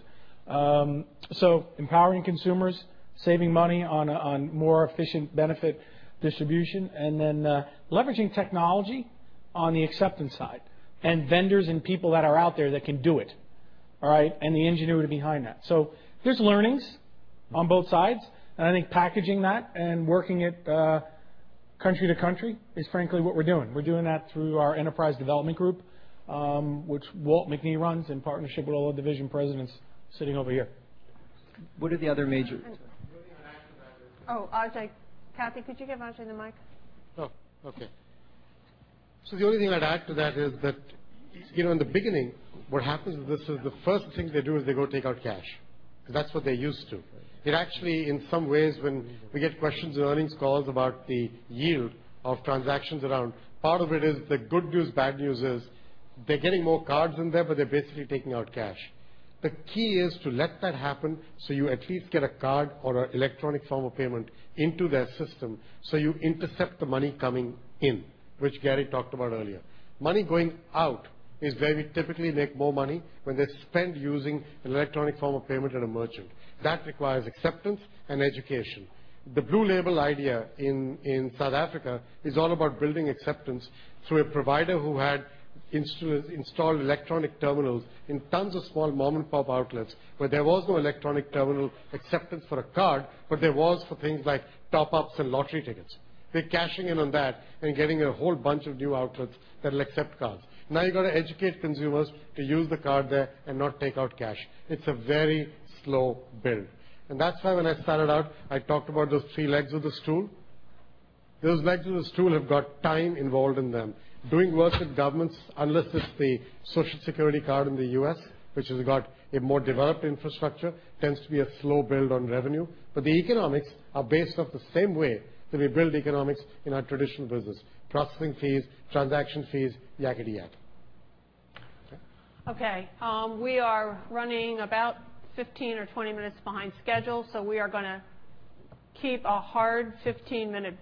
Empowering consumers, saving money on more efficient benefit distribution, leveraging technology on the acceptance side and vendors and people that are out there that can do it, and the ingenuity behind that. There's learnings on both sides, and I think packaging that and working it country to country is frankly what we're doing. We're doing that through our enterprise development group, which Walt Macnee runs in partnership with all the division presidents sitting over here. What are the other major? The only thing I'd add to that is. Oh, Ajay. Kathy, could you give Ajay the mic? Oh, okay. The only thing I'd add to that is that in the beginning, what happens is the first thing they do is they go take out cash because that's what they're used to. It actually, in some ways, when we get questions in earnings calls about the yield of transactions around, part of it is the good news/bad news is they're getting more cards in there, but they're basically taking out cash. The key is to let that happen so you at least get a card or an electronic form of payment into their system, so you intercept the money coming in, which Gary talked about earlier. Money going out is where we typically make more money when they spend using an electronic form of payment at a merchant. That requires acceptance and education. The Blue Label idea in South Africa is all about building acceptance through a provider who had installed electronic terminals in tons of small mom-and-pop outlets where there was no electronic terminal acceptance for a card, but there was for things like top-ups and lottery tickets. They're cashing in on that and getting a whole bunch of new outlets that'll accept cards. Now you've got to educate consumers to use the card there and not take out cash. It's a very slow build. That's why when I started out, I talked about those three legs of the stool. Those legs of the stool have got time involved in them. Doing work with governments, unless it's the Social Security card in the U.S., which has got a more developed infrastructure, tends to be a slow build on revenue. The economics are based off the same way that we build economics in our traditional business, processing fees, transaction fees, yakkety-yak. Okay. We are running about 15 or 20 minutes behind schedule, we are going to keep a hard 15-minute-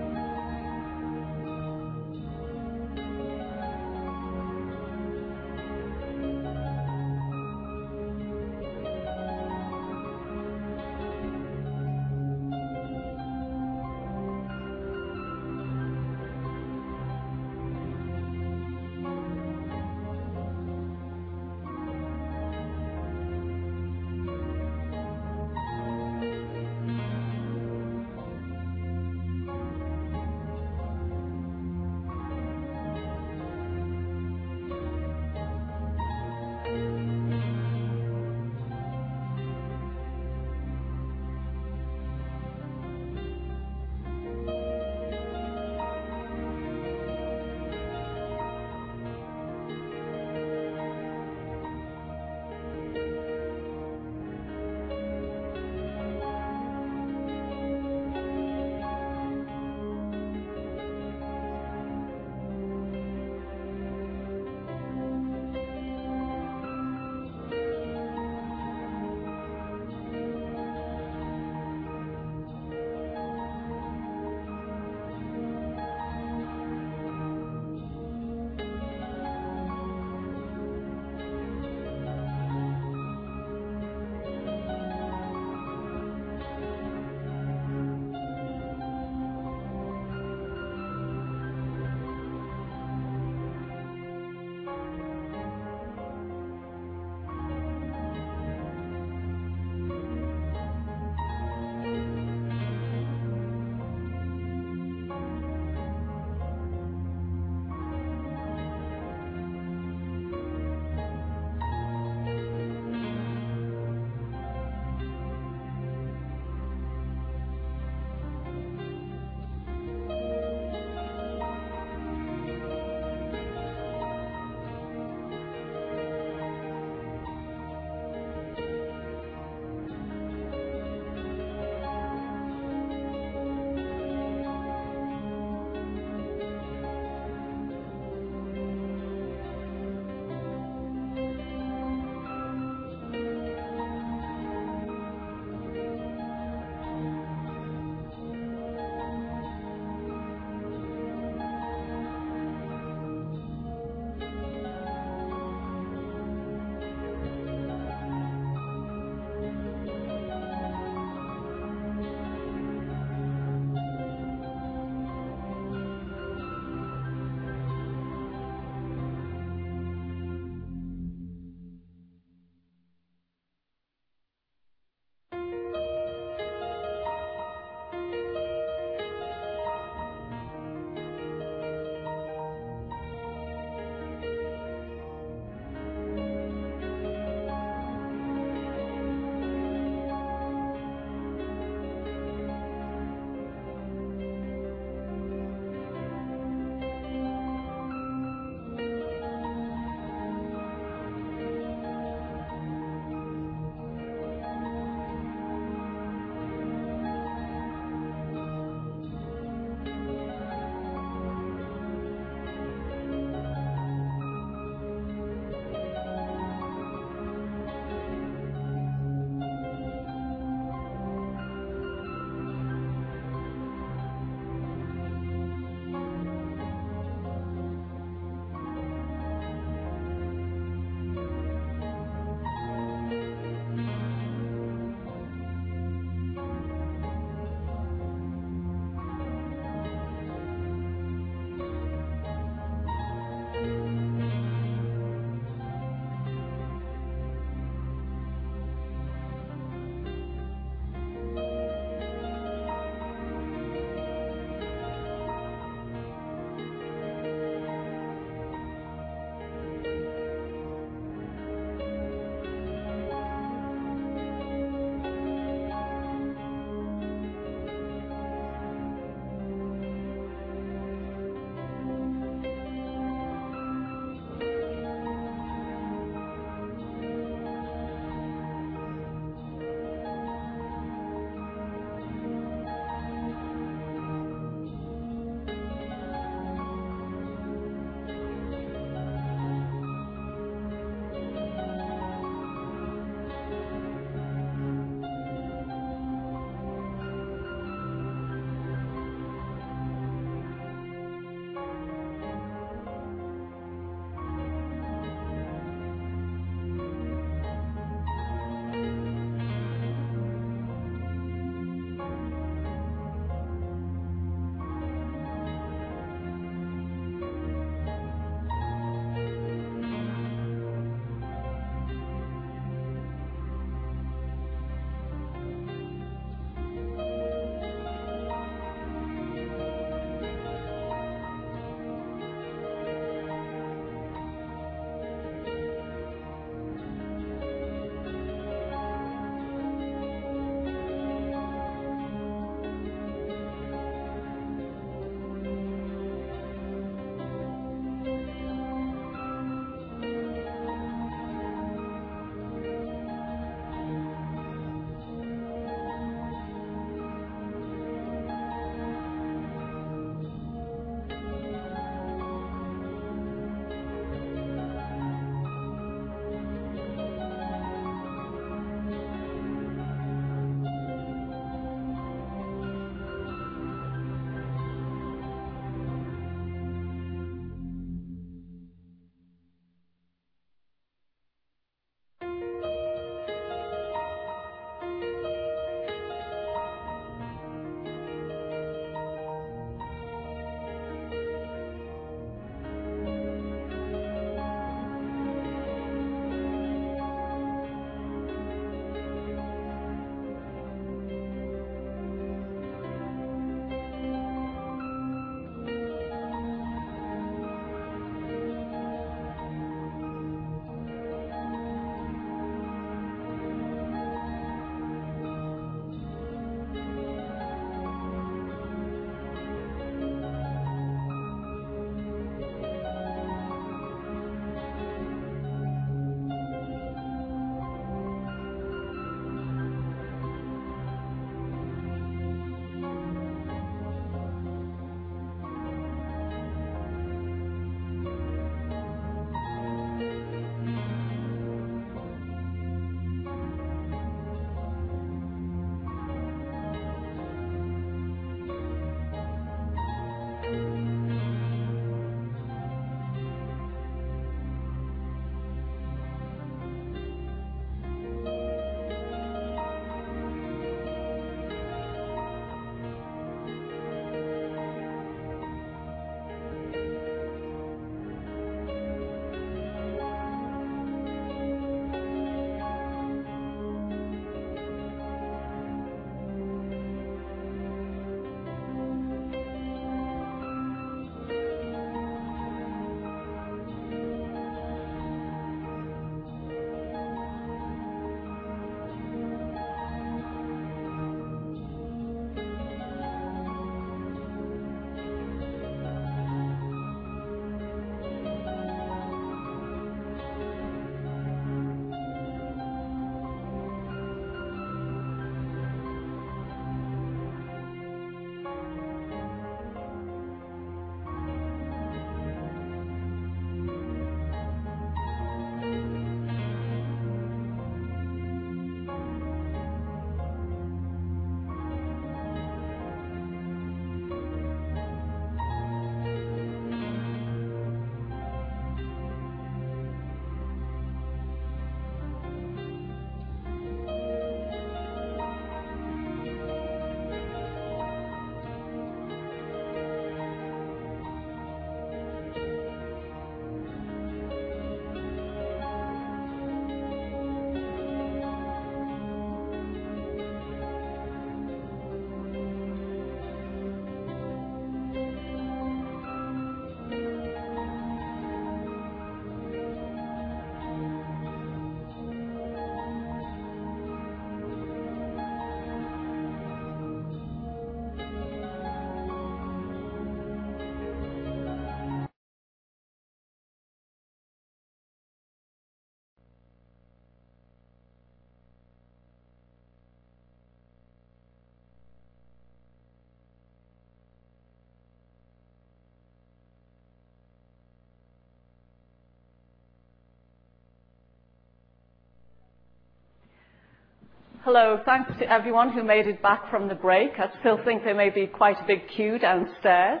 Hello. Thanks to everyone who made it back from the break. I still think there may be quite a big queue downstairs.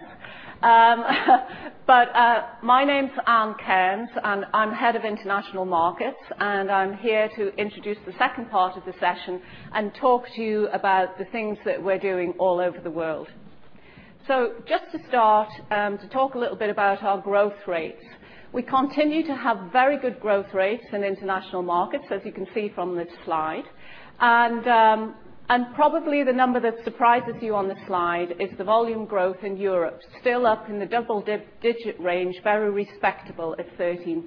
My name's Ann Cairns, and I'm head of International Markets. I'm here to introduce the second part of the session and talk to you about the things that we're doing all over the world. Just to start, to talk a little bit about our growth rates. We continue to have very good growth rates in international markets, as you can see from this slide. Probably the number that surprises you on the slide is the volume growth in Europe, still up in the double digit range, very respectable at 13%.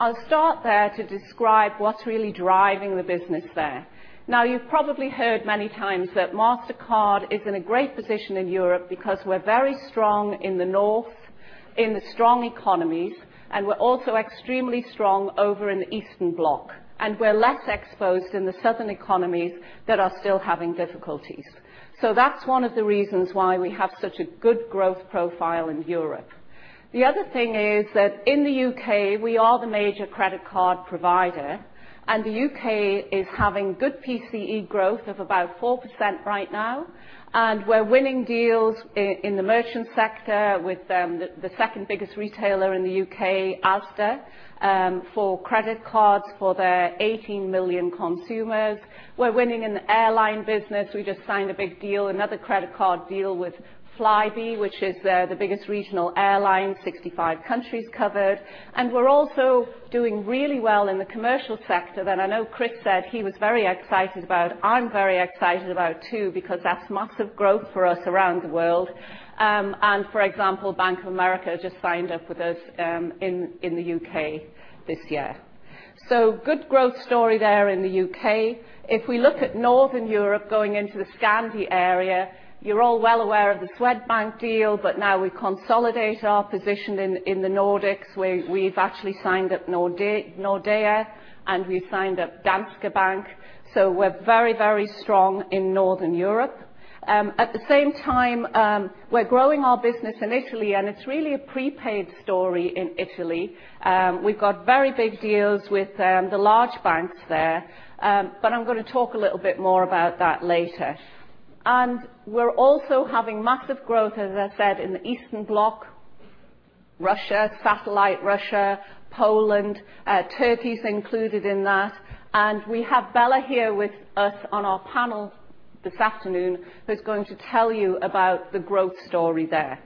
I'll start there to describe what's really driving the business there. You've probably heard many times that Mastercard is in a great position in Europe because we're very strong in the North, in the strong economies, and we're also extremely strong over in the Eastern Bloc, and we're less exposed in the southern economies that are still having difficulties. That's one of the reasons why we have such a good growth profile in Europe. The other thing is that in the U.K. we are the major credit card provider, and the U.K. is having good PCE growth of about 4% right now. We're winning deals in the merchant sector with the second biggest retailer in the U.K., Asda, for credit cards for their 18 million consumers. We're winning in the airline business. We just signed a big deal, another credit card deal with Flybe, which is the biggest regional airline, 65 countries covered. We're also doing really well in the commercial sector that I know Chris said he was very excited about. I'm very excited about too, because that's massive growth for us around the world. For example, Bank of America just signed up with us in the U.K. this year. Good growth story there in the U.K. If we look at Northern Europe going into the Scandi area, you're all well aware of the Swedbank deal. Now we consolidate our position in the Nordics, where we've actually signed up Nordea, and we've signed up Danske Bank. We're very strong in Northern Europe. At the same time, we're growing our business in Italy, and it's really a prepaid story in Italy. We've got very big deals with the large banks there. I'm going to talk a little bit more about that later. We're also having massive growth, as I said, in the Eastern Bloc. Russia, satellite Russia, Poland, Turkey is included in that. We have Bella here with us on our panel this afternoon, who's going to tell you about the growth story there.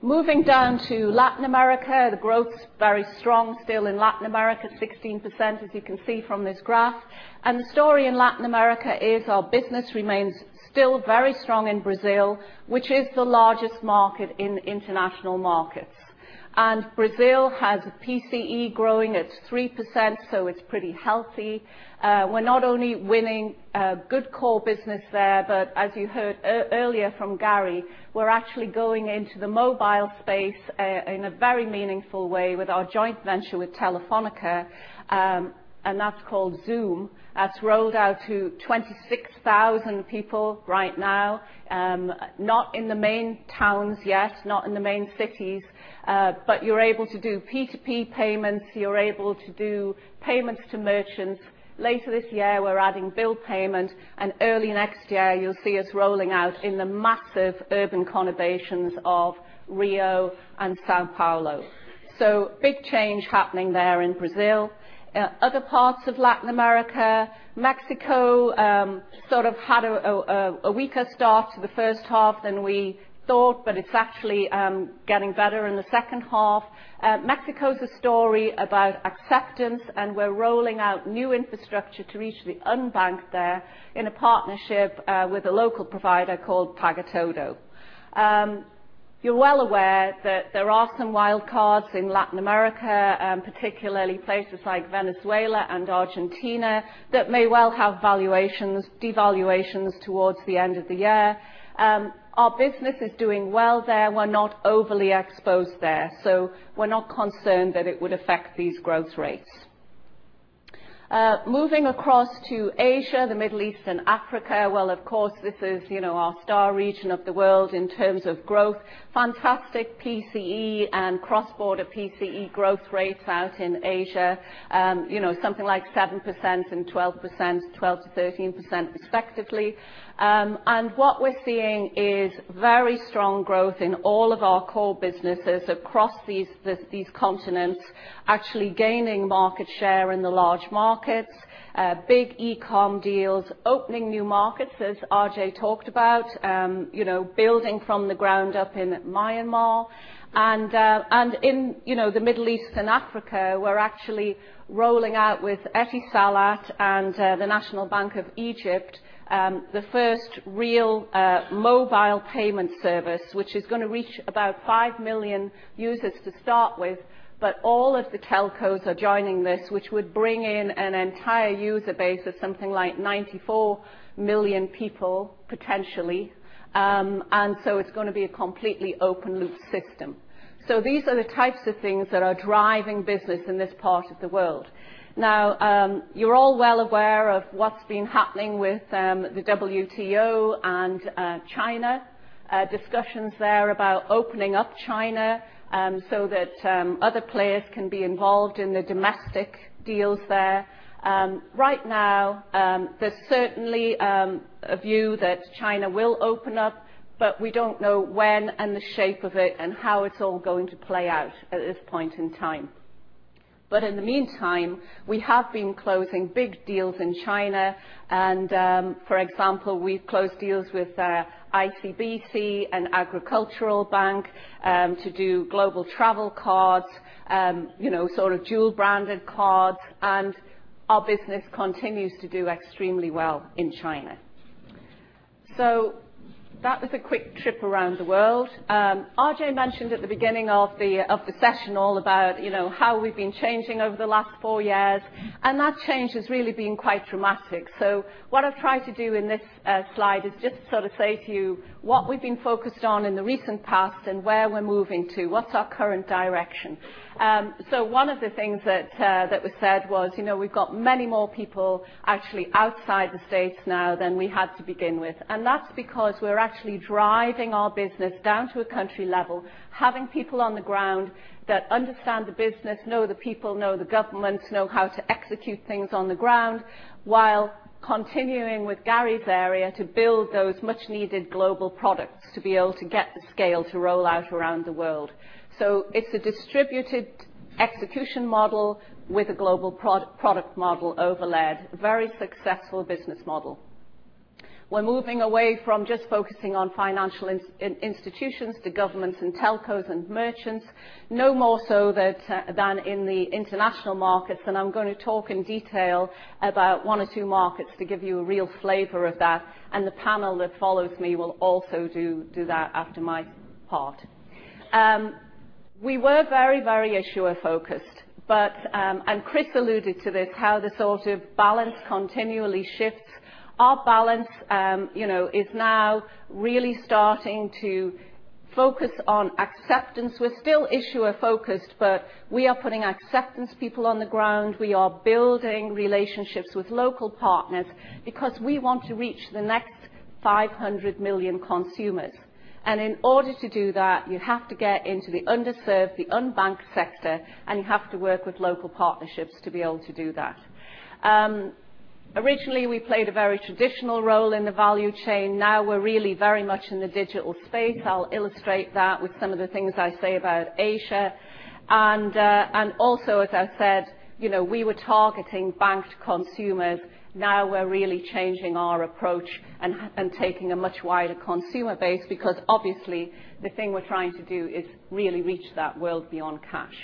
Moving down to Latin America, the growth's very strong still in Latin America, 16%, as you can see from this graph. The story in Latin America is our business remains still very strong in Brazil, which is the largest market in international markets. Brazil has PCE growing at 3%, so it's pretty healthy. We're not only winning good core business there, but as you heard earlier from Gary, we're actually going into the mobile space in a very meaningful way with our joint venture with Telefónica, and that's called Zuum. That's rolled out to 26,000 people right now. Not in the main towns yet, not in the main cities. You're able to do P2P payments. You're able to do payments to merchants. Later this year, we're adding bill payment, and early next year, you'll see us rolling out in the massive urban conurbations of Rio and São Paulo. Big change happening there in Brazil. Other parts of Latin America, Mexico sort of had a weaker start to the first half than we thought, but it's actually getting better in the second half. Mexico is a story about acceptance, and we're rolling out new infrastructure to reach the unbanked there in a partnership with a local provider called Pagatodo. You're well aware that there are some wild cards in Latin America, particularly places like Venezuela and Argentina, that may well have devaluations towards the end of the year. Our business is doing well there. We're not overly exposed there. We're not concerned that it would affect these growth rates. Moving across to Asia, the Middle East, and Africa. Of course, this is our star region of the world in terms of growth. Fantastic PCE and cross-border PCE growth rates out in Asia. Something like 7% and 12%, 12%-13% respectively. What we're seeing is very strong growth in all of our core businesses across these continents, actually gaining market share in the large markets, big e-com deals. Opening new markets, as RJ talked about. Building from the ground up in Myanmar. In the Middle East and Africa, we're actually rolling out with Etisalat and the National Bank of Egypt, the first real mobile payment service, which is going to reach about 5 million users to start with. All of the telcos are joining this, which would bring in an entire user base of something like 94 million people, potentially. It's going to be a completely open loop system. These are the types of things that are driving business in this part of the world. Now, you're all well aware of what's been happening with the WTO and China. Discussions there about opening up China so that other players can be involved in the domestic deals there. Right now, there's certainly a view that China will open up, but we don't know when and the shape of it and how it's all going to play out at this point in time. In the meantime, we have been closing big deals in China. For example, we've closed deals with ICBC and Agricultural Bank to do global travel cards, sort of dual-branded cards, and our business continues to do extremely well in China. That was a quick trip around the world. Ajay mentioned at the beginning of the session all about how we've been changing over the last four years. That change has really been quite dramatic. What I've tried to do in this slide is just sort of say to you what we've been focused on in the recent past and where we're moving to. What's our current direction? One of the things that was said was we've got many more people actually outside the U.S. now than we had to begin with. That's because we're actually driving our business down to a country level, having people on the ground that understand the business, know the people, know the governments, know how to execute things on the ground while continuing with Gary's area to build those much needed global products to be able to get the scale to roll out around the world. It's a distributed execution model with a global product model overlaid. Very successful business model. We're moving away from just focusing on financial institutions to governments and telcos and merchants. No more so than in the international markets. I'm going to talk in detail about one or two markets to give you a real flavor of that. The panel that follows me will also do that after my part. We were very issuer focused. Chris alluded to this. How the sort of balance continually shifts. Our balance is now really starting to focus on acceptance. We're still issuer focused, but we are putting acceptance people on the ground. We are building relationships with local partners because we want to reach the next 500 million consumers. In order to do that, you have to get into the underserved, the unbanked sector, and you have to work with local partnerships to be able to do that. Originally, we played a very traditional role in the value chain. Now we're really very much in the digital space. I'll illustrate that with some of the things I say about Asia. Also, as I said, we were targeting banked consumers. Now we're really changing our approach and taking a much wider consumer base because obviously the thing we're trying to do is really reach that world beyond cash.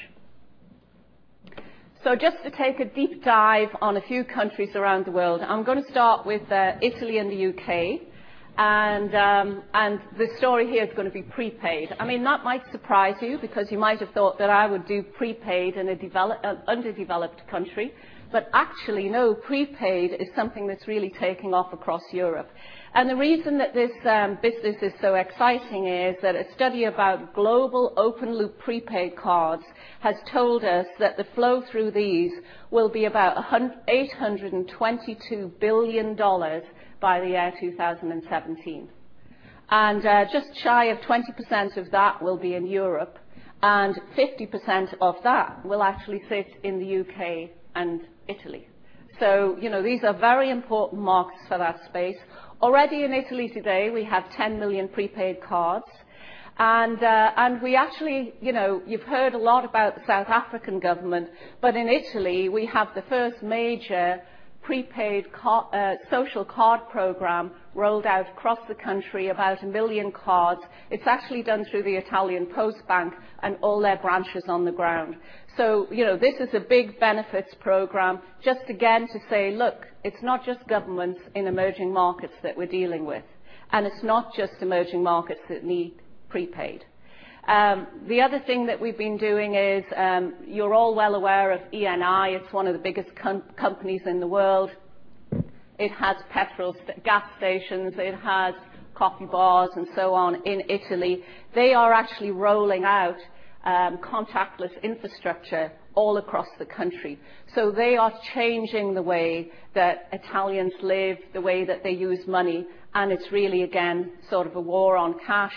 Just to take a deep dive on a few countries around the world. I'm going to start with Italy and the U.K. The story here is going to be prepaid. That might surprise you because you might have thought that I would do prepaid in an underdeveloped country. Actually, no, prepaid is something that's really taking off across Europe. The reason that this business is so exciting is that a study about global open loop prepaid cards has told us that the flow through these will be about $822 billion by the year 2017. Just shy of 20% of that will be in Europe, and 50% of that will actually sit in the U.K. and Italy. These are very important markets for that space. Already in Italy today, we have 10 million prepaid cards. You've heard a lot about the South African government, but in Italy we have the first major prepaid social card program rolled out across the country, about 1 million cards. It's actually done through the Poste Italiane and all their branches on the ground. This is a big benefits program. Just again to say, look, it's not just governments in emerging markets that we're dealing with, and it's not just emerging markets that need prepaid. The other thing that we've been doing is, you're all well aware of Eni. It's one of the biggest companies in the world. It has petrol gas stations. It has coffee bars and so on in Italy. They are actually rolling out contactless infrastructure all across the country. They are changing the way that Italians live, the way that they use money, and it's really, again, sort of a war on cash.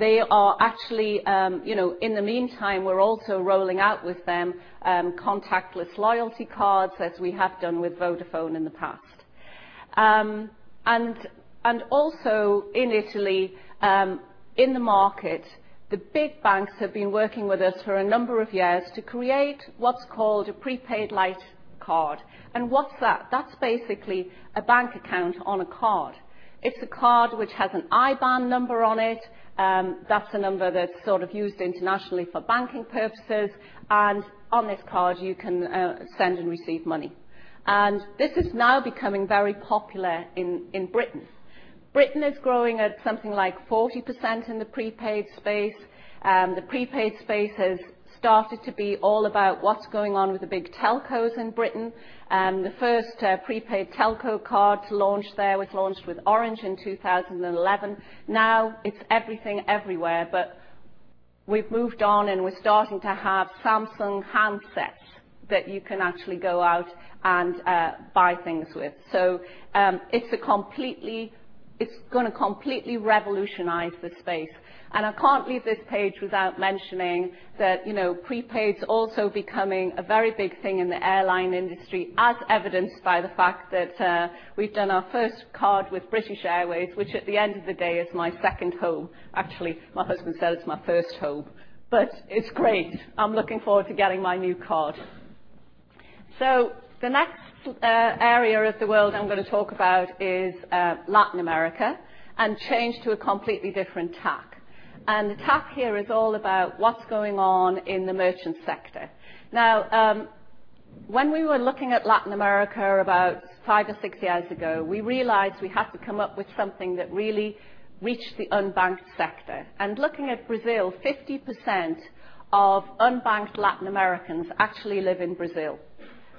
In the meantime, we're also rolling out with them contactless loyalty cards as we have done with Vodafone in the past. Also in Italy, in the market, the big banks have been working with us for a number of years to create what's called a prepaid light card. What's that? That's basically a bank account on a card. It's a card which has an IBAN number on it. That's a number that's sort of used internationally for banking purposes. On this card, you can send and receive money. This is now becoming very popular in Britain. Britain is growing at something like 40% in the prepaid space. The prepaid space has started to be all about what's going on with the big telcos in Britain. The first prepaid telco card to launch there was launched with Orange in 2011. Now it's Everything Everywhere. We've moved on, and we're starting to have Samsung handsets that you can actually go out and buy things with. It's going to completely revolutionize the space. I can't leave this page without mentioning that prepaid's also becoming a very big thing in the airline industry, as evidenced by the fact that we've done our first card with British Airways, which at the end of the day, is my second home. Actually, my husband says it's my first home. It's great. I'm looking forward to getting my new card. The next area of the world I'm going to talk about is Latin America and change to a completely different tack. The tack here is all about what's going on in the merchant sector. When we were looking at Latin America about five or six years ago, we realized we had to come up with something that really reached the unbanked sector. Looking at Brazil, 50% of unbanked Latin Americans actually live in Brazil.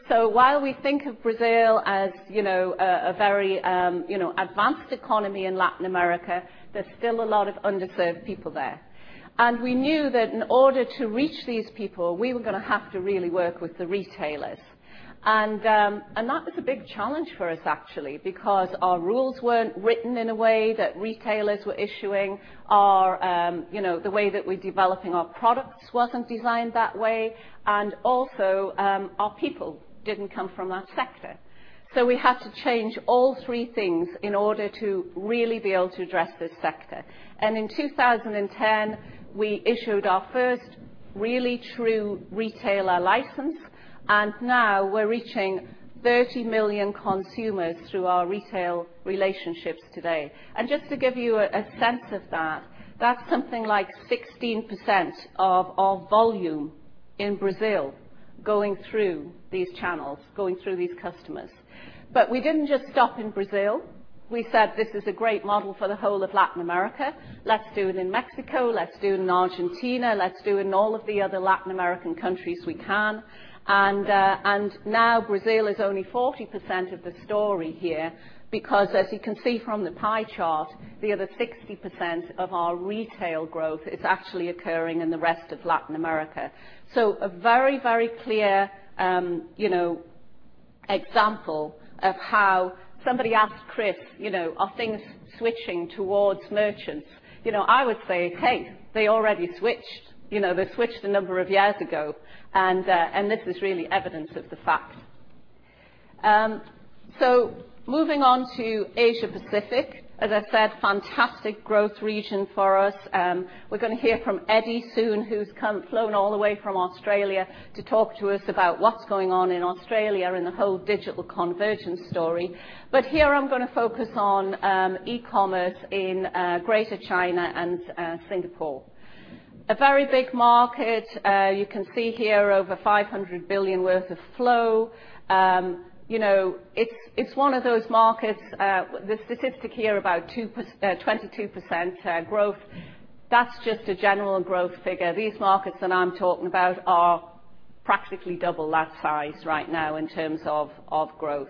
While we think of Brazil as a very advanced economy in Latin America, there's still a lot of underserved people there. We knew that in order to reach these people, we were going to have to really work with the retailers. That was a big challenge for us, actually, because our rules weren't written in a way that retailers were issuing. The way that we're developing our products wasn't designed that way. Also, our people didn't come from that sector. We had to change all three things in order to really be able to address this sector. In 2010, we issued our first really true retailer license, and now we're reaching 30 million consumers through our retail relationships today. Just to give you a sense of that's something like 16% of our volume in Brazil going through these channels, going through these customers. We said, "This is a great model for the whole of Latin America. Let's do it in Mexico. Let's do it in Argentina. Let's do it in all of the other Latin American countries we can." Brazil is only 40% of the story here because, as you can see from the pie chart, the other 60% of our retail growth is actually occurring in the rest of Latin America. A very, very clear example of how Somebody asked Chris, "Are things switching towards merchants?" I would say, "Hey, they already switched. They switched a number of years ago." This is really evidence of the fact. Moving on to Asia Pacific. As I said, fantastic growth region for us. We're going to hear from Eddie Grobler soon, who's flown all the way from Australia to talk to us about what's going on in Australia and the whole digital convergence story. Here I'm going to focus on e-commerce in Greater China and Singapore. A very big market. You can see here over $500 billion worth of flow. It's one of those markets, the statistic here about 22% growth. That's just a general growth figure. These markets that I'm talking about are practically double that size right now in terms of growth.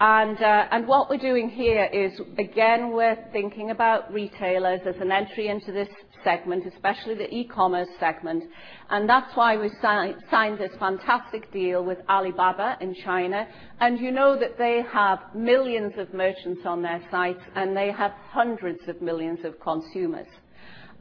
What we're doing here is, again, we're thinking about retailers as an entry into this segment, especially the e-commerce segment. That's why we signed this fantastic deal with Alibaba in China. You know that they have millions of merchants on their site, and they have hundreds of millions of consumers.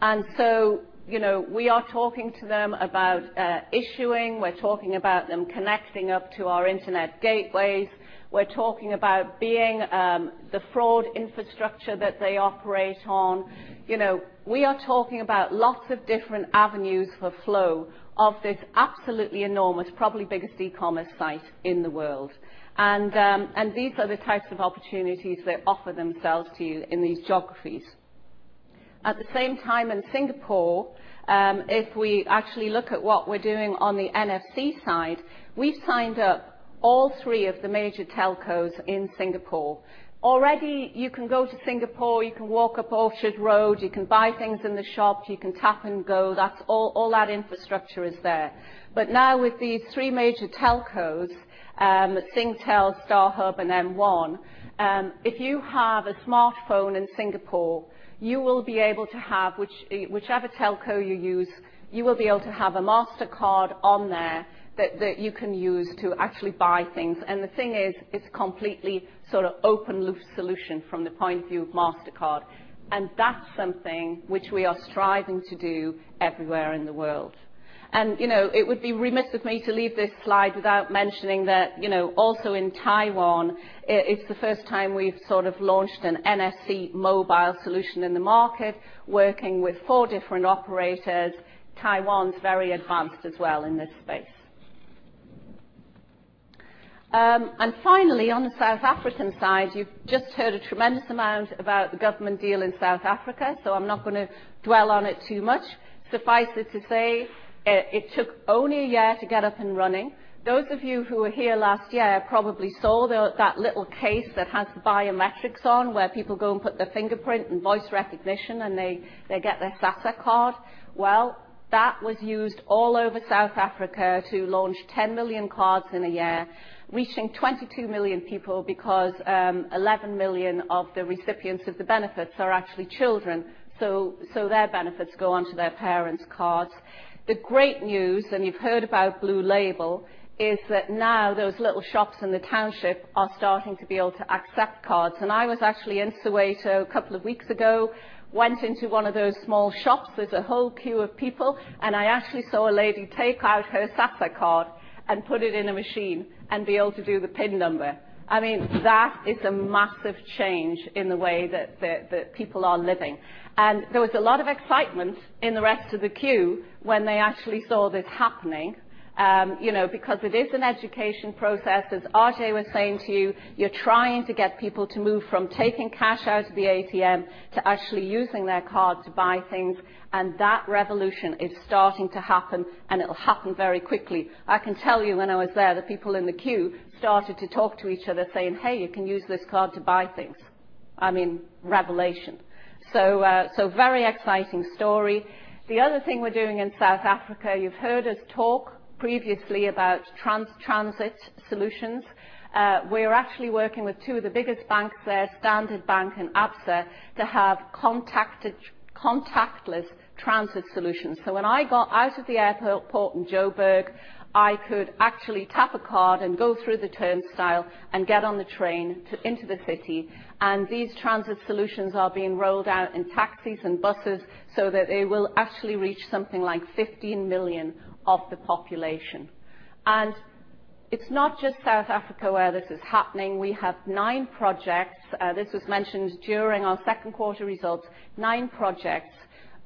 We are talking to them about issuing, we're talking about them connecting up to our internet gateways. We're talking about being the fraud infrastructure that they operate on. We are talking about lots of different avenues for flow of this absolutely enormous, probably biggest e-commerce site in the world. These are the types of opportunities that offer themselves to you in these geographies. At the same time in Singapore, if we actually look at what we're doing on the NFC side, we've signed up all three of the major telcos in Singapore. Already, you can go to Singapore, you can walk up Orchard Road, you can buy things in the shops, you can tap and go. All that infrastructure is there. Now with these three major telcos, Singtel, StarHub and M1, if you have a smartphone in Singapore, whichever telco you use, you will be able to have a Mastercard on there that you can use to actually buy things. The thing is, it's a completely open loop solution from the point of view of Mastercard. That's something which we are striving to do everywhere in the world. It would be remiss of me to leave this slide without mentioning that also in Taiwan, it's the first time we've launched an NFC mobile solution in the market, working with four different operators. Taiwan's very advanced as well in this space. Finally, on the South African side, you've just heard a tremendous amount about the government deal in South Africa, so I'm not going to dwell on it too much. Suffice it to say, it took only a year to get up and running. Those of you who were here last year probably saw that little case that has the biometrics on where people go and put their fingerprint and voice recognition, and they get their SASSA card. Well, that was used all over South Africa to launch 10 million cards in a year, reaching 22 million people because 11 million of the recipients of the benefits are actually children. Their benefits go onto their parents' cards. The great news, and you've heard about Blue Label, is that now those little shops in the township are starting to be able to accept cards. I was actually in Soweto a couple of weeks ago, went into one of those small shops. There's a whole queue of people, and I actually saw a lady take out her SASSA card and put it in a machine and be able to do the PIN number. That is a massive change in the way that people are living. There was a lot of excitement in the rest of the queue when they actually saw this happening. It is an education process, as RJ was saying to you. You're trying to get people to move from taking cash out of the ATM to actually using their card to buy things. That revolution is starting to happen, and it will happen very quickly. I can tell you when I was there, the people in the queue started to talk to each other saying, "Hey, you can use this card to buy things." I mean, revelation. Very exciting story. The other thing we're doing in South Africa, you've heard us talk previously about transit solutions. We are actually working with two of the biggest banks there, Standard Bank and Absa, to have contactless transit solutions. When I got out of the airport in Joburg, I could actually tap a card and go through the turnstile and get on the train into the city. These transit solutions are being rolled out in taxis and buses, so that it will actually reach something like 15 million of the population. It's not just South Africa where this is happening. We have nine projects. This was mentioned during our second quarter results. Nine projects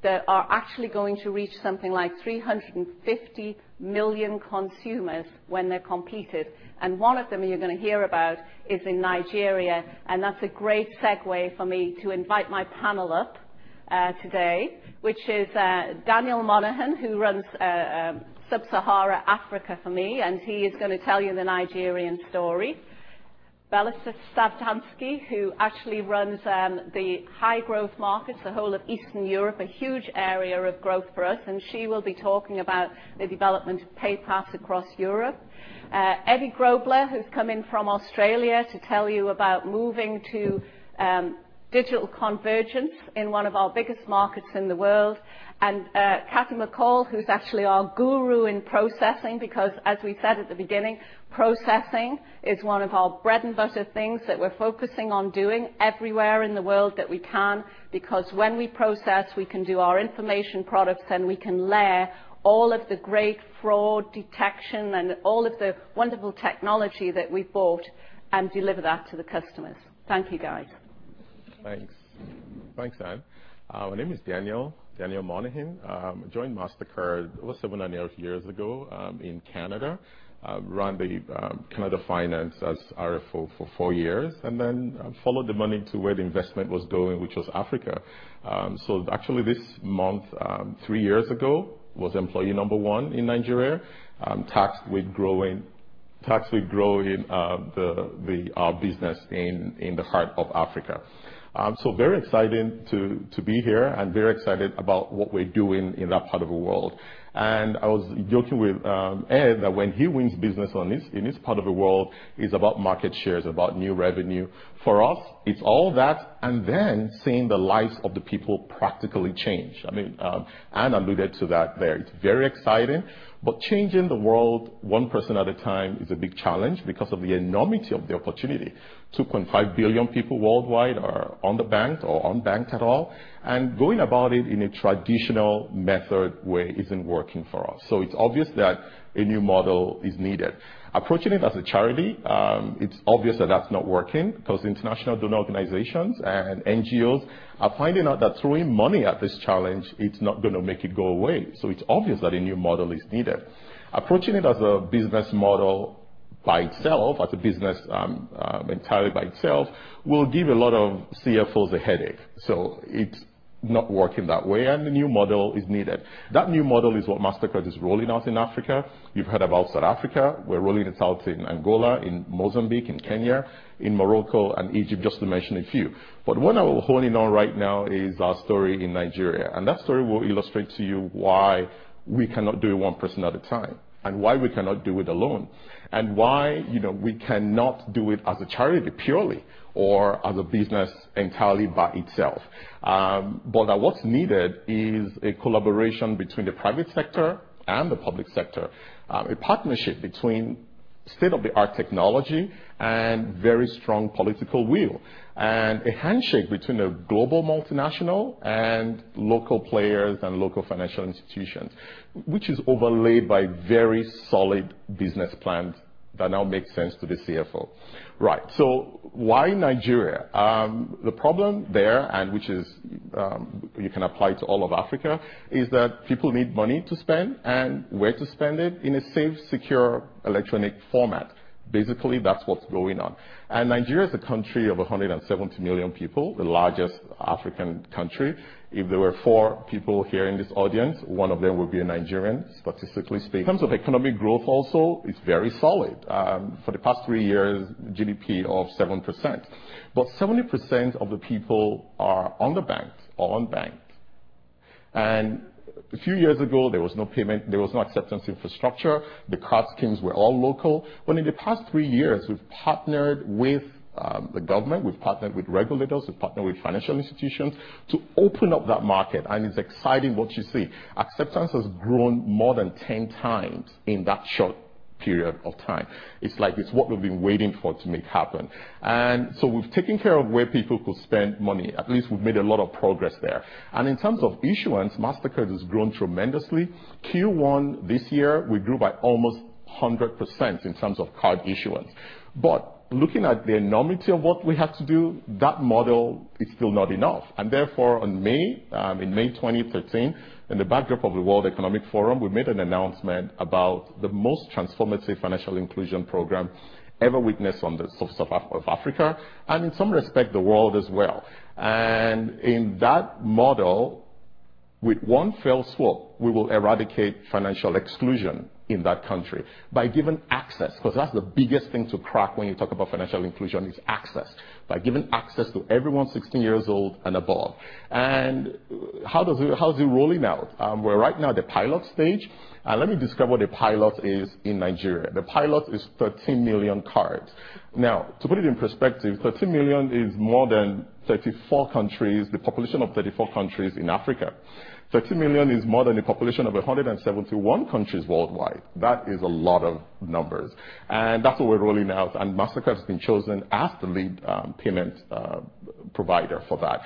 that are actually going to reach something like 350 million consumers when they're completed. One of them you're going to hear about is in Nigeria. That's a great segue for me to invite my panel up today, which is Daniel Monehin, who runs Sub-Saharan Africa for me, and he is going to tell you the Nigerian story. Bella Starczanski, who actually runs the high-growth markets, the whole of Eastern Europe, a huge area of growth for us, and she will be talking about the development of PayPass across Europe. Eddie Grobler, who is come in from Australia to tell you about moving to digital convergence in one of our biggest markets in the world. Kathy McCall, who is actually our guru in processing because as we said at the beginning, processing is one of our bread and butter things that we are focusing on doing everywhere in the world that we can. When we process, we can do our information products and we can layer all of the great fraud detection and all of the wonderful technology that we have bought and deliver that to the customers. Thank you, guys. Thanks, Ann. My name is Daniel Monehin. I joined Mastercard, it was seven and a half years ago in Canada. Ran the Canada Finance as RFO for four years, followed the money to where the investment was going, which was Africa. Actually this month, three years ago, was employee number 1 in Nigeria, tasked with growing the business in the heart of Africa. Very exciting to be here and very excited about what we are doing in that part of the world. I was joking with Ed that when he wins business in his part of the world, it is about market shares, about new revenue. For us, it is all that and then seeing the lives of the people practically change. Ann alluded to that there. It is very exciting, but changing the world one person at a time is a big challenge because of the enormity of the opportunity. 2.5 billion people worldwide are underbanked or unbanked at all, going about it in a traditional method way is not working for us. It is obvious that a new model is needed. Approaching it as a charity, it is obvious that that is not working because international donor organizations and NGOs are finding out that throwing money at this challenge, it is not going to make it go away. It is obvious that a new model is needed. Approaching it as a business model by itself, as a business entirely by itself, will give a lot of CFOs a headache. It is not working that way, a new model is needed. That new model is what Mastercard is rolling out in Africa. You have heard about South Africa. We are rolling this out in Angola, in Mozambique, in Kenya, in Morocco and Egypt, just to mention a few. What I will hone in on right now is our story in Nigeria. That story will illustrate to you why we cannot do it one person at a time, why we cannot do it alone, why we cannot do it as a charity purely or as a business entirely by itself. That what is needed is a collaboration between the private sector and the public sector. A partnership between state-of-the-art technology and very strong political will, a handshake between a global multinational and local players and local financial institutions, which is overlaid by very solid business plans that now make sense to the CFO. Right. Why Nigeria? The problem there, which you can apply to all of Africa, is that people need money to spend and where to spend it in a safe, secure electronic format. Basically, that's what's going on. Nigeria is a country of 170 million people, the largest African country. If there were four people here in this audience, one of them would be a Nigerian, statistically speaking. In terms of economic growth also, it's very solid. For the past three years, GDP of 7%. 70% of the people are underbanked or unbanked. A few years ago, there was no payment, there was no acceptance infrastructure. The card schemes were all local. In the past three years, we've partnered with the government, we've partnered with regulators, we've partnered with financial institutions to open up that market, and it's exciting what you see. Acceptance has grown more than 10 times in that short period of time. It's like it's what we've been waiting for to make happen. We've taken care of where people could spend money. At least we've made a lot of progress there. In terms of issuance, Mastercard has grown tremendously. Q1 this year, we grew by almost 100% in terms of card issuance. Looking at the enormity of what we have to do, that model is still not enough. Therefore, in May 2013, in the backdrop of the World Economic Forum, we made an announcement about the most transformative financial inclusion program ever witnessed on the source of Africa, and in some respect, the world as well. In that model, with one fell swoop, we will eradicate financial exclusion in that country by giving access, because that's the biggest thing to crack when you talk about financial inclusion, is access. By giving access to everyone 16 years old and above. How is it rolling out? We're right now at the pilot stage. Let me describe what a pilot is in Nigeria. The pilot is 13 million cards. Now, to put it in perspective, 13 million is more than 34 countries, the population of 34 countries in Africa. 13 million is more than the population of 171 countries worldwide. That is a lot of numbers. That's what we're rolling out, and Mastercard has been chosen as the lead payment provider for that.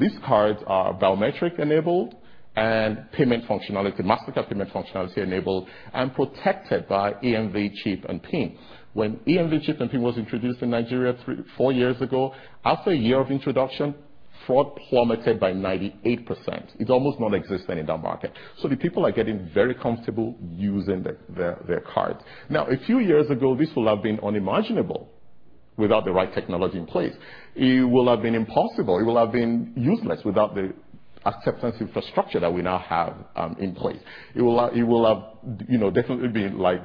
These cards are biometric enabled and payment functionality, Mastercard payment functionality enabled and protected by EMV chip and PIN. When EMV chip and PIN was introduced in Nigeria four years ago, after a year of introduction, fraud plummeted by 98%. It's almost non-existent in that market. The people are getting very comfortable using their cards. A few years ago, this will have been unimaginable without the right technology in place. It would have been impossible, it would have been useless without the acceptance infrastructure that we now have in place. It would have definitely been like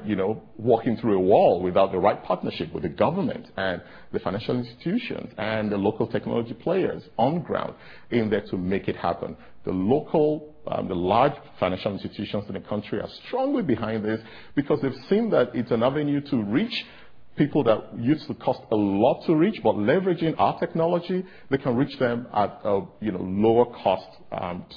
walking through a wall without the right partnership with the government and the financial institutions and the local technology players on ground in there to make it happen. The local, large financial institutions in the country are strongly behind this because they've seen that it's an avenue to reach people that used to cost a lot to reach, but leveraging our technology, they can reach them at lower cost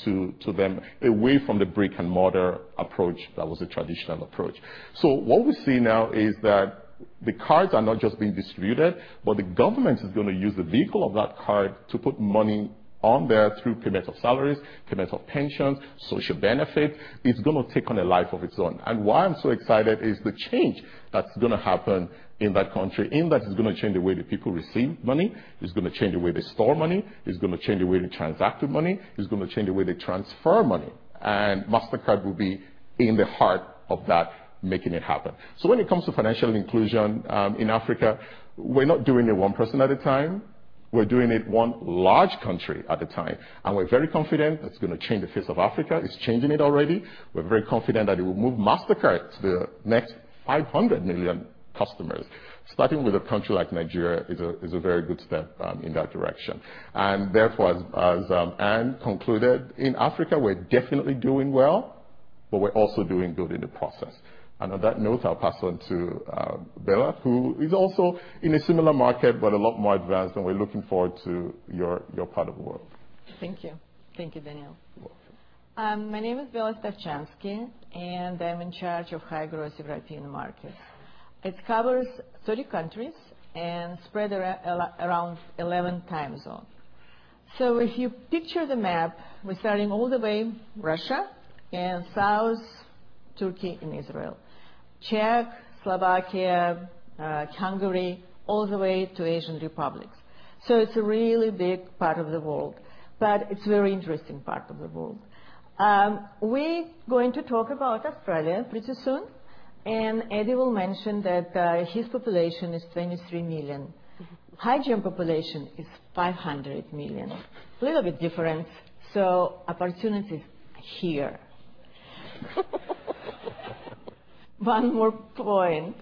to them, away from the brick and mortar approach that was a traditional approach. What we see now is that the cards are not just being distributed, but the government is going to use the vehicle of that card to put money on there through payments of salaries, payments of pensions, social benefits. It's going to take on a life of its own. Why I'm so excited is the change that's going to happen in that country. In that it's going to change the way that people receive money, it's going to change the way they store money, it's going to change the way they transact with money, it's going to change the way they transfer money. Mastercard will be in the heart of that, making it happen. When it comes to financial inclusion in Africa, we're not doing it one person at a time. We're doing it one large country at a time, and we're very confident that it's going to change the face of Africa. It's changing it already. We're very confident that it will move Mastercard to the next 500 million customers. Starting with a country like Nigeria is a very good step in that direction. Therefore, as Ann concluded, in Africa, we're definitely doing well, but we're also doing good in the process. On that note, I'll pass on to Bella, who is also in a similar market, but a lot more advanced, and we're looking forward to your part of the world. Thank you. Thank you, Daniel. You're welcome. My name is Bella Starczanski, and I'm in charge of high-growth emerging markets. It covers 30 countries and spread around 11 time zone. If you picture the map, we're starting all the way Russia and south, Turkey and Israel, Czech, Slovakia, Hungary, all the way to Asian republics. It's a really big part of the world, but it's very interesting part of the world. We going to talk about Australia pretty soon, and Eddie will mention that his population is 23 million. H-GEM population is 500 million. A little bit different. Opportunities here. One more point,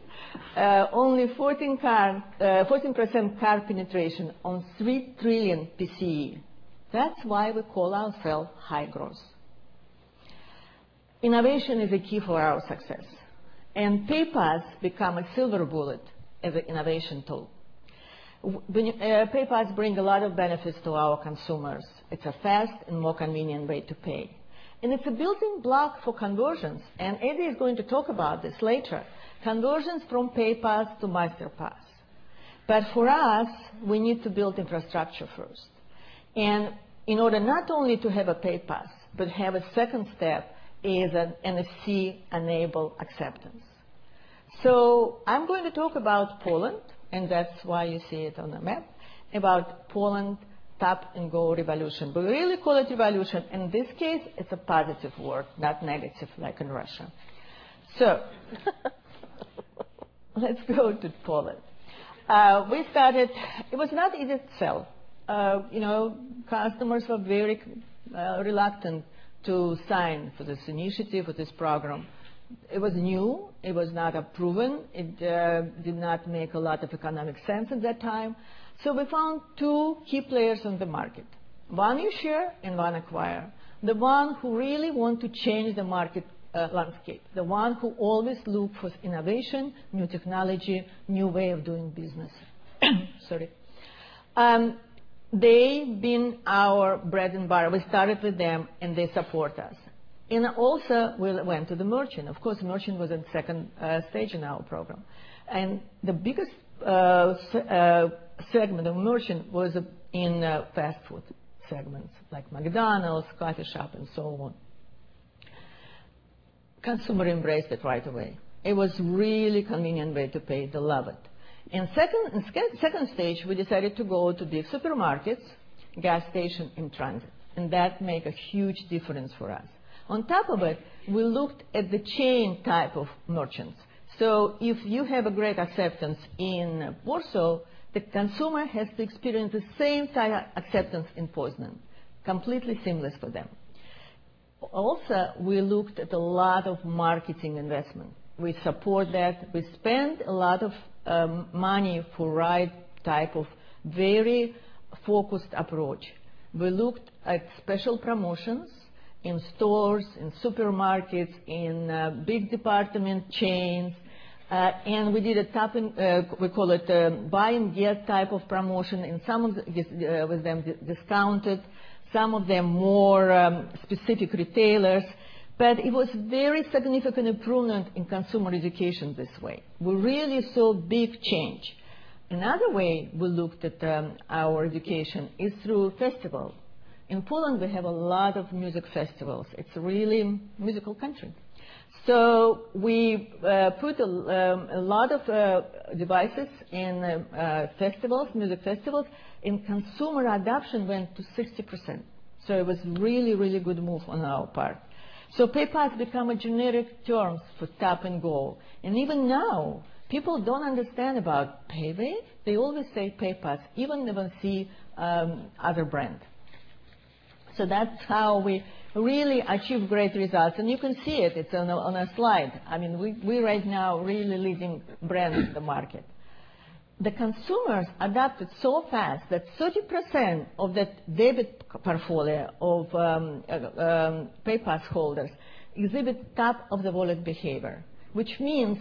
only 14% card penetration on 3 trillion PCE. That's why we call ourself high-growth. Innovation is a key for our success, and PayPass become a silver bullet as an innovation tool. PayPass bring a lot of benefits to our consumers. It's a fast and more convenient way to pay, and it's a building block for conversions, and Eddie is going to talk about this later, conversions from PayPass to Masterpass. For us, we need to build infrastructure first. In order not only to have a PayPass, but have a stage 2 is an NFC-enabled acceptance. I'm going to talk about Poland, and that's why you see it on the map, about Poland tap-and-go revolution. We really call it revolution. In this case, it's a positive word, not negative like in Russia. Let's go to Poland. We started, it was not easy sell. Customers were very reluctant to sign for this initiative, for this program. It was new. It was not a proven. It did not make a lot of economic sense at that time. We found two key players on the market, one issuer and one acquirer, the one who really want to change the market landscape, the one who always look for innovation, new technology, new way of doing business. Sorry. They've been our bread and butter. We started with them, and they support us. Also we went to the merchant. Of course, merchant was in stage 2 in our program. The biggest segment of merchant was in fast food segments like McDonald's, coffee shop, and so on. Consumer embraced it right away. It was really convenient way to pay. They love it. In stage 2, we decided to go to the supermarkets, gas station, and transit, and that make a huge difference for us. On top of it, we looked at the chain type of merchants. If you have a great acceptance in Warsaw, the consumer has to experience the same type of acceptance in Poznań, completely seamless for them. Also, we looked at a lot of marketing investment. We support that. We spend a lot of money for right type of very focused approach. We looked at special promotions in stores, in supermarkets, in big department chains. We did a tap and buy and get type of promotion, and some of them discounted, some of them more specific retailers. It was very significant improvement in consumer education this way. We really saw big change. Another way we looked at our education is through festival. In Poland, we have a lot of music festivals. It's really musical country. We put a lot of devices in music festivals, and consumer adoption went to 60%. It was really, really good move on our part. PayPass become a generic term for tap and go. Even now, people don't understand about payWave. They always say PayPass even they will see other brand. That's how we really achieve great results. You can see it. It's on a slide. We right now are really leading brand in the market. The consumers adapted so fast that 30% of that debit portfolio of PayPass holders exhibit top-of-the-wallet behavior, which means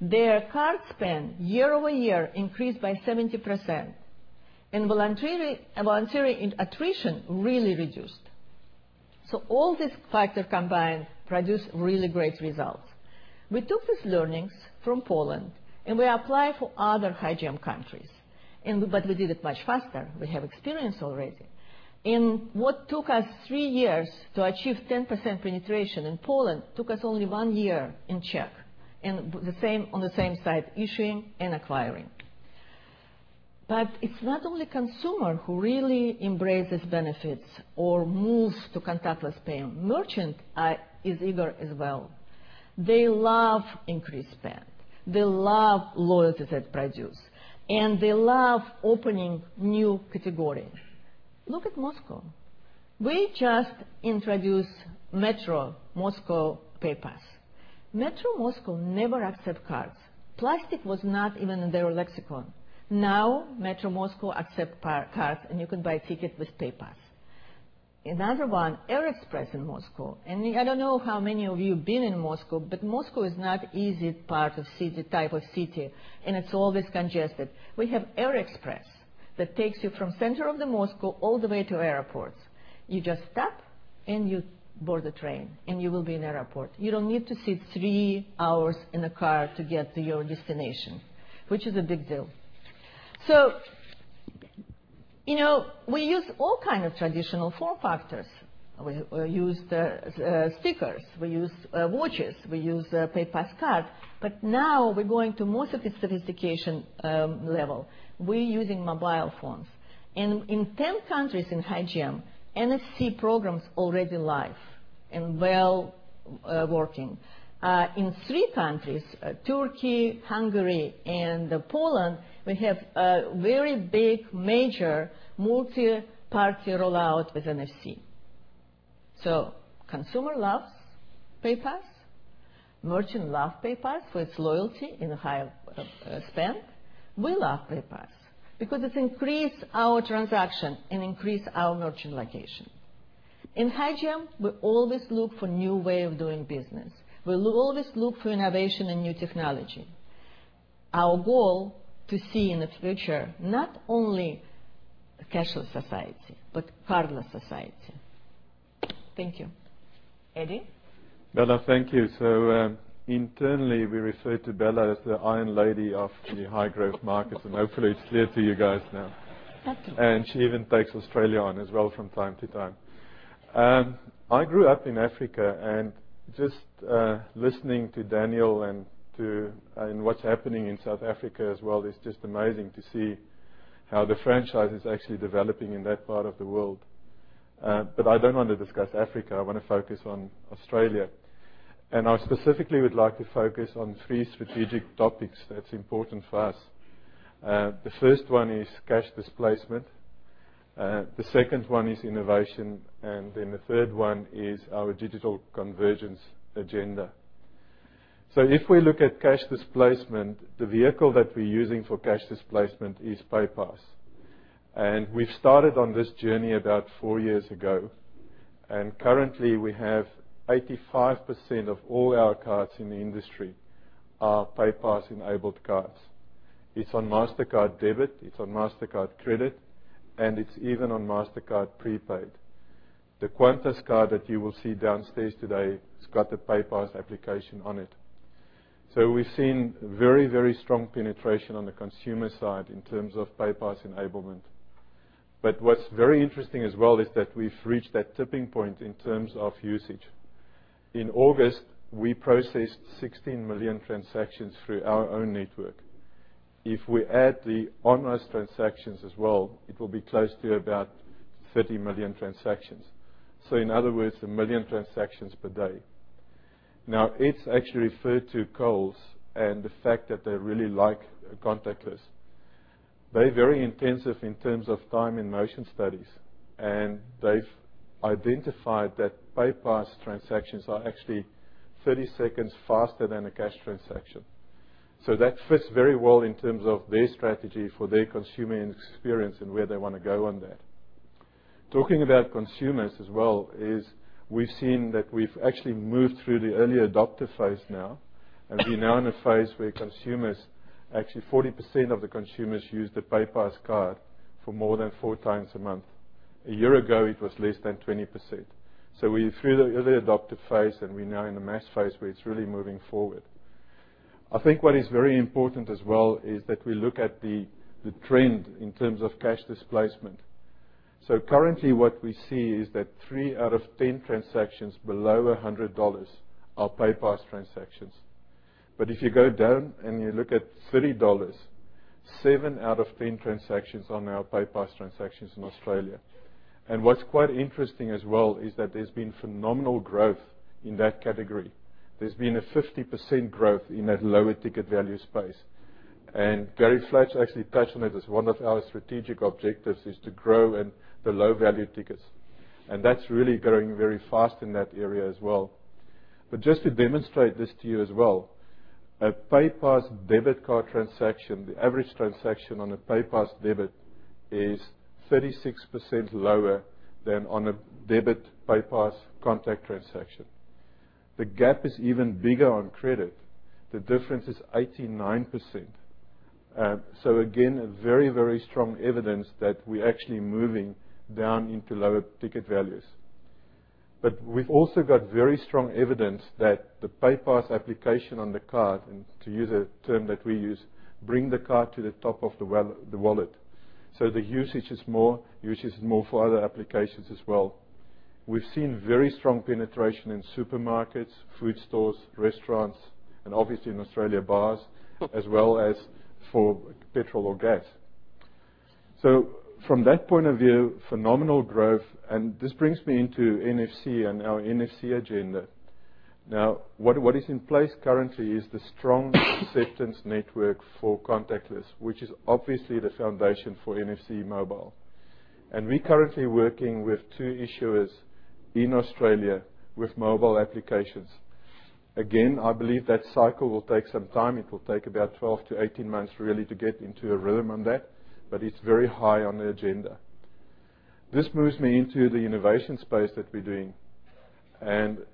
their card spend year-over-year increased by 70%, and voluntary attrition really reduced. All these factor combined produce really great results. We took these learnings from Poland, and we apply for other high-growth countries. We did it much faster. We have experience already. What took us 3 years to achieve 10% penetration in Poland took us only one year in Czech on the same side, issuing and acquiring. It's not only consumer who really embraces benefits or moves to contactless pay. Merchant is eager as well. They love increased spend. They love loyalty that produce, and they love opening new categories. Look at Moscow. We just introduced Moscow Metro PayPass. Moscow Metro never accept cards. Plastic was not even in their lexicon. Now, Moscow Metro accept cards, and you can buy ticket with PayPass. I don't know how many of you been in Moscow, but Moscow is not easy type of city, and it's always congested. We have Aeroexpress that takes you from center of the Moscow all the way to airports. You just tap, you board the train, you will be in the airport. You don't need to sit 3 hours in a car to get to your destination, which is a big deal. We use all kind of traditional form factors. We use stickers, we use watches, we use PayPass card, now we're going to most of the sophistication level. We're using mobile phones. In 10 countries in GM, NFC programs already live and well working. In 3 countries, Turkey, Hungary, and Poland, we have a very big major multi-party rollout with NFC. Consumer loves PayPass, merchant love PayPass with loyalty in a higher spend. We love PayPass because it increase our transaction and increase our merchant location. In GM, we always look for new way of doing business. We always look for innovation and new technology. Our goal is to see in the future, not only a cashless society, but cardless society. Thank you. Eddie? Bella, thank you. Internally, we refer to Bella as the Iron Lady of the high-growth markets. Hopefully, it's clear to you guys now. Thank you. She even takes Australia on as well from time to time. I grew up in Africa, and just listening to Daniel and what's happening in South Africa as well, it's just amazing to see how the franchise is actually developing in that part of the world. I don't want to discuss Africa. I want to focus on Australia. I specifically would like to focus on three strategic topics that's important for us. The first one is cash displacement, the second one is innovation. The third one is our digital convergence agenda. If we look at cash displacement, the vehicle that we're using for cash displacement is PayPass. We've started on this journey about four years ago. Currently, we have 85% of all our cards in the industry are PayPass-enabled cards. It's on Mastercard Debit, it's on Mastercard Credit, and it's even on Mastercard Prepaid. The Qantas card that you will see downstairs today, it's got the PayPass application on it. We've seen very strong penetration on the consumer side in terms of PayPass enablement. What's very interesting as well is that we've reached that tipping point in terms of usage. In August, we processed 16 million transactions through our own network. If we add the online transactions as well, it will be close to about 30 million transactions. In other words, a million transactions per day. It's actually referred to Coles and the fact that they really like contactless. They're very intensive in terms of time and motion studies, and they've identified that PayPass transactions are actually 30 seconds faster than a cash transaction. That fits very well in terms of their strategy for their consumer experience and where they want to go on that. Talking about consumers as well is we've seen that we've actually moved through the early adopter phase now, and we're now in a phase where consumers, actually 40% of the consumers use the PayPass card for more than four times a month. A year ago, it was less than 20%. We're through the early adopter phase, and we're now in the mass phase where it's really moving forward. I think what is very important as well is that we look at the trend in terms of cash displacement. Currently, what we see is that three out of 10 transactions below $100 are PayPass transactions. If you go down and you look at $30, seven out of 10 transactions are now PayPass transactions in Australia. What's quite interesting as well is that there's been phenomenal growth in that category. There's been a 50% growth in that lower ticket value space. Gary Flood actually touched on it as one of our strategic objectives is to grow in the low-value tickets. That's really growing very fast in that area as well. Just to demonstrate this to you as well, a PayPass debit card transaction, the average transaction on a PayPass debit is 36% lower than on a debit PayPass contact transaction. The gap is even bigger on credit. The difference is 89%. Again, a very strong evidence that we're actually moving down into lower ticket values. We've also got very strong evidence that the PayPass application on the card, and to use a term that we use, bring the card to the top of the wallet. The usage is more for other applications as well. We've seen very strong penetration in supermarkets, food stores, restaurants, and obviously in Australia, bars, as well as for petrol or gas. From that point of view, phenomenal growth. This brings me into NFC and our NFC agenda. What is in place currently is the strong acceptance network for contactless, which is obviously the foundation for NFC mobile. We're currently working with two issuers in Australia with mobile applications. Again, I believe that cycle will take some time. It will take about 12 to 18 months really to get into a rhythm on that, but it's very high on the agenda. This moves me into the innovation space that we're doing.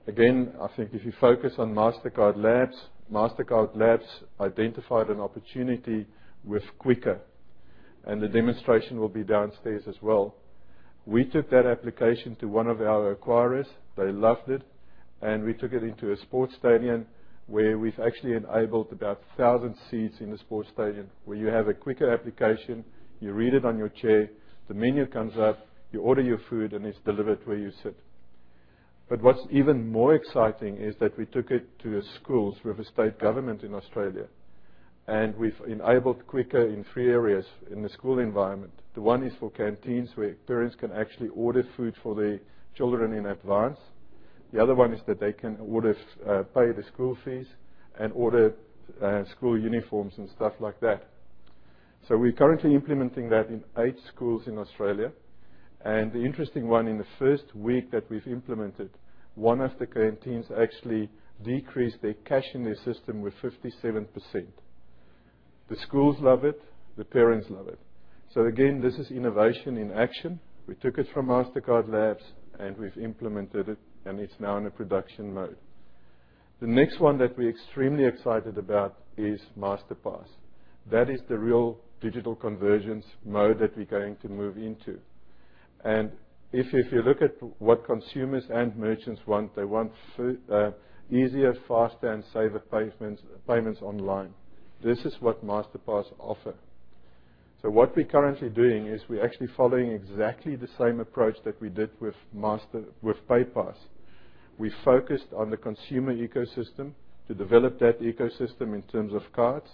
Again, I think if you focus on Mastercard Labs, Mastercard Labs identified an opportunity with Qkr!, and the demonstration will be downstairs as well. We took that application to one of our acquirers. They loved it, and we took it into a sports stadium, where we have actually enabled about 1,000 seats in the sports stadium, where you have a Qkr! application, you read it on your chair, the menu comes up, you order your food, and it is delivered where you sit. What is even more exciting is that we took it to schools with the state government in Australia. We have enabled Qkr! in three areas in the school environment. The one is for canteens, where parents can actually order food for their children in advance. The other one is that they can pay the school fees and order school uniforms and stuff like that. We are currently implementing that in eight schools in Australia. The interesting one, in the first week that we have implemented, one of the canteens actually decreased their cash in their system with 57%. The schools love it. The parents love it. Again, this is innovation in action. We took it from Mastercard Labs, and we have implemented it, and it is now in a production mode. The next one that we are extremely excited about is Masterpass. That is the real digital convergence mode that we are going to move into. If you look at what consumers and merchants want, they want easier, faster, and safer payments online. This is what Masterpass offer. What we are currently doing is we are actually following exactly the same approach that we did with PayPass. We focused on the consumer ecosystem to develop that ecosystem in terms of cards.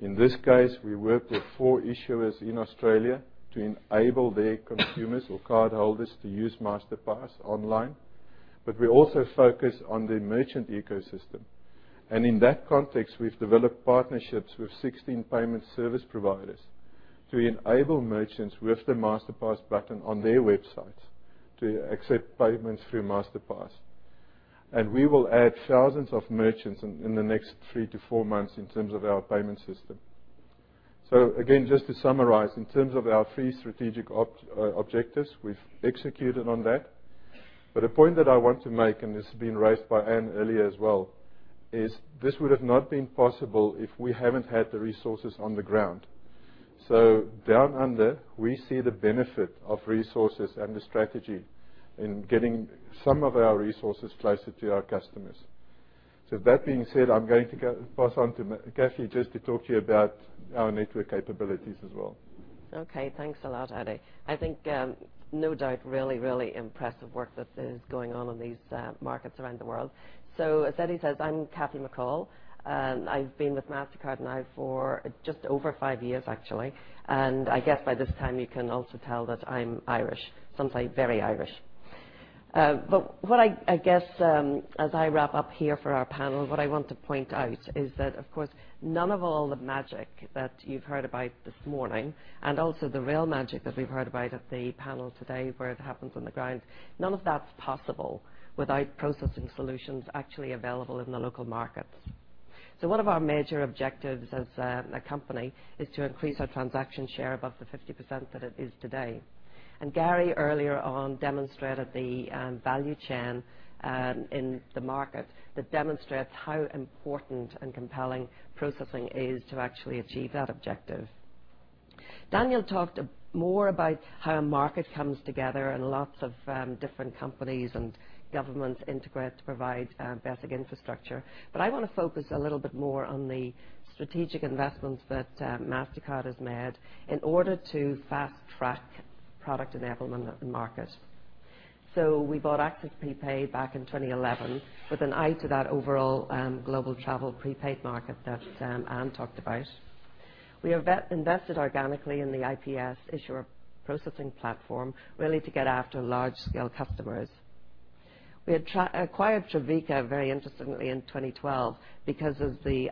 In this case, we worked with four issuers in Australia to enable their consumers or cardholders to use Masterpass online. We also focus on the merchant ecosystem. In that context, we have developed partnerships with 16 payment service providers to enable merchants with the Masterpass button on their websites to accept payments through Masterpass. We will add thousands of merchants in the next three to four months in terms of our payment system. Again, just to summarize, in terms of our three strategic objectives, we have executed on that. A point that I want to make, and this has been raised by Ann earlier as well, is this would have not been possible if we have not had the resources on the ground. Down under, we see the benefit of resources and the strategy in getting some of our resources closer to our customers. That being said, I am going to pass on to Kathy just to talk to you about our network capabilities as well. Okay, thanks a lot, Eddie. I think no doubt, really impressive work that is going on in these markets around the world. As Eddie says, I'm Kathy McCall. I've been with Mastercard now for just over 5 years, actually. I guess by this time you can also tell that I'm Irish. Sometimes very Irish. What I guess as I wrap up here for our panel, what I want to point out is that, of course, none of all the magic that you've heard about this morning, and also the real magic that we've heard about at the panel today, where it happens on the ground, none of that's possible without processing solutions actually available in the local markets. One of our major objectives as a company is to increase our transaction share above the 50% that it is today. Gary, earlier on, demonstrated the value chain in the market that demonstrates how important and compelling processing is to actually achieve that objective. Daniel talked more about how a market comes together and lots of different companies and governments integrate to provide basic infrastructure. I want to focus a little bit more on the strategic investments that Mastercard has made in order to fast-track product enablement in the market. We bought Access Prepaid back in 2011 with an eye to that overall global travel prepaid market that Ann talked about. We have invested organically in the IPS issuer processing platform, really to get after large-scale customers. We acquired Trevica very interestingly in 2012 because when the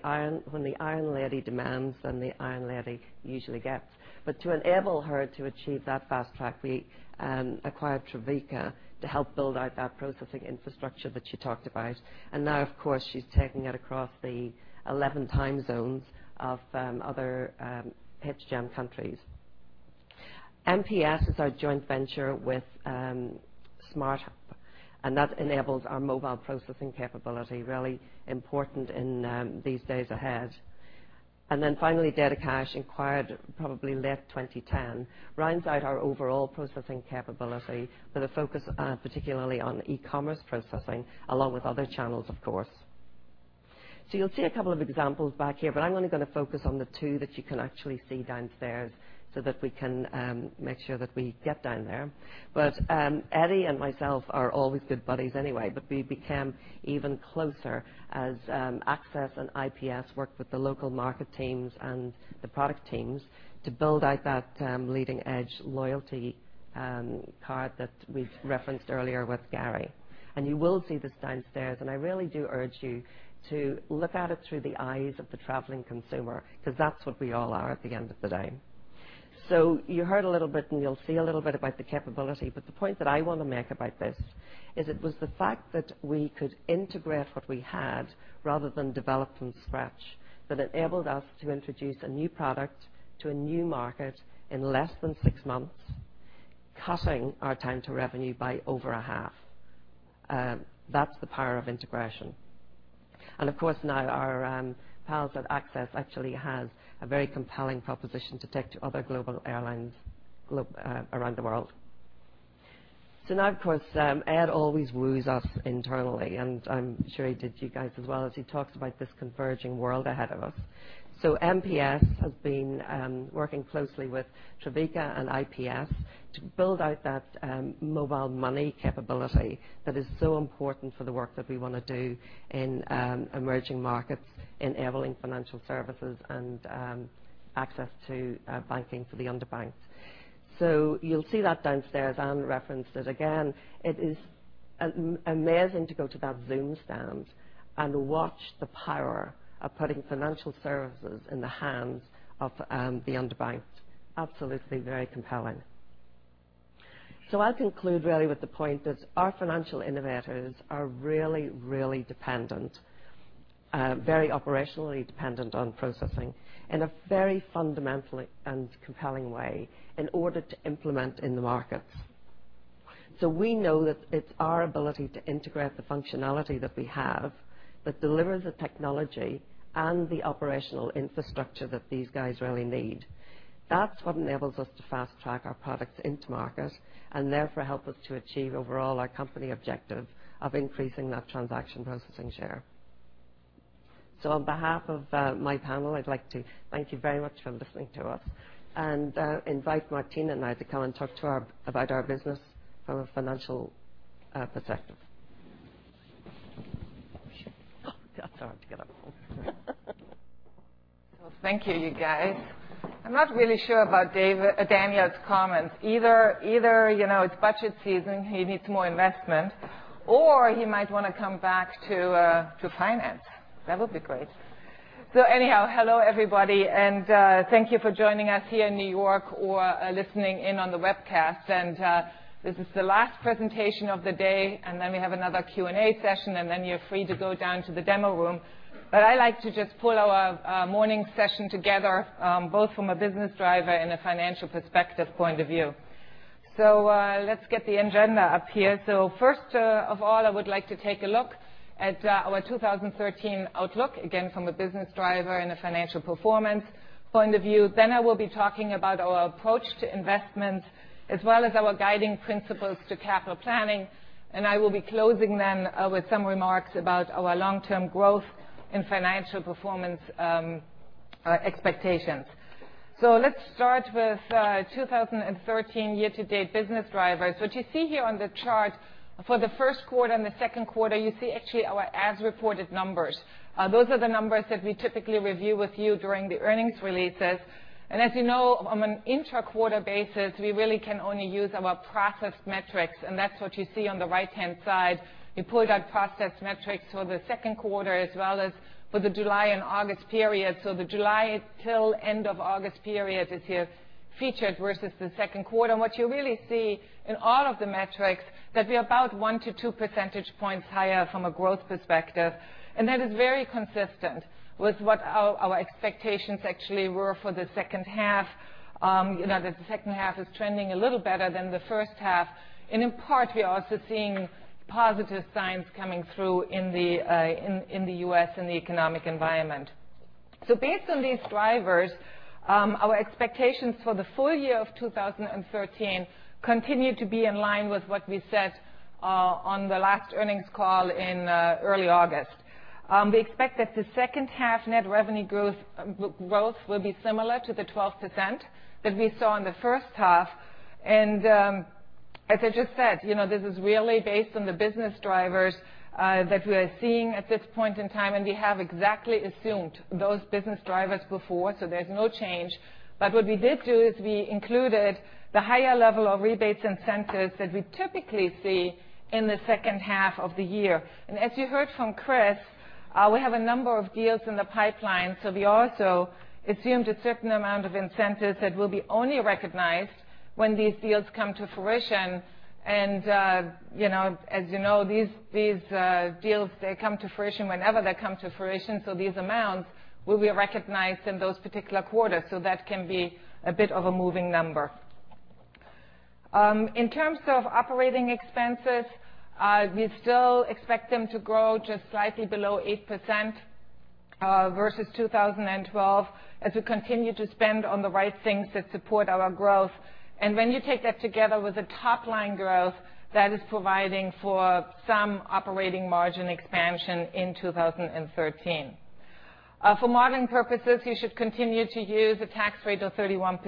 Iron Lady demands, then the Iron Lady usually gets. To enable her to achieve that fast track, we acquired Trevica to help build out that processing infrastructure that she talked about. Now, of course, she's taking it across the 11 time zones of other HGM countries. MPS is our joint venture with Smart, that enables our mobile processing capability, really important in these days ahead. Finally, DataCash acquired probably late 2010, rounds out our overall processing capability with a focus particularly on e-commerce processing, along with other channels, of course. You'll see a couple of examples back here, but I'm only going to focus on the 2 that you can actually see downstairs so that we can make sure that we get down there. Eddie and myself are always good buddies anyway, we became even closer as Access and IPS worked with the local market teams and the product teams to build out that leading-edge loyalty card that we referenced earlier with Gary. You will see this downstairs, I really do urge you to look at it through the eyes of the traveling consumer, because that's what we all are at the end of the day. You heard a little bit, you'll see a little bit about the capability, the point that I want to make about this is it was the fact that we could integrate what we had rather than develop from scratch that enabled us to introduce a new product to a new market in less than 6 months, cutting our time to revenue by over a half. That's the power of integration. Of course, now our pals at Access actually has a very compelling proposition to take to other global airlines around the world. Now, of course, Ed always woos us internally, and I'm sure he did you guys as well, as he talks about this converging world ahead of us. MPS has been working closely with Trevica and IPS to build out that mobile money capability that is so important for the work that we want to do in emerging markets, enabling financial services and access to banking for the underbanked. You'll see that downstairs. Ann referenced it again. It is amazing to go to that Zuum stand and watch the power of putting financial services in the hands of the underbanked. Absolutely very compelling. I'll conclude really with the point that our financial innovators are really, really dependent, very operationally dependent on processing in a very fundamental and compelling way in order to implement in the markets. We know that it's our ability to integrate the functionality that we have that delivers the technology and the operational infrastructure that these guys really need. That's what enables us to fast-track our products into market and therefore help us to achieve overall our company objective of increasing that transaction processing share. On behalf of my panel, I'd like to thank you very much for listening to us and invite Martina now to come and talk about our business from a financial perspective. Oh, sorry. I have to get up. Thank you guys. I'm not really sure about Daniel's comments. Either it's budget season, he needs more investment, or he might want to come back to finance. That would be great. Anyhow, hello, everybody, and thank you for joining us here in New York or listening in on the webcast. This is the last presentation of the day, and then we have another Q&A session, and then you're free to go down to the demo room. I'd like to just pull our morning session together, both from a business driver and a financial perspective point of view. Let's get the agenda up here. First of all, I would like to take a look at our 2013 outlook, again, from a business driver and a financial performance point of view. I will be talking about our approach to investments as well as our guiding principles to capital planning. I will be closing then with some remarks about our long-term growth and financial performance expectations. Let's start with 2013 year-to-date business drivers. What you see here on the chart, for the first quarter and the second quarter, you see actually our as-reported numbers. Those are the numbers that we typically review with you during the earnings releases. As you know, on an intra-quarter basis, we really can only use our processed metrics, and that's what you see on the right-hand side. We pulled out processed metrics for the second quarter as well as for the July and August period. The July till end of August period is here featured versus the second quarter. What you really see in all of the metrics that we're about one to two percentage points higher from a growth perspective, and that is very consistent with what our expectations actually were for the second half. The second half is trending a little better than the first half. In part, we are also seeing positive signs coming through in the U.S. in the economic environment. Based on these drivers, our expectations for the full year of 2013 continue to be in line with what we said on the last earnings call in early August. We expect that the second half net revenue growth will be similar to the 12% that we saw in the first half. As I just said, this is really based on the business drivers that we are seeing at this point in time, and we have exactly assumed those business drivers before, so there's no change. What we did do is we included the higher level of rebates incentives that we typically see in the second half of the year. As you heard from Chris, we have a number of deals in the pipeline. We also assumed a certain amount of incentives that will be only recognized when these deals come to fruition. As you know, these deals, they come to fruition whenever they come to fruition. These amounts will be recognized in those particular quarters. That can be a bit of a moving number. In terms of operating expenses, we still expect them to grow just slightly below 8%. Versus 2012, as we continue to spend on the right things that support our growth. When you take that together with the top-line growth, that is providing for some operating margin expansion in 2013. For modeling purposes, you should continue to use a tax rate of 31%.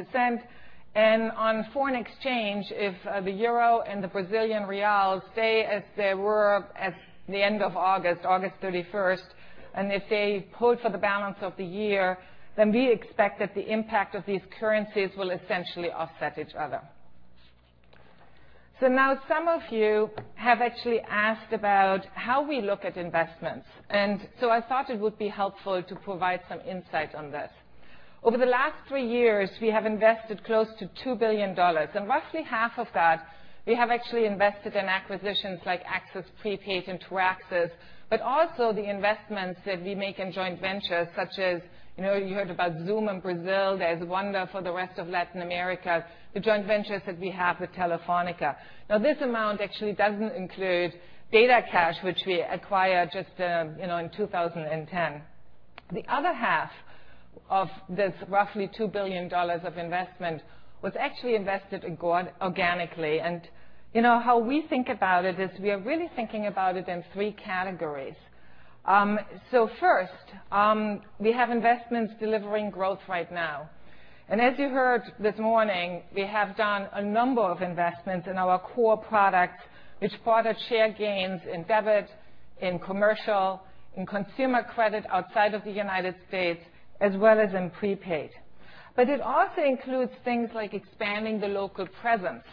On foreign exchange, if the euro and the Brazilian real stay as they were at the end of August 31st, and if they hold for the balance of the year, then we expect that the impact of these currencies will essentially offset each other. Now some of you have actually asked about how we look at investments. I thought it would be helpful to provide some insight on this. Over the last three years, we have invested close to $2 billion. Roughly half of that we have actually invested in acquisitions like Access Prepaid and Truaxis, but also the investments that we make in joint ventures such as, you heard about Zuum in Brazil, there's Wonder for the rest of Latin America, the joint ventures that we have with Telefónica. This amount actually doesn't include DataCash, which we acquired just in 2010. The other half of this roughly $2 billion of investment was actually invested organically. How we think about it is we are really thinking about it in three categories. First, we have investments delivering growth right now. As you heard this morning, we have done a number of investments in our core products, which brought us share gains in debit, in commercial, in consumer credit outside of the U.S., as well as in prepaid. It also includes things like expanding the local presence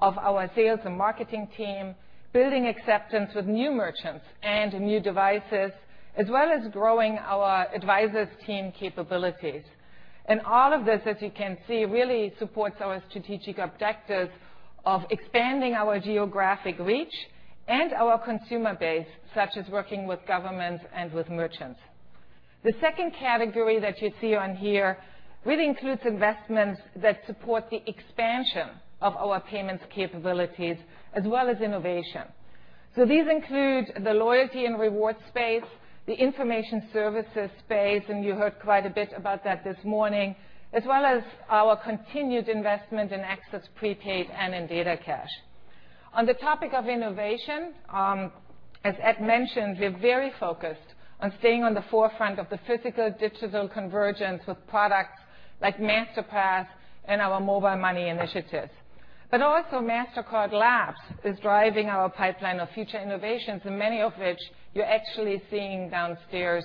of our sales and marketing team, building acceptance with new merchants and new devices, as well as growing our Mastercard Advisors team capabilities. All of this, as you can see, really supports our strategic objectives of expanding our geographic reach and our consumer base, such as working with governments and with merchants. The second category that you see on here really includes investments that support the expansion of our payments capabilities as well as innovation. These include the loyalty and rewards space, the information services space, and you heard quite a bit about that this morning, as well as our continued investment in Access Prepaid and in DataCash. On the topic of innovation, as Ed mentioned, we are very focused on staying on the forefront of the physical-digital convergence with products like Masterpass and our mobile money initiatives. Also Mastercard Labs is driving our pipeline of future innovations and many of which you're actually seeing downstairs,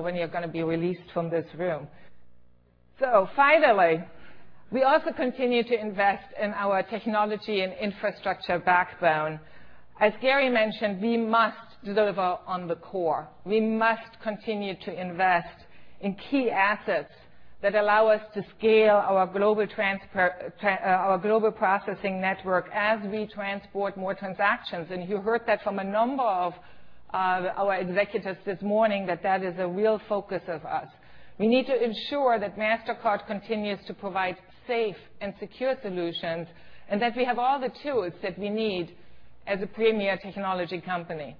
when you're going to be released from this room. Finally, we also continue to invest in our technology and infrastructure backbone. As Gary mentioned, we must deliver on the core. We must continue to invest in key assets that allow us to scale our global processing network as we transport more transactions. You heard that from a number of our executives this morning, that that is a real focus of us. We need to ensure that Mastercard continues to provide safe and secure solutions and that we have all the tools that we need as a premier technology company.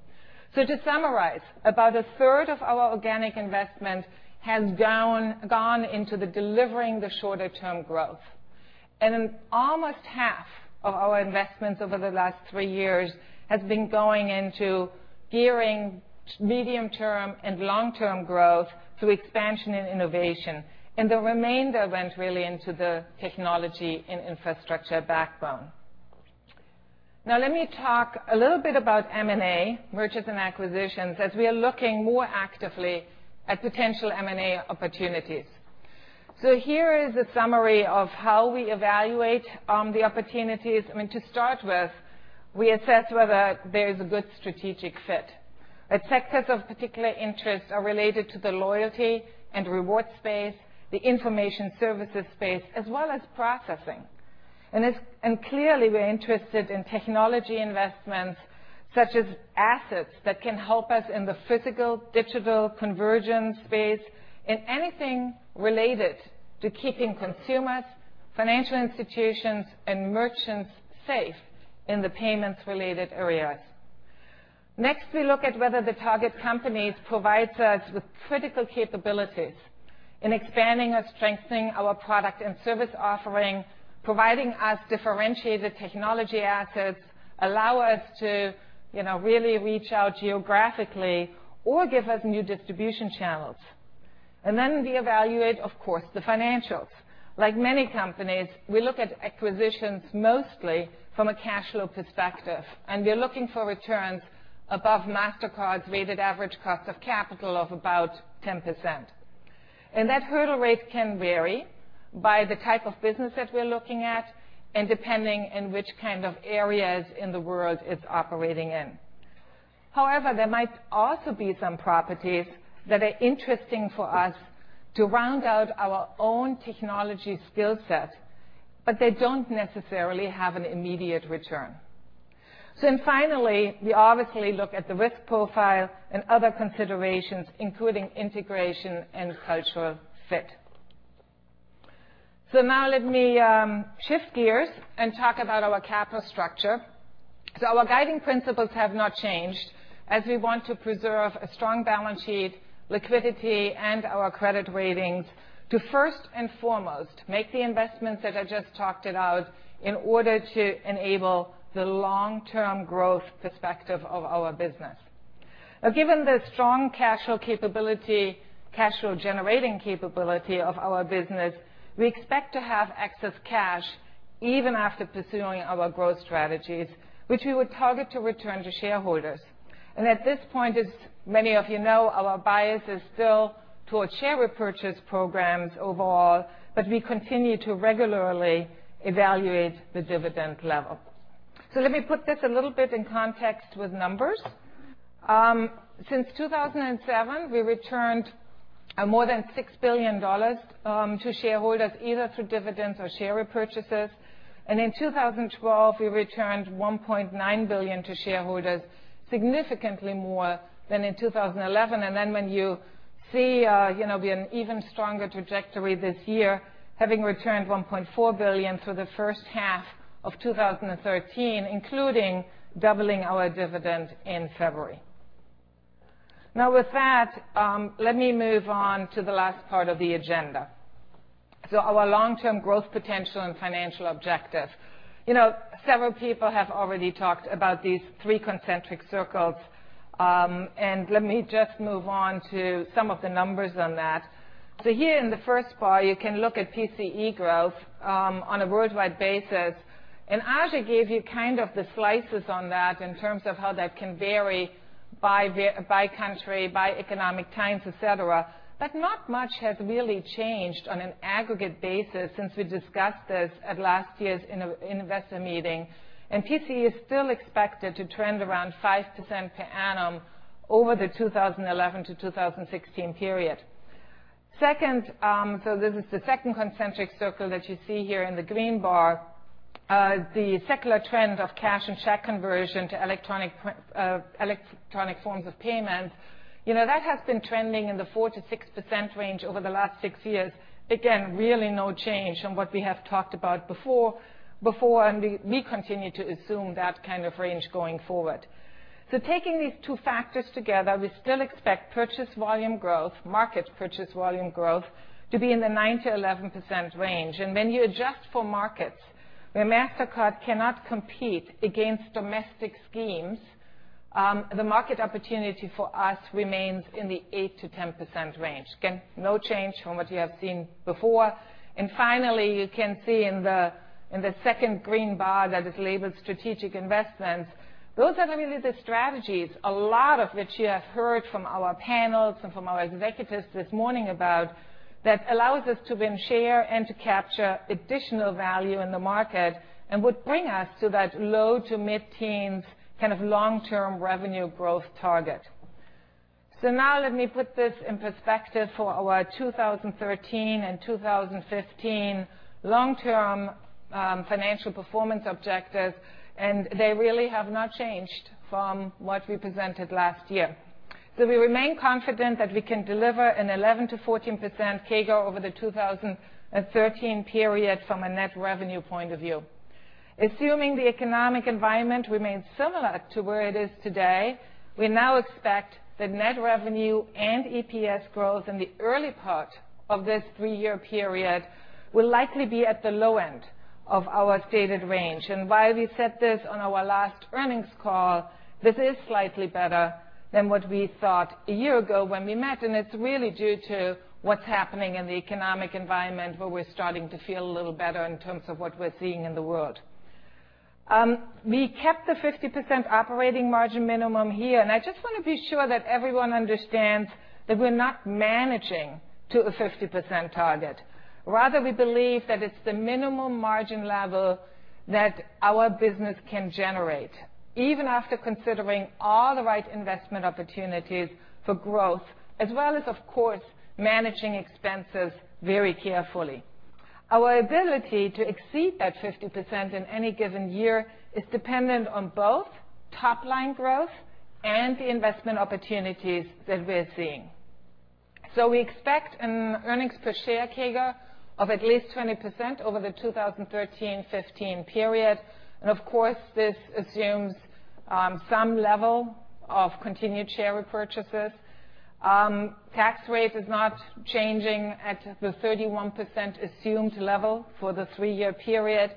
To summarize, about a third of our organic investment has gone into the delivering the shorter-term growth. Almost half of our investments over the last three years has been going into gearing medium-term and long-term growth through expansion and innovation. The remainder went really into the technology and infrastructure backbone. Now let me talk a little bit about M&A, mergers and acquisitions, as we are looking more actively at potential M&A opportunities. Here is a summary of how we evaluate the opportunities. I mean, to start with, we assess whether there is a good strategic fit. The sectors of particular interest are related to the loyalty and reward space, the information services space, as well as processing. Clearly, we're interested in technology investments such as assets that can help us in the physical-digital convergence space and anything related to keeping consumers, financial institutions, and merchants safe in the payments-related areas. Next, we look at whether the target companies provides us with critical capabilities in expanding or strengthening our product and service offering, providing us differentiated technology assets, allow us to really reach out geographically or give us new distribution channels. Then we evaluate, of course, the financials. Like many companies, we look at acquisitions mostly from a cash flow perspective, and we are looking for returns above Mastercard's weighted average cost of capital of about 10%. That hurdle rate can vary by the type of business that we're looking at and depending on which kind of areas in the world it's operating in. However, there might also be some properties that are interesting for us to round out our own technology skill set, but they don't necessarily have an immediate return. Finally, we obviously look at the risk profile and other considerations, including integration and cultural fit. Let me shift gears and talk about our capital structure. Our guiding principles have not changed, as we want to preserve a strong balance sheet, liquidity, and our credit rating to first and foremost make the investments that I just talked about in order to enable the long-term growth perspective of our business. Given the strong cash flow generating capability of our business, we expect to have excess cash even after pursuing our growth strategies, which we would target to return to shareholders. At this point, as many of you know, our bias is still towards share repurchase programs overall, but we continue to regularly evaluate the dividend level. Let me put this a little bit in context with numbers. Since 2007, we returned more than $6 billion to shareholders, either through dividends or share repurchases. In 2012, we returned $1.9 billion to shareholders, significantly more than in 2011. When you see we are in an even stronger trajectory this year, having returned $1.4 billion through the first half of 2013, including doubling our dividend in February. With that, let me move on to the last part of the agenda. Our long-term growth potential and financial objective. Several people have already talked about these three concentric circles, let me just move on to some of the numbers on that. Here in the first bar, you can look at PCE growth on a worldwide basis. Ajay gave you the slices on that in terms of how that can vary by country, by economic times, et cetera. Not much has really changed on an aggregate basis since we discussed this at last year's investor meeting and PCE is still expected to trend around 5% per annum over the 2011 to 2016 period. Second, this is the second concentric circle that you see here in the green bar. The secular trend of cash and check conversion to electronic forms of payment. That has been trending in the 4%-6% range over the last six years. Again, really no change from what we have talked about before, we continue to assume that kind of range going forward. Taking these two factors together, we still expect purchase volume growth, market purchase volume growth to be in the 9%-11% range. When you adjust for markets where Mastercard cannot compete against domestic schemes, the market opportunity for us remains in the 8%-10% range. Again, no change from what you have seen before. Finally, you can see in the second green bar that is labeled strategic investments. Those are really the strategies, a lot of which you have heard from our panels and from our executives this morning about, that allows us to win, share, and to capture additional value in the market and would bring us to that low- to mid-teens long-term revenue growth target. Let me put this in perspective for our 2013 and 2015 long-term financial performance objectives, they really have not changed from what we presented last year. We remain confident that we can deliver an 11%-14% CAGR over the 2013 period from a net revenue point of view. Assuming the economic environment remains similar to where it is today, we now expect that net revenue and EPS growth in the early part of this three-year period will likely be at the low end of our stated range. While we said this on our last earnings call, this is slightly better than what we thought a year ago when we met. It's really due to what's happening in the economic environment, where we're starting to feel a little better in terms of what we're seeing in the world. We kept the 50% operating margin minimum here, and I just want to be sure that everyone understands that we're not managing to a 50% target. Rather, we believe that it's the minimum margin level that our business can generate, even after considering all the right investment opportunities for growth, as well as, of course, managing expenses very carefully. Our ability to exceed that 50% in any given year is dependent on both top-line growth and the investment opportunities that we're seeing. We expect an earnings per share CAGR of at least 20% over the 2013-2015 period. Of course, this assumes some level of continued share repurchases. Tax rate is not changing at the 31% assumed level for the three-year period.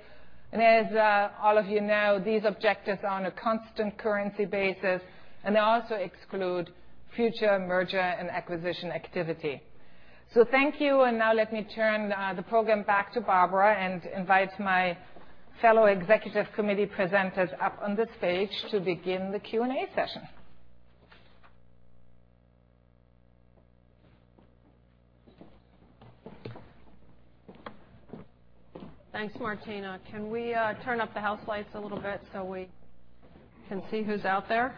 As all of you know, these objectives are on a constant currency basis and also exclude future merger and acquisition activity. Thank you, and now let me turn the program back to Barbara and invite my fellow executive committee presenters up on the stage to begin the Q&A session. Thanks, Martina. Can we turn up the house lights a little bit so we can see who's out there?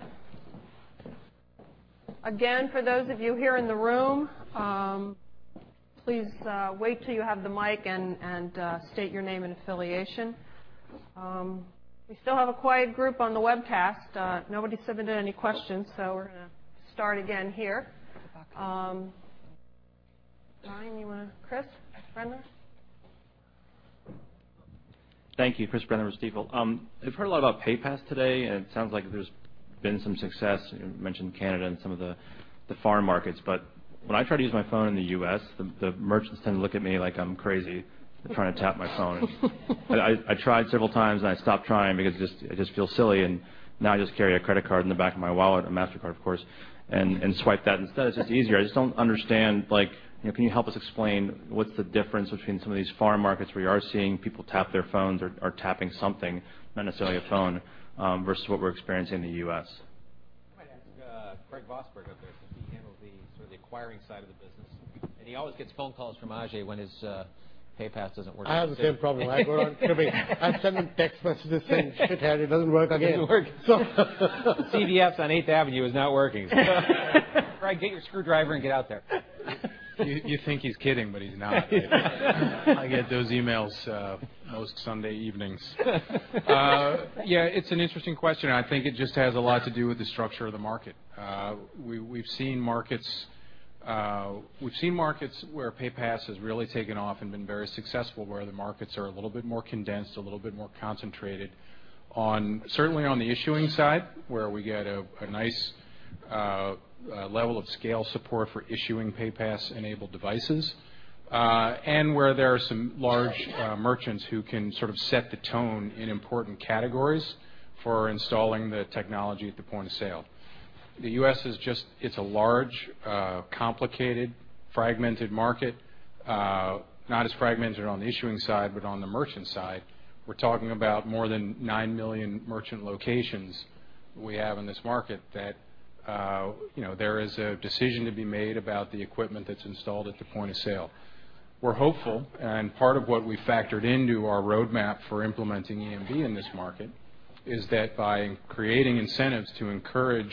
Again, for those of you here in the room, please wait till you have the mic and state your name and affiliation. We still have a quiet group on the webcast. Nobody submitted any questions, so we're going to start again here. Chris? Brendler? Thank you. Chris Brendler with Stifel. I've heard a lot about PayPass today, it sounds like there's been some success. You mentioned Canada and some of the foreign markets. When I try to use my phone in the U.S., the merchants tend to look at me like I'm crazy for trying to tap my phone. I tried several times, and I stopped trying because it just feels silly. Now I just carry a credit card in the back of my wallet, a Mastercard, of course, and swipe that instead. It's just easier. I just don't understand. Can you help us explain what's the difference between some of these foreign markets where you are seeing people tap their phones or tapping something, not necessarily a phone, versus what we're experiencing in the U.S.? Might ask Craig Vosburg up there, since he handles the acquiring side of the business. He always gets phone calls from Ajay when his PayPass doesn't work. I have the same problem. I'm sending text messages saying shit head, it doesn't work again. It doesn't work. CVS on 8th Avenue is not working. Craig, get your screwdriver and get out there. You think he's kidding, he's not. I get those emails most Sunday evenings. Yeah. It's an interesting question, I think it just has a lot to do with the structure of the market. We've seen markets where PayPass has really taken off and been very successful, where the markets are a little bit more condensed, a little bit more concentrated. Certainly on the issuing side, where we get a nice level of scale support for issuing PayPass-enabled devices, and where there are some large merchants who can set the tone in important categories for installing the technology at the point of sale. The U.S. is a large complicated fragmented market. Not as fragmented on the issuing side, but on the merchant side. We're talking about more than 9 million merchant locations we have in this market that there is a decision to be made about the equipment that's installed at the point of sale. Part of what we factored into our roadmap for implementing EMV in this market is that by creating incentives to encourage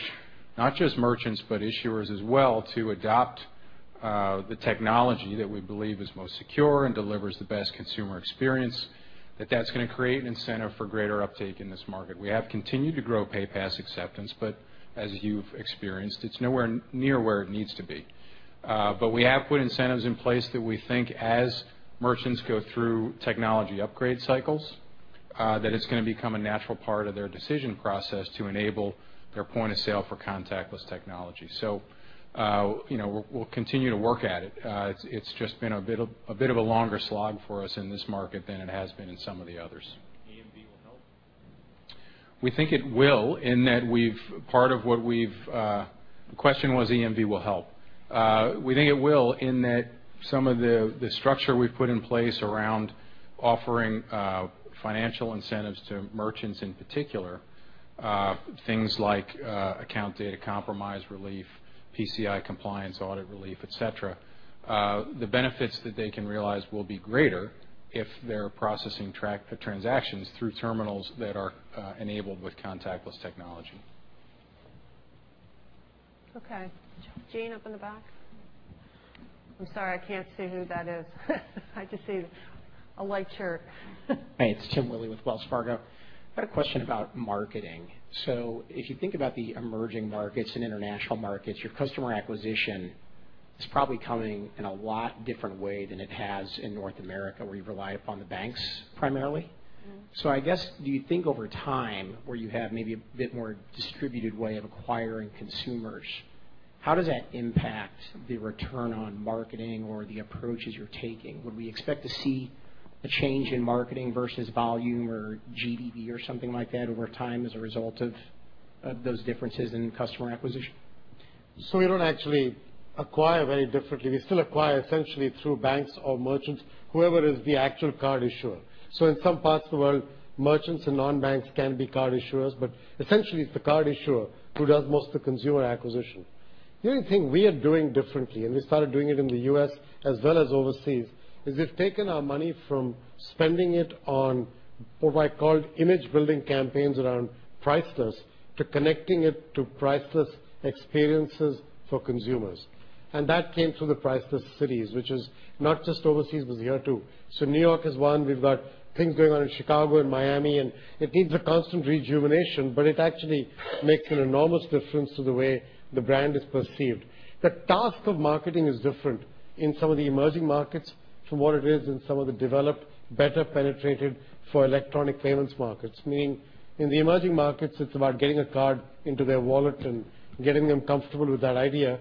not just merchants, but issuers as well, to adopt the technology that we believe is most secure and delivers the best consumer experience, that's going to create an incentive for greater uptake in this market. We have continued to grow PayPass acceptance, as you've experienced, it's nowhere near where it needs to be. We have put incentives in place that we think as merchants go through technology upgrade cycles, it's going to become a natural part of their decision process to enable their point of sale for contactless technology. We'll continue to work at it. It's just been a bit of a longer slog for us in this market than it has been in some of the others. EMV will help? We think it will, in that the question was EMV will help. We think it will in that some of the structure we've put in place around offering financial incentives to merchants, in particular, things like account data compromise relief, PCI compliance audit relief, et cetera. The benefits that they can realize will be greater if they're processing transactions through terminals that are enabled with contactless technology. Okay. Gene up in the back. I'm sorry, I can't see who that is. I just see a white shirt. Hey, it's Tim Willi with Wells Fargo. I've got a question about marketing. If you think about the emerging markets and international markets, your customer acquisition is probably coming in a lot different way than it has in North America, where you've relied upon the banks primarily. I guess, do you think over time, where you have maybe a bit more distributed way of acquiring consumers, how does that impact the return on marketing or the approaches you're taking? Would we expect to see a change in marketing versus volume or GDB or something like that over time as a result of those differences in customer acquisition? We don't actually acquire very differently. We still acquire essentially through banks or merchants, whoever is the actual card issuer. In some parts of the world, merchants and non-banks can be card issuers, but essentially it's the card issuer who does most of the consumer acquisition. The only thing we are doing differently, and we started doing it in the U.S. as well as overseas, is we've taken our money from spending it on what I called image-building campaigns around Priceless to connecting it to priceless experiences for consumers. That came through the Priceless Cities, which is not just overseas, but here too. New York is one. We've got things going on in Chicago and Miami, and it needs a constant rejuvenation, but it actually makes an enormous difference to the way the brand is perceived. The task of marketing is different in some of the emerging markets from what it is in some of the developed, better penetrated for electronic payments markets, meaning in the emerging markets, it's about getting a card into their wallet and getting them comfortable with that idea.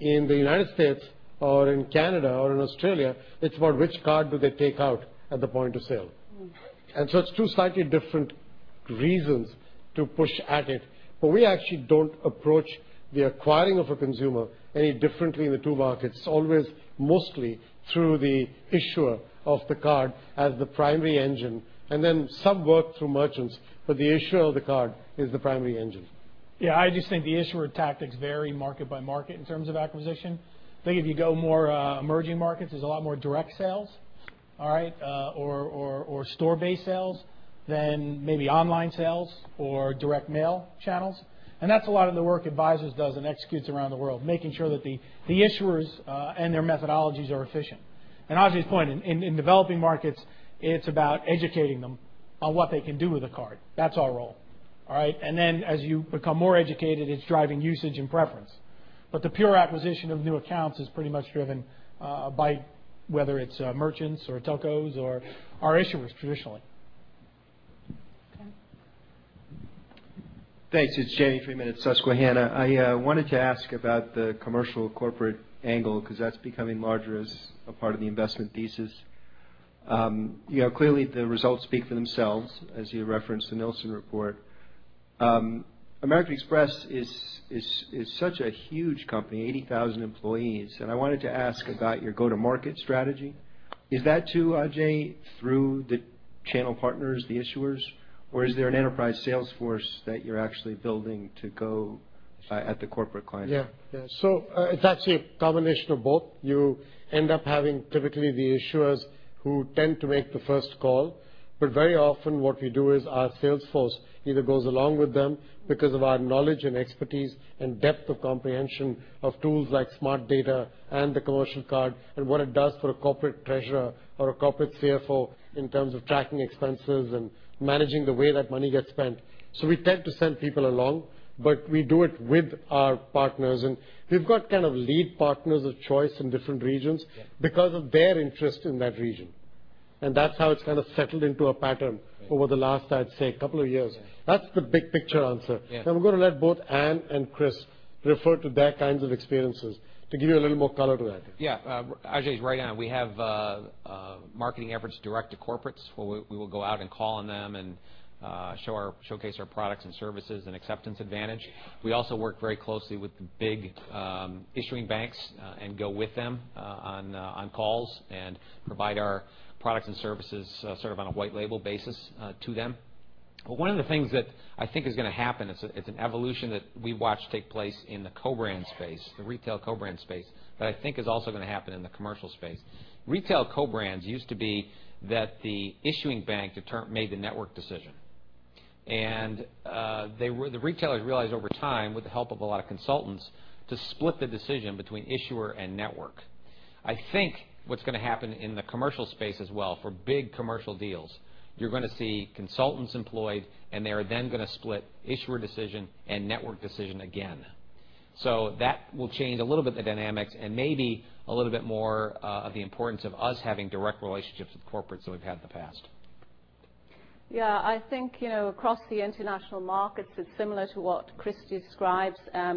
In the U.S. or in Canada or in Australia, it's about which card do they take out at the point of sale. It's two slightly different reasons to push at it. We actually don't approach the acquiring of a consumer any differently in the two markets. It's always mostly through the issuer of the card as the primary engine, then some work through merchants, but the issuer of the card is the primary engine. Yeah, I just think the issuer tactics vary market by market in terms of acquisition. I think if you go more emerging markets, there's a lot more direct sales or store-based sales than maybe online sales or direct mail channels. That's a lot of the work Advisors does and executes around the world, making sure that the issuers and their methodologies are efficient. Ajay's point, in developing markets, it's about educating them on what they can do with a card. That's our role. All right. Then as you become more educated, it's driving usage and preference. The pure acquisition of new accounts is pretty much driven by whether it's merchants or MNOs or our issuers traditionally. Okay. Thanks. It's James Friedman at Susquehanna. I wanted to ask about the commercial corporate angle, because that's becoming larger as a part of the investment thesis. Clearly, the results speak for themselves, as you referenced the Nielsen report. American Express is such a huge company, 80,000 employees. I wanted to ask about your go-to-market strategy. Is that too, Ajay, through the channel partners, the issuers? Or is there an enterprise sales force that you're actually building to go at the corporate client? Yeah. It's actually a combination of both. You end up having typically the issuers who tend to make the first call. Very often what we do is our sales force either goes along with them because of our knowledge and expertise and depth of comprehension of tools like Smart Data and the commercial card and what it does for a corporate treasurer or a corporate CFO in terms of tracking expenses and managing the way that money gets spent. We tend to send people along, but we do it with our partners, and we've got kind of lead partners of choice in different regions. Yeah because of their interest in that region. That's how it's kind of settled into a pattern. Right over the last, I'd say, couple of years. Yeah. That's the big picture answer. Yeah. I'm going to let both Ann and Chris refer to their kinds of experiences to give you a little more color to that. Yeah. Ajay's right on. We have marketing efforts direct to corporates, where we will go out and call on them and showcase our products and services and acceptance advantage. We also work very closely with the big issuing banks and go with them on calls and provide our products and services sort of on a white label basis to them. One of the things that I think is going to happen, it's an evolution that we watched take place in the co-brand space, the retail co-brand space, that I think is also going to happen in the commercial space. Retail co-brands used to be that the issuing bank made the network decision. The retailers realized over time, with the help of a lot of consultants, to split the decision between issuer and network. I think what's going to happen in the commercial space as well, for big commercial deals, you're going to see consultants employed, and they are then going to split issuer decision and network decision again. That will change a little bit the dynamics and maybe a little bit more of the importance of us having direct relationships with corporate so we've had in the past. I think, across the international markets, it is similar to what Chris describes,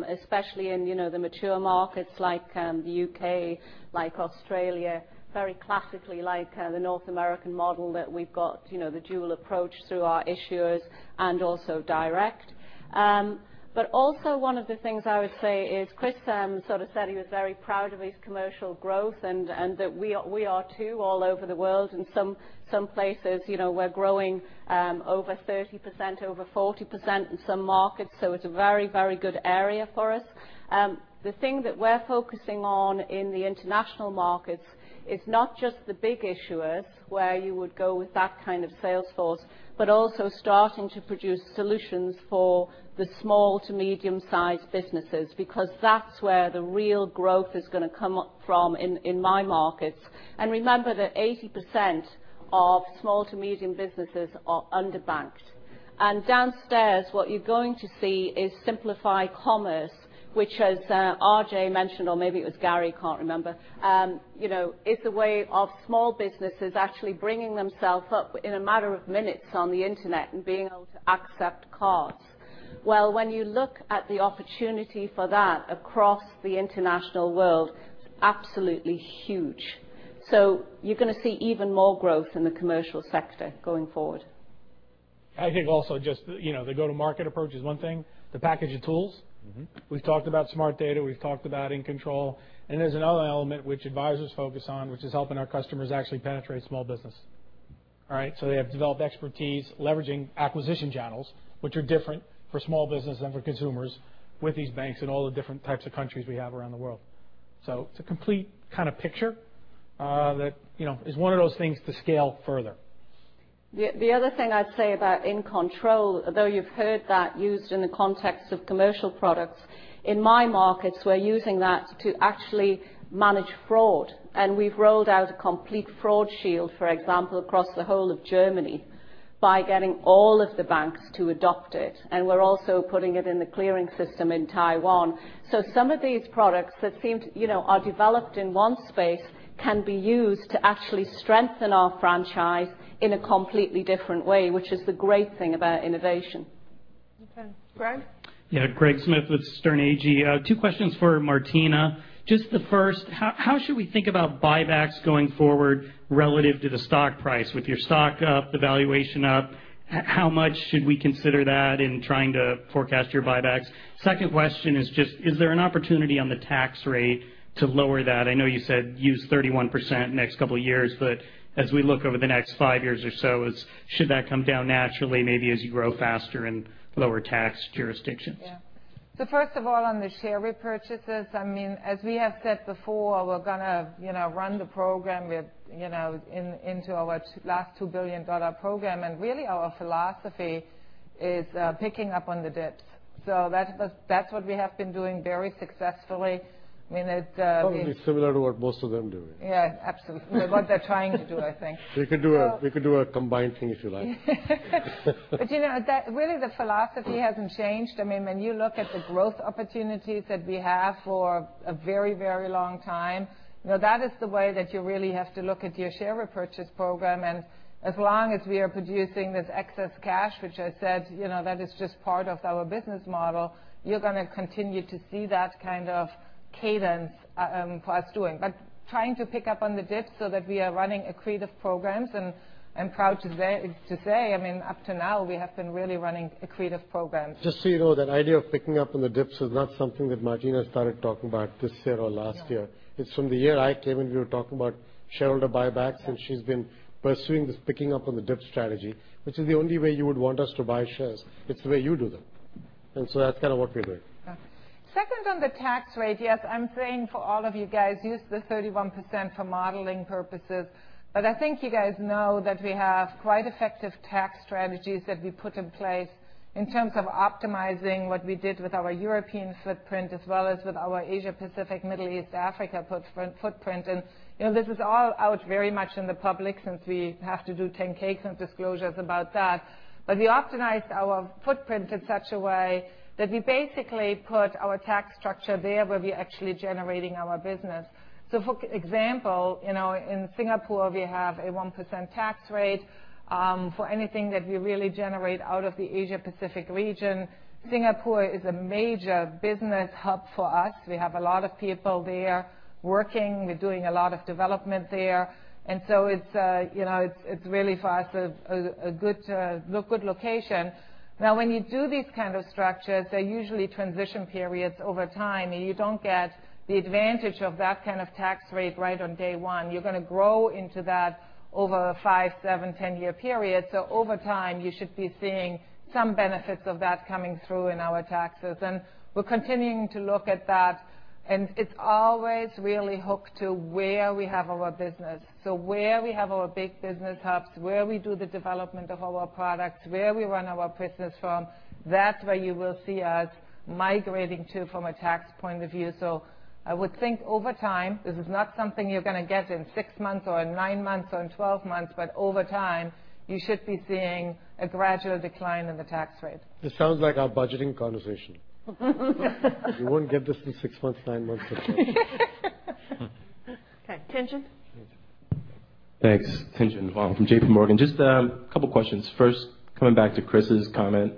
especially in the mature markets like the U.K., like Australia, very classically like the North American model that we have got, the dual approach through our issuers and also direct. One of the things I would say is Chris said he was very proud of his commercial growth and that we are too all over the world and some places we are growing over 30%, over 40% in some markets. It is a very, very good area for us. The thing that we are focusing on in the international markets is not just the big issuers where you would go with that kind of sales force, but also starting to produce solutions for the small to medium-sized businesses, because that is where the real growth is going to come from in my markets. Remember that 80% of small to medium businesses are under-banked. Downstairs, what you are going to see is Simplify Commerce, which as Ajay mentioned, or maybe it was Gary, cannot remember, is the way of small businesses actually bringing themselves up in a matter of minutes on the internet and being able to accept cards. When you look at the opportunity for that across the international world, it is absolutely huge. You are going to see even more growth in the commercial sector going forward. I think also just the go-to-market approach is one thing. The package of tools. We have talked about Smart Data, we have talked about In Control, there is another element which Mastercard Advisors focus on, which is helping our customers actually penetrate small business. All right. They have developed expertise leveraging acquisition channels, which are different for small business than for consumers with these banks and all the different types of countries we have around the world. It is a complete kind of picture that is one of those things to scale further. The other thing I'd say about In-Control, although you've heard that used in the context of commercial products, in my markets, we're using that to actually manage fraud. We've rolled out a complete Fraud Shield, for example, across the whole of Germany by getting all of the banks to adopt it. We're also putting it in the clearing system in Taiwan. Some of these products that are developed in one space can be used to actually strengthen our franchise in a completely different way, which is the great thing about innovation. Okay. Greg? Yeah, Greg Smith with Sterne Agee. Two questions for Martina. Just the first, how should we think about buybacks going forward relative to the stock price? With your stock up, the valuation up, how much should we consider that in trying to forecast your buybacks? Second question is just, is there an opportunity on the tax rate to lower that? I know you said use 31% next couple of years, as we look over the next five years or so, should that come down naturally, maybe as you grow faster in lower tax jurisdictions? First of all, on the share repurchases, as we have said before, we're going to run the program into our last $2 billion program. Really, our philosophy is picking up on the dips. That's what we have been doing very successfully. Probably similar to what most of them are doing. Yeah, absolutely. What they're trying to do, I think. We could do a combined thing if you like. Really the philosophy hasn't changed. When you look at the growth opportunities that we have for a very long time, that is the way that you really have to look at your share repurchase program. As long as we are producing this excess cash, which I said, that is just part of our business model, you're going to continue to see that kind of cadence for us doing. Trying to pick up on the dips so that we are running accretive programs, and I'm proud to say, up to now, we have been really running accretive programs. Just so you know, that idea of picking up on the dips is not something that Martina started talking about this year or last year. No. It's from the year I came in, we were talking about shareholder buybacks. Yes She's been pursuing this picking up on the dip strategy, which is the only way you would want us to buy shares. It's the way you do them. That's kind of what we're doing. Okay. Second, on the tax rate. Yes, I'm saying for all of you guys, use the 31% for modeling purposes. I think you guys know that we have quite effective tax strategies that we put in place in terms of optimizing what we did with our European footprint, as well as with our Asia Pacific, Middle East, Africa footprint. This is all out very much in the public since we have to do 10-Ks and disclosures about that. We optimized our footprint in such a way that we basically put our tax structure there where we're actually generating our business. For example, in Singapore, we have a 1% tax rate for anything that we really generate out of the Asia Pacific region. Singapore is a major business hub for us. We have a lot of people there working. We're doing a lot of development there. It's really for us a good location. When you do these kind of structures, they're usually transition periods over time, and you don't get the advantage of that kind of tax rate right on day one. You're going to grow into that over a five, seven, 10-year period. Over time, you should be seeing some benefits of that coming through in our taxes. We're continuing to look at that, and it's always really hooked to where we have our business. Where we have our big business hubs, where we do the development of our products, where we run our business from, that's where you will see us migrating to from a tax point of view. I would think over time, this is not something you're going to get in six months or in nine months or in 12 months, over time, you should be seeing a gradual decline in the tax rate. This sounds like our budgeting conversation. You won't get this in six months, nine months or 12 months. Okay. Tien-Tsin? Thanks. Tien-Tsin Huang from JPMorgan. Just a couple of questions. First, coming back to Chris's comment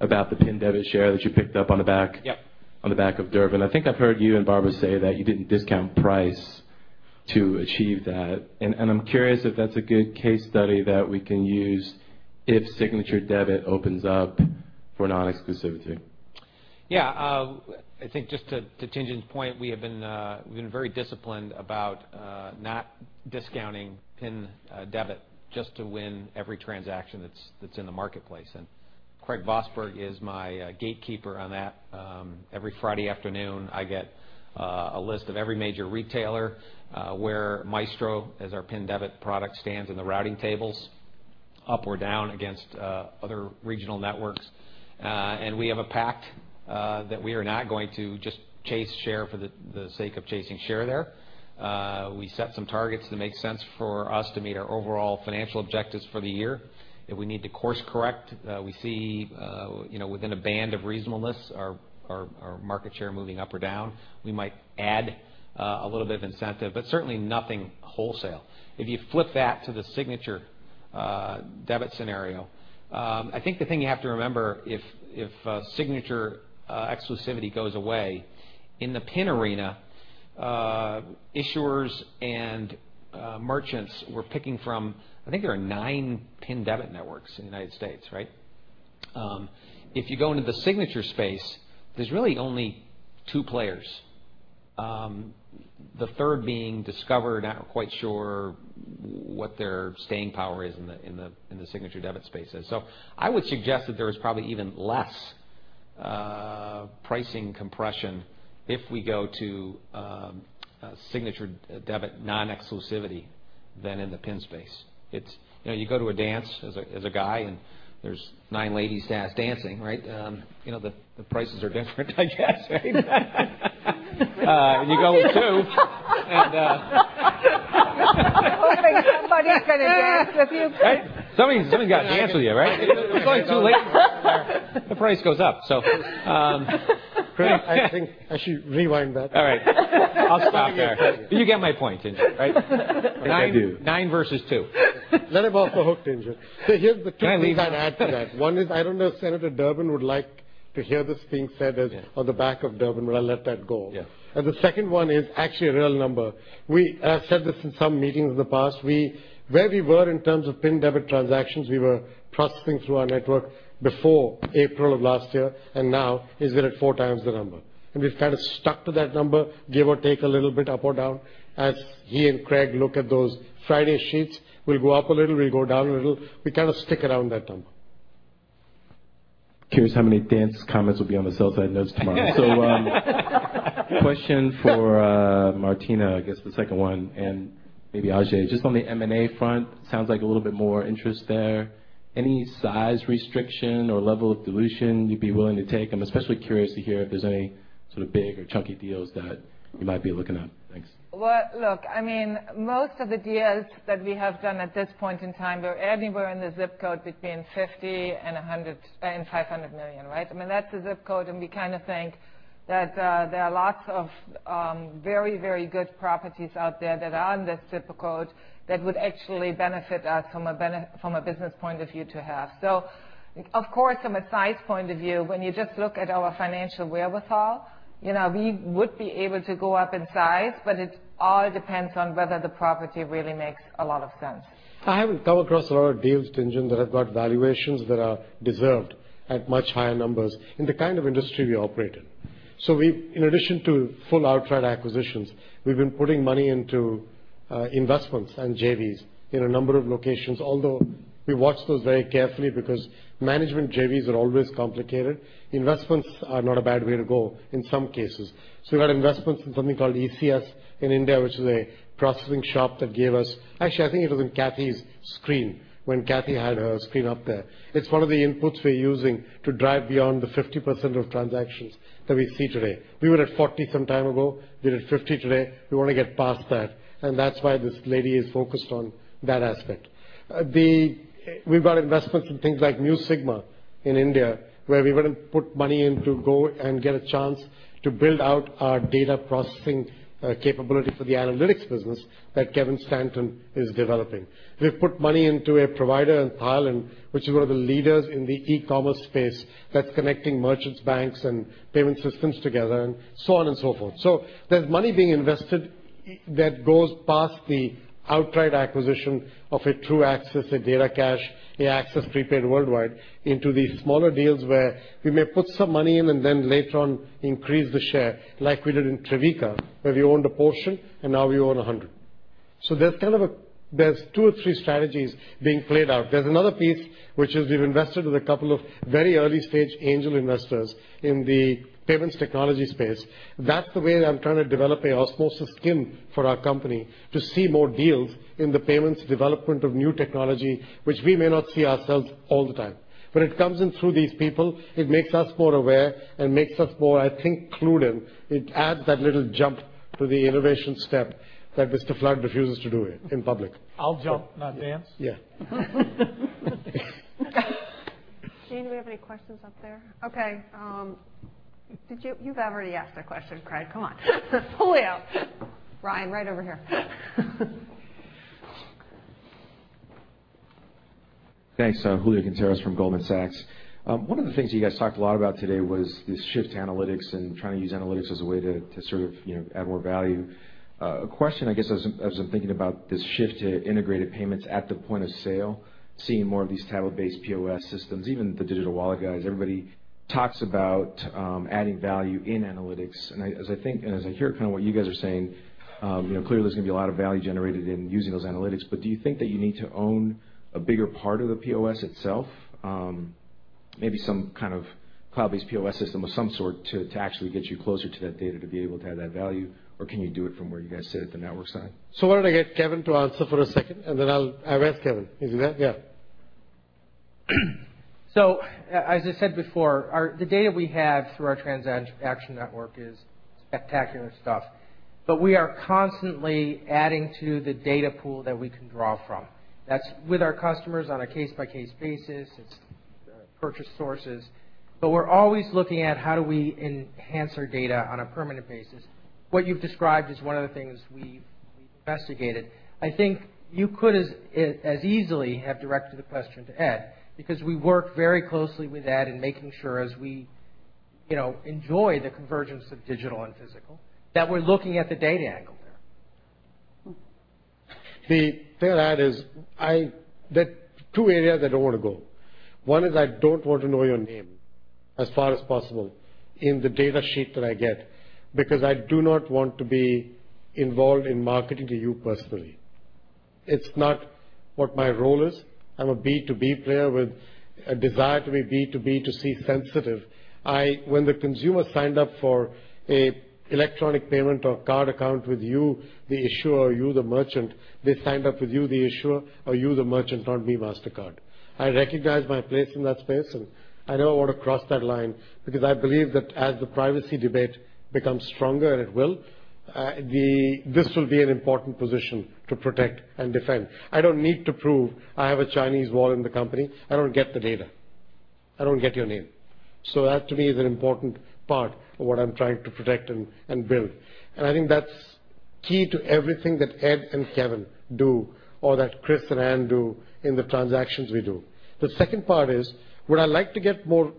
about the pin debit share that you picked up on the back- Yep of Durbin. I think I've heard you and Barbara say that you didn't discount price to achieve that. I'm curious if that's a good case study that we can use if signature debit opens up for non-exclusivity. Yeah. I think just to Tien-Tsin's point, we've been very disciplined about not discounting pin debit just to win every transaction that's in the marketplace. Craig Vosburg is my gatekeeper on that. Every Friday afternoon, I get a list of every major retailer where Maestro, as our pin debit product stands in the routing tables, up or down against other regional networks. We have a pact that we are not going to just chase share for the sake of chasing share there. We set some targets that make sense for us to meet our overall financial objectives for the year. If we need to course correct, we see within a band of reasonableness our market share moving up or down. We might add a little bit of incentive, but certainly nothing wholesale. If you flip that to the signature debit scenario, I think the thing you have to remember if signature exclusivity goes away in the pin arena, issuers and merchants were picking from I think there are nine pin debit networks in the U.S., right? If you go into the signature space, there's really only two players. The third being Discover, not quite sure what their staying power is in the signature debit space is. I would suggest that there is probably even less pricing compression if we go to a signature debit non-exclusivity than in the pin space. You go to a dance as a guy, and there's nine ladies dancing, right? The prices are different, I guess, right? You go with two, and- Hoping somebody's going to dance with you. Right. Somebody's got to dance with you, right? Before it's too late. The price goes up. Craig, I think I should rewind that. All right. I'll stop there. You get my point, Tien-Tsin, right? I do. Nine versus two. Let him off the hook, Tien-Tsin. Here's the kick I'd add to that. One is, I don't know if Senator Durbin would like to hear this being said on the back of Durbin, but I'll let that go. Yes. The second one is actually a real number. I said this in some meetings in the past. Where we were in terms of PIN debit transactions, we were processing through our network before April of last year, and now is we're at four times the number. We've kind of stuck to that number, give or take a little bit up or down. As he and Craig look at those Friday sheets, we'll go up a little, we'll go down a little. We kind of stick around that number. Curious how many dance comments will be on the sell-side notes tomorrow. Question for Martina, I guess the second one, and maybe Ajay, just on the M&A front. Sounds like a little bit more interest there. Any size restriction or level of dilution you'd be willing to take? I'm especially curious to hear if there's any sort of big or chunky deals that you might be looking at. Thanks. Well, look, most of the deals that we have done at this point in time were anywhere in the ZIP code between $50 million and $500 million, right? That's the ZIP code, we kind of think that there are lots of very good properties out there that are in this ZIP code that would actually benefit us from a business point of view to have. Of course, from a size point of view, when you just look at our financial wherewithal, we would be able to go up in size, it all depends on whether the property really makes a lot of sense. I haven't come across a lot of deals, Tien-Tsin, that have got valuations that are deserved at much higher numbers in the kind of industry we operate in. In addition to full outright acquisitions, we've been putting money into investments and JVs in a number of locations. Although we watch those very carefully because management JVs are always complicated. Investments are not a bad way to go in some cases. We've got investments in something called ECS in India, which is a processing shop that gave us actually, I think it was in Kathy's screen when Kathy had her screen up there. It's one of the inputs we're using to drive beyond the 50% of transactions that we see today. We were at 40 some time ago. We're at 50 today. We want to get past that's why this lady is focused on that aspect. We've got investments in things like Mu Sigma in India, where we went and put money in to go and get a chance to build out our data processing capability for the analytics business that Kevin Stanton is developing. We've put money into a provider in Thailand, which is one of the leaders in the e-commerce space that's connecting merchants' banks and payment systems together and so on and so forth. There's money being invested that goes past the outright acquisition of a Truaxis, a DataCash, a Access Prepaid Worldwide into these smaller deals where we may put some money in and then later on increase the share, like we did in Trevica, where we owned a portion, and now we own 100. There's two or three strategies being played out. There's another piece, which is we've invested with a couple of very early-stage angel investors in the payments technology space. That's the way I'm trying to develop an osmosis skin for our company to see more deals in the payments development of new technology, which we may not see ourselves all the time. It comes in through these people. It makes us more aware and makes us more, I think, clued in. It adds that little jump to the innovation step that Mr. Flood refuses to do it in public. I'll jump, not dance. Yeah. Jane, do we have any questions up there? Okay. You've already asked a question, Craig. Come on. Julio. Ryan, right over here. Thanks. Julio Quinteros from Goldman Sachs. One of the things you guys talked a lot about today was this shift to analytics and trying to use analytics as a way to sort of add more value. A question, I guess, as I'm thinking about this shift to integrated payments at the point of sale, seeing more of these tablet-based POS systems, even the digital wallet guys, everybody talks about adding value in analytics. As I think and as I hear kind of what you guys are saying, clearly, there's going to be a lot of value generated in using those analytics. Do you think that you need to own a bigger part of the POS itself? Some kind of cloud-based POS system of some sort to actually get you closer to that data to be able to add that value, or can you do it from where you guys sit at the network side? Why don't I get Kevin to answer for a second, and then I'll ask Kevin. As I said before, the data we have through our transaction network is spectacular stuff. We are constantly adding to the data pool that we can draw from. That's with our customers on a case-by-case basis. It's purchase sources. We're always looking at how do we enhance our data on a permanent basis. What you've described is one of the things we've investigated. I think you could as easily have directed the question to Ed because we work very closely with Ed in making sure as we enjoy the convergence of digital and physical, that we're looking at the data angle there. The thing, Ed, is there are two areas I don't want to go. One is I don't want to know your name as far as possible in the data sheet that I get because I do not want to be involved in marketing to you personally. It's not what my role is. I'm a B2B player with a desire to be B2B2C sensitive. When the consumer signed up for an electronic payment or card account with you, the issuer, or you, the merchant, they signed up with you, the issuer, or you, the merchant, not me, Mastercard. I recognize my place in that space, and I don't want to cross that line because I believe that as the privacy debate becomes stronger, and it will, this will be an important position to protect and defend. I don't need to prove I have a Chinese wall in the company. I don't get the data. I don't get your name. That, to me, is an important part of what I'm trying to protect and build. I think that's key to everything that Ed McLaughlin and Kevin Stanton do or that Chris McWilton and Ann Cairns do in the transactions we do. The second part is, would I like to get more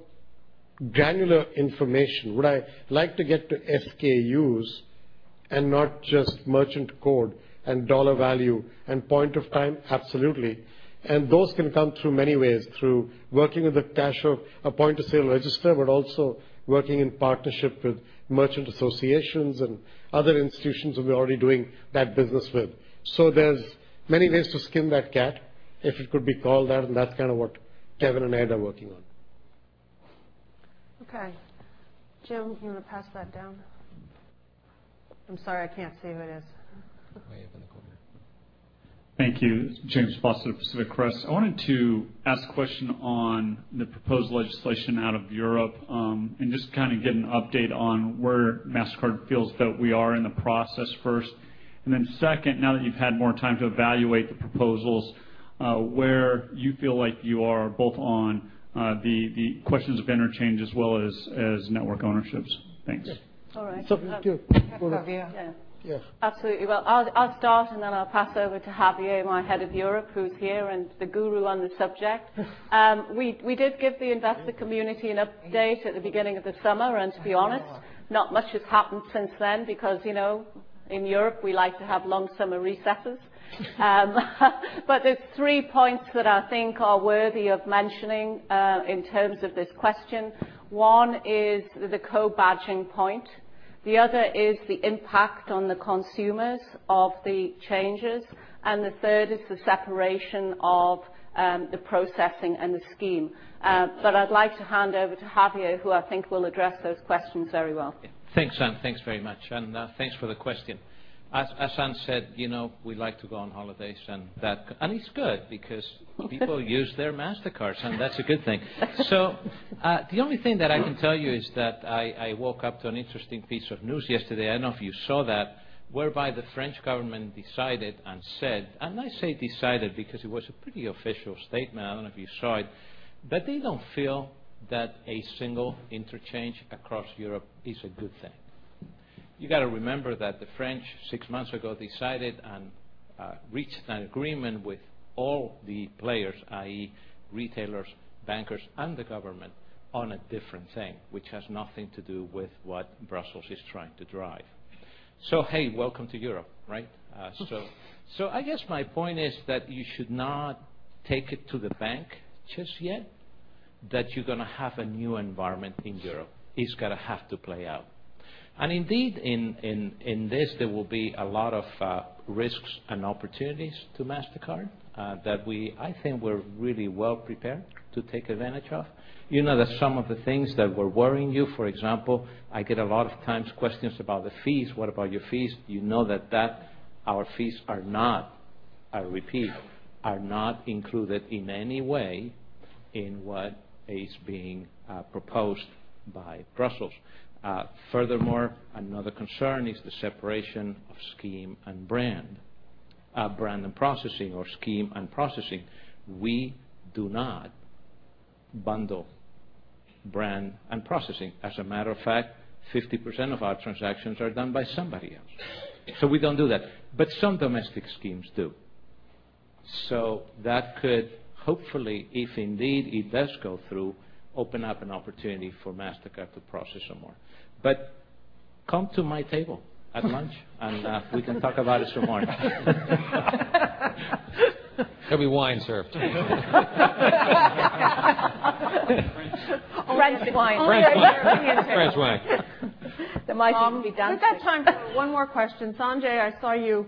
granular information? Would I like to get to SKUs and not just merchant code and dollar value and point of time? Absolutely. Those can come through many ways, through working with a point-of-sale register, but also working in partnership with merchant associations and other institutions that we're already doing that business with. There's many ways to skin that cat, if it could be called that, and that's kind of what Kevin Stanton and Ed McLaughlin are working on. Okay. Jim, you want to pass that down? I'm sorry, I can't see who it is. Way up in the corner. Thank you. This is James Faucette, Pacific Crest. I wanted to ask a question on the proposed legislation out of Europe, just get an update on where Mastercard feels that we are in the process first. Then second, now that you've had more time to evaluate the proposals, where you feel like you are both on the questions of interchange as well as network ownerships. Thanks. All right. Sure. Go ahead. Have Javier. Yeah. Absolutely. Well, I'll start, and then I'll pass over to Javier, my head of Europe, who's here and the guru on the subject. We did give the investor community an update at the beginning of the summer. To be honest, not much has happened since then because, in Europe, we like to have long summer recesses. There's three points that I think are worthy of mentioning in terms of this question. One is the co-badging point. The other is the impact on the consumers of the changes. The third is the separation of the processing and the scheme. I'd like to hand over to Javier, who I think will address those questions very well. Thanks, Ann. Thanks very much, and thanks for the question. As Ann said, we like to go on holidays and that. It's good because people use their Mastercard, and that's a good thing. The only thing that I can tell you is that I woke up to an interesting piece of news yesterday, I don't know if you saw that, whereby the French government decided and said. I say "decided" because it was a pretty official statement, I don't know if you saw it. They don't feel that a single interchange across Europe is a good thing. You got to remember that the French, six months ago, decided and reached an agreement with all the players, i.e., retailers, bankers, and the government, on a different thing, which has nothing to do with what Brussels is trying to drive. Hey, welcome to Europe. I guess my point is that you should not take it to the bank just yet that you're going to have a new environment in Europe. It's got to have to play out. Indeed, in this, there will be a lot of risks and opportunities to Mastercard that I think we're really well prepared to take advantage of. You know that some of the things that were worrying you, for example, I get a lot of times questions about the fees. "What about your fees?" You know that our fees are not, I repeat, are not included in any way in what is being proposed by Brussels. Furthermore, another concern is the separation of scheme and brand. Brand and processing or scheme and processing. We do not bundle brand and processing. As a matter of fact, 50% of our transactions are done by somebody else. We don't do that. Some domestic schemes do. That could hopefully, if indeed it does go through, open up an opportunity for Mastercard to process some more. Come to my table at lunch, and we can talk about it some more. There'll be wine served. French. French wine. French wine. There might even be dancing. We've got time for one more question. Sanjay, I saw you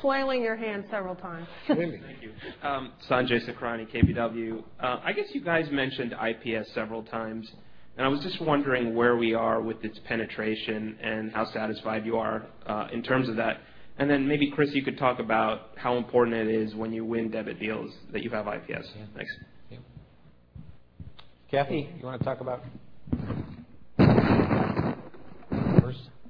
flailing your hand several times. Really? Thank you. Sanjay Sakhrani, KBW. I guess you guys mentioned IPS several times. I was just wondering where we are with its penetration and how satisfied you are in terms of that. Maybe, Chris, you could talk about how important it is when you win debit deals that you have IPS. Thanks. Yeah. Kathy, you want to talk about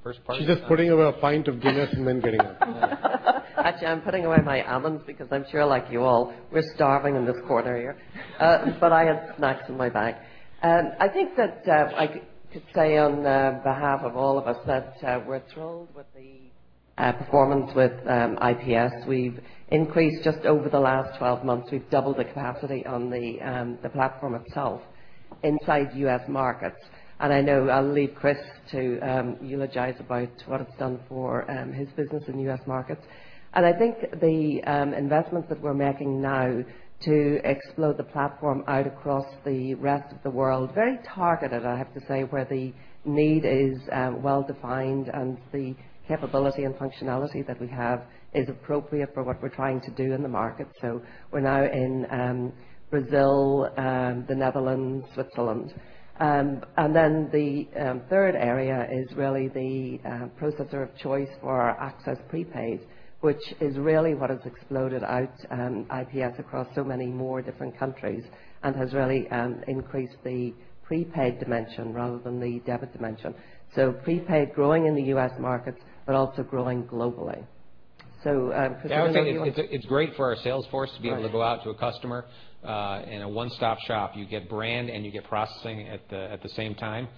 first part of that? She's just putting away a pint of Guinness and then getting up. Actually, I'm putting away my almonds because I'm sure like you all, we're starving in this corner here. I have snacks in my bag. I think that I could say on behalf of all of us that we're thrilled with the performance with IPS. We've increased just over the last 12 months, we've doubled the capacity on the platform itself inside U.S. markets. I know I'll leave Chris to eulogize about what it's done for his business in U.S. markets. I think the investments that we're making now to explode the platform out across the rest of the world, very targeted, I have to say, where the need is well-defined and the capability and functionality that we have is appropriate for what we're trying to do in the market. We're now in Brazil, the Netherlands, Switzerland. The third area is really the processor of choice for our Access Prepaid, which is really what has exploded out IPS across so many more different countries and has really increased the prepaid dimension rather than the debit dimension. Prepaid growing in the U.S. markets, but also growing globally. Chris, do you want to. It's great for our sales force to be able to go out to a customer in a one-stop shop. You get brand and you get processing at the same time.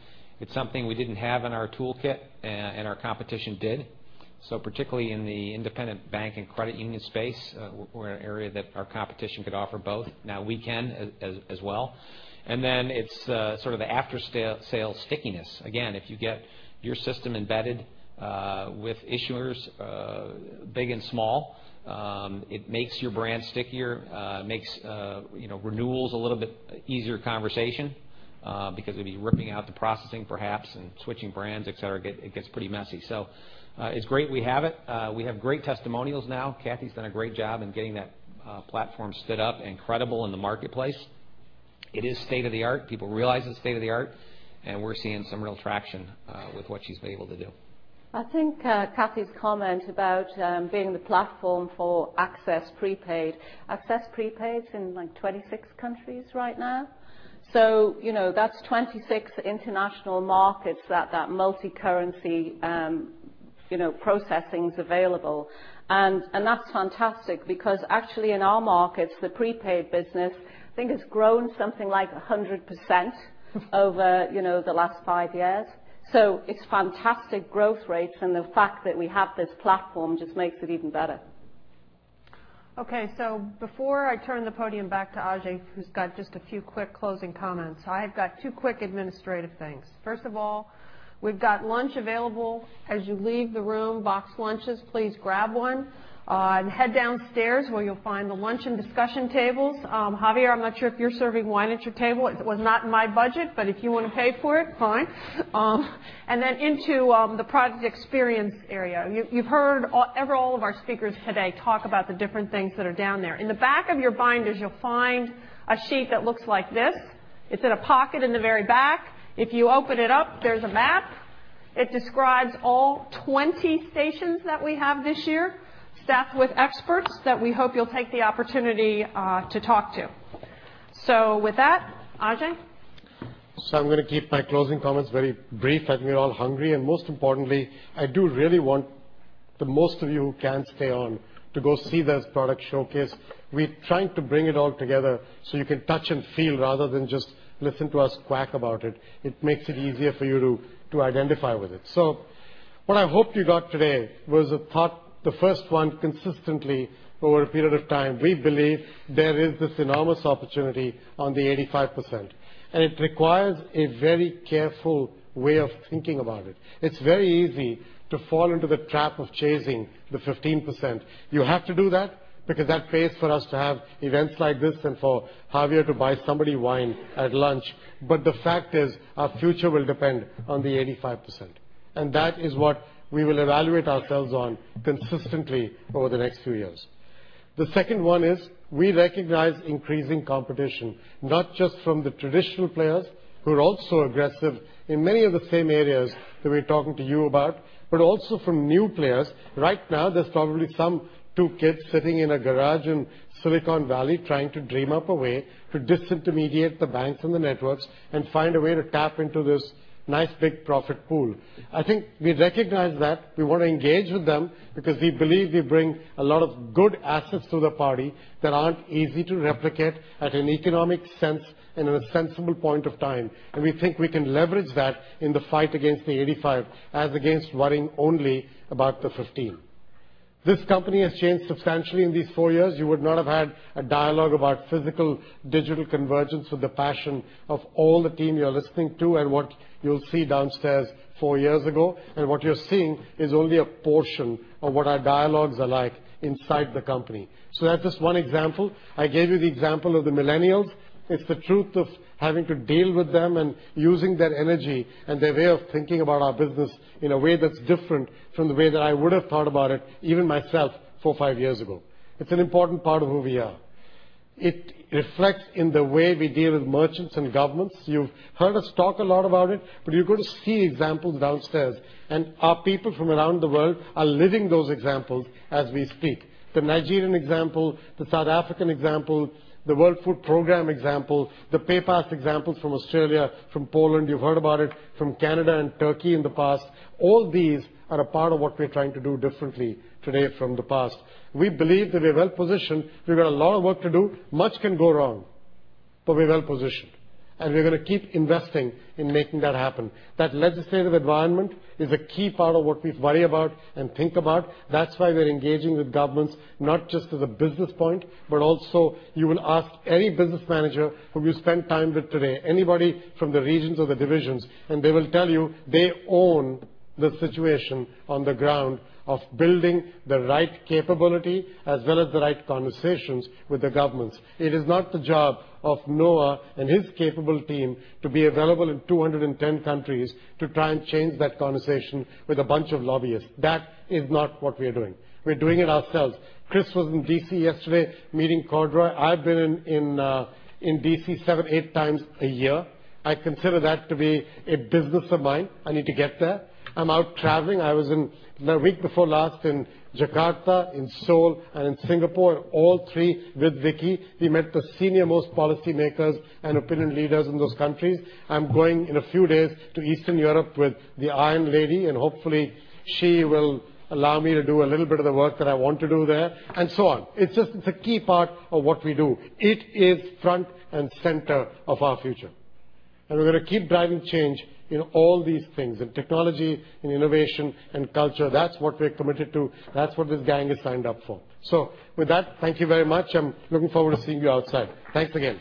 It's something we didn't have in our toolkit, and our competition did. Particularly in the independent bank and credit union space, were an area that our competition could offer both. Now we can as well. It's sort of the after-sale stickiness. Again, if you get your system embedded with issuers, big and small, it makes your brand stickier, makes renewals a little bit easier conversation because if you're ripping out the processing, perhaps, and switching brands, et cetera, it gets pretty messy. It's great we have it. We have great testimonials now. Kathy's done a great job in getting that platform stood up and credible in the marketplace. It is state-of-the-art. People realize it's state-of-the-art, we're seeing some real traction with what she's been able to do. I think Kathy's comment about being the platform for Access Prepaid. Access Prepaid's in 26 countries right now. That's 26 international markets that multi-currency processing is available. That's fantastic because actually in our markets, the prepaid business, I think it's grown something like 100% over the last five years. It's fantastic growth rates, and the fact that we have this platform just makes it even better. Before I turn the podium back to Ajay, who's got just a few quick closing comments, I've got two quick administrative things. First of all, we've got lunch available as you leave the room, boxed lunches. Please grab one and head downstairs where you'll find the lunch and discussion tables. Javier, I'm not sure if you're serving wine at your table. It was not in my budget, but if you want to pay for it, fine. Into the product experience area. You've heard all of our speakers today talk about the different things that are down there. In the back of your binders, you'll find a sheet that looks like this. It's in a pocket in the very back. If you open it up, there's a map. It describes all 20 stations that we have this year, staffed with experts that we hope you'll take the opportunity to talk to. With that, Ajay? I'm going to keep my closing comments very brief as we're all hungry, most importantly, I do really want the most of you who can stay on to go see this product showcase. We're trying to bring it all together so you can touch and feel rather than just listen to us quack about it. It makes it easier for you to identify with it. What I hoped you got today was a thought, the first one consistently over a period of time. We believe there is this enormous opportunity on the 85%, and it requires a very careful way of thinking about it. It's very easy to fall into the trap of chasing the 15%. You have to do that because that pays for us to have events like this and for Javier to buy somebody wine at lunch. The fact is, our future will depend on the 85%, that is what we will evaluate ourselves on consistently over the next few years. The second one is we recognize increasing competition, not just from the traditional players who are also aggressive in many of the same areas that we're talking to you about, but also from new players. Right now, there's probably some two kids sitting in a garage in Silicon Valley trying to dream up a way to disintermediate the banks and the networks and find a way to tap into this nice, big profit pool. I think we recognize that. We want to engage with them because we believe we bring a lot of good assets to the party that aren't easy to replicate at an economic sense in a sensible point of time. We think we can leverage that in the fight against the 85, as against worrying only about the 15. This company has changed substantially in these four years. You would not have had a dialogue about physical-digital convergence with the passion of all the team you're listening to and what you'll see downstairs four years ago. What you're seeing is only a portion of what our dialogues are like inside the company. That's just one example. I gave you the example of the millennials. It's the truth of having to deal with them and using their energy and their way of thinking about our business in a way that's different from the way that I would have thought about it, even myself, four or five years ago. It's an important part of who we are. It reflects in the way we deal with merchants and governments. You've heard us talk a lot about it, you're going to see examples downstairs, and our people from around the world are living those examples as we speak. The Nigerian example, the South African example, the World Food Programme example, the PayPass examples from Australia, from Poland. You've heard about it from Canada and Turkey in the past. All these are a part of what we're trying to do differently today from the past. We believe that we're well-positioned. We've got a lot of work to do. Much can go wrong, we're well-positioned, and we're going to keep investing in making that happen. That legislative environment is a key part of what we worry about and think about. That's why we're engaging with governments, not just as a business point, also you will ask any business manager who you spend time with today, anybody from the regions or the divisions, and they will tell you they own the situation on the ground of building the right capability as well as the right conversations with the governments. It is not the job of Noah and his capable team to be available in 210 countries to try and change that conversation with a bunch of lobbyists. That is not what we are doing. We're doing it ourselves. Chris was in D.C. yesterday meeting Cordray. I've been in D.C. seven, eight times a year. I consider that to be a business of mine. I need to get there. I'm out traveling. I was in, the week before last, in Jakarta, in Seoul, and in Singapore, all three with Vicky. We met the senior-most policy makers and opinion leaders in those countries. I'm going in a few days to Eastern Europe with the Iron Lady, hopefully, she will allow me to do a little bit of the work that I want to do there, and so on. It's a key part of what we do. It is front and center of our future. We're going to keep driving change in all these things, in technology, in innovation, in culture. That's what we're committed to. That's what this gang is signed up for. With that, thank you very much. I'm looking forward to seeing you outside. Thanks again.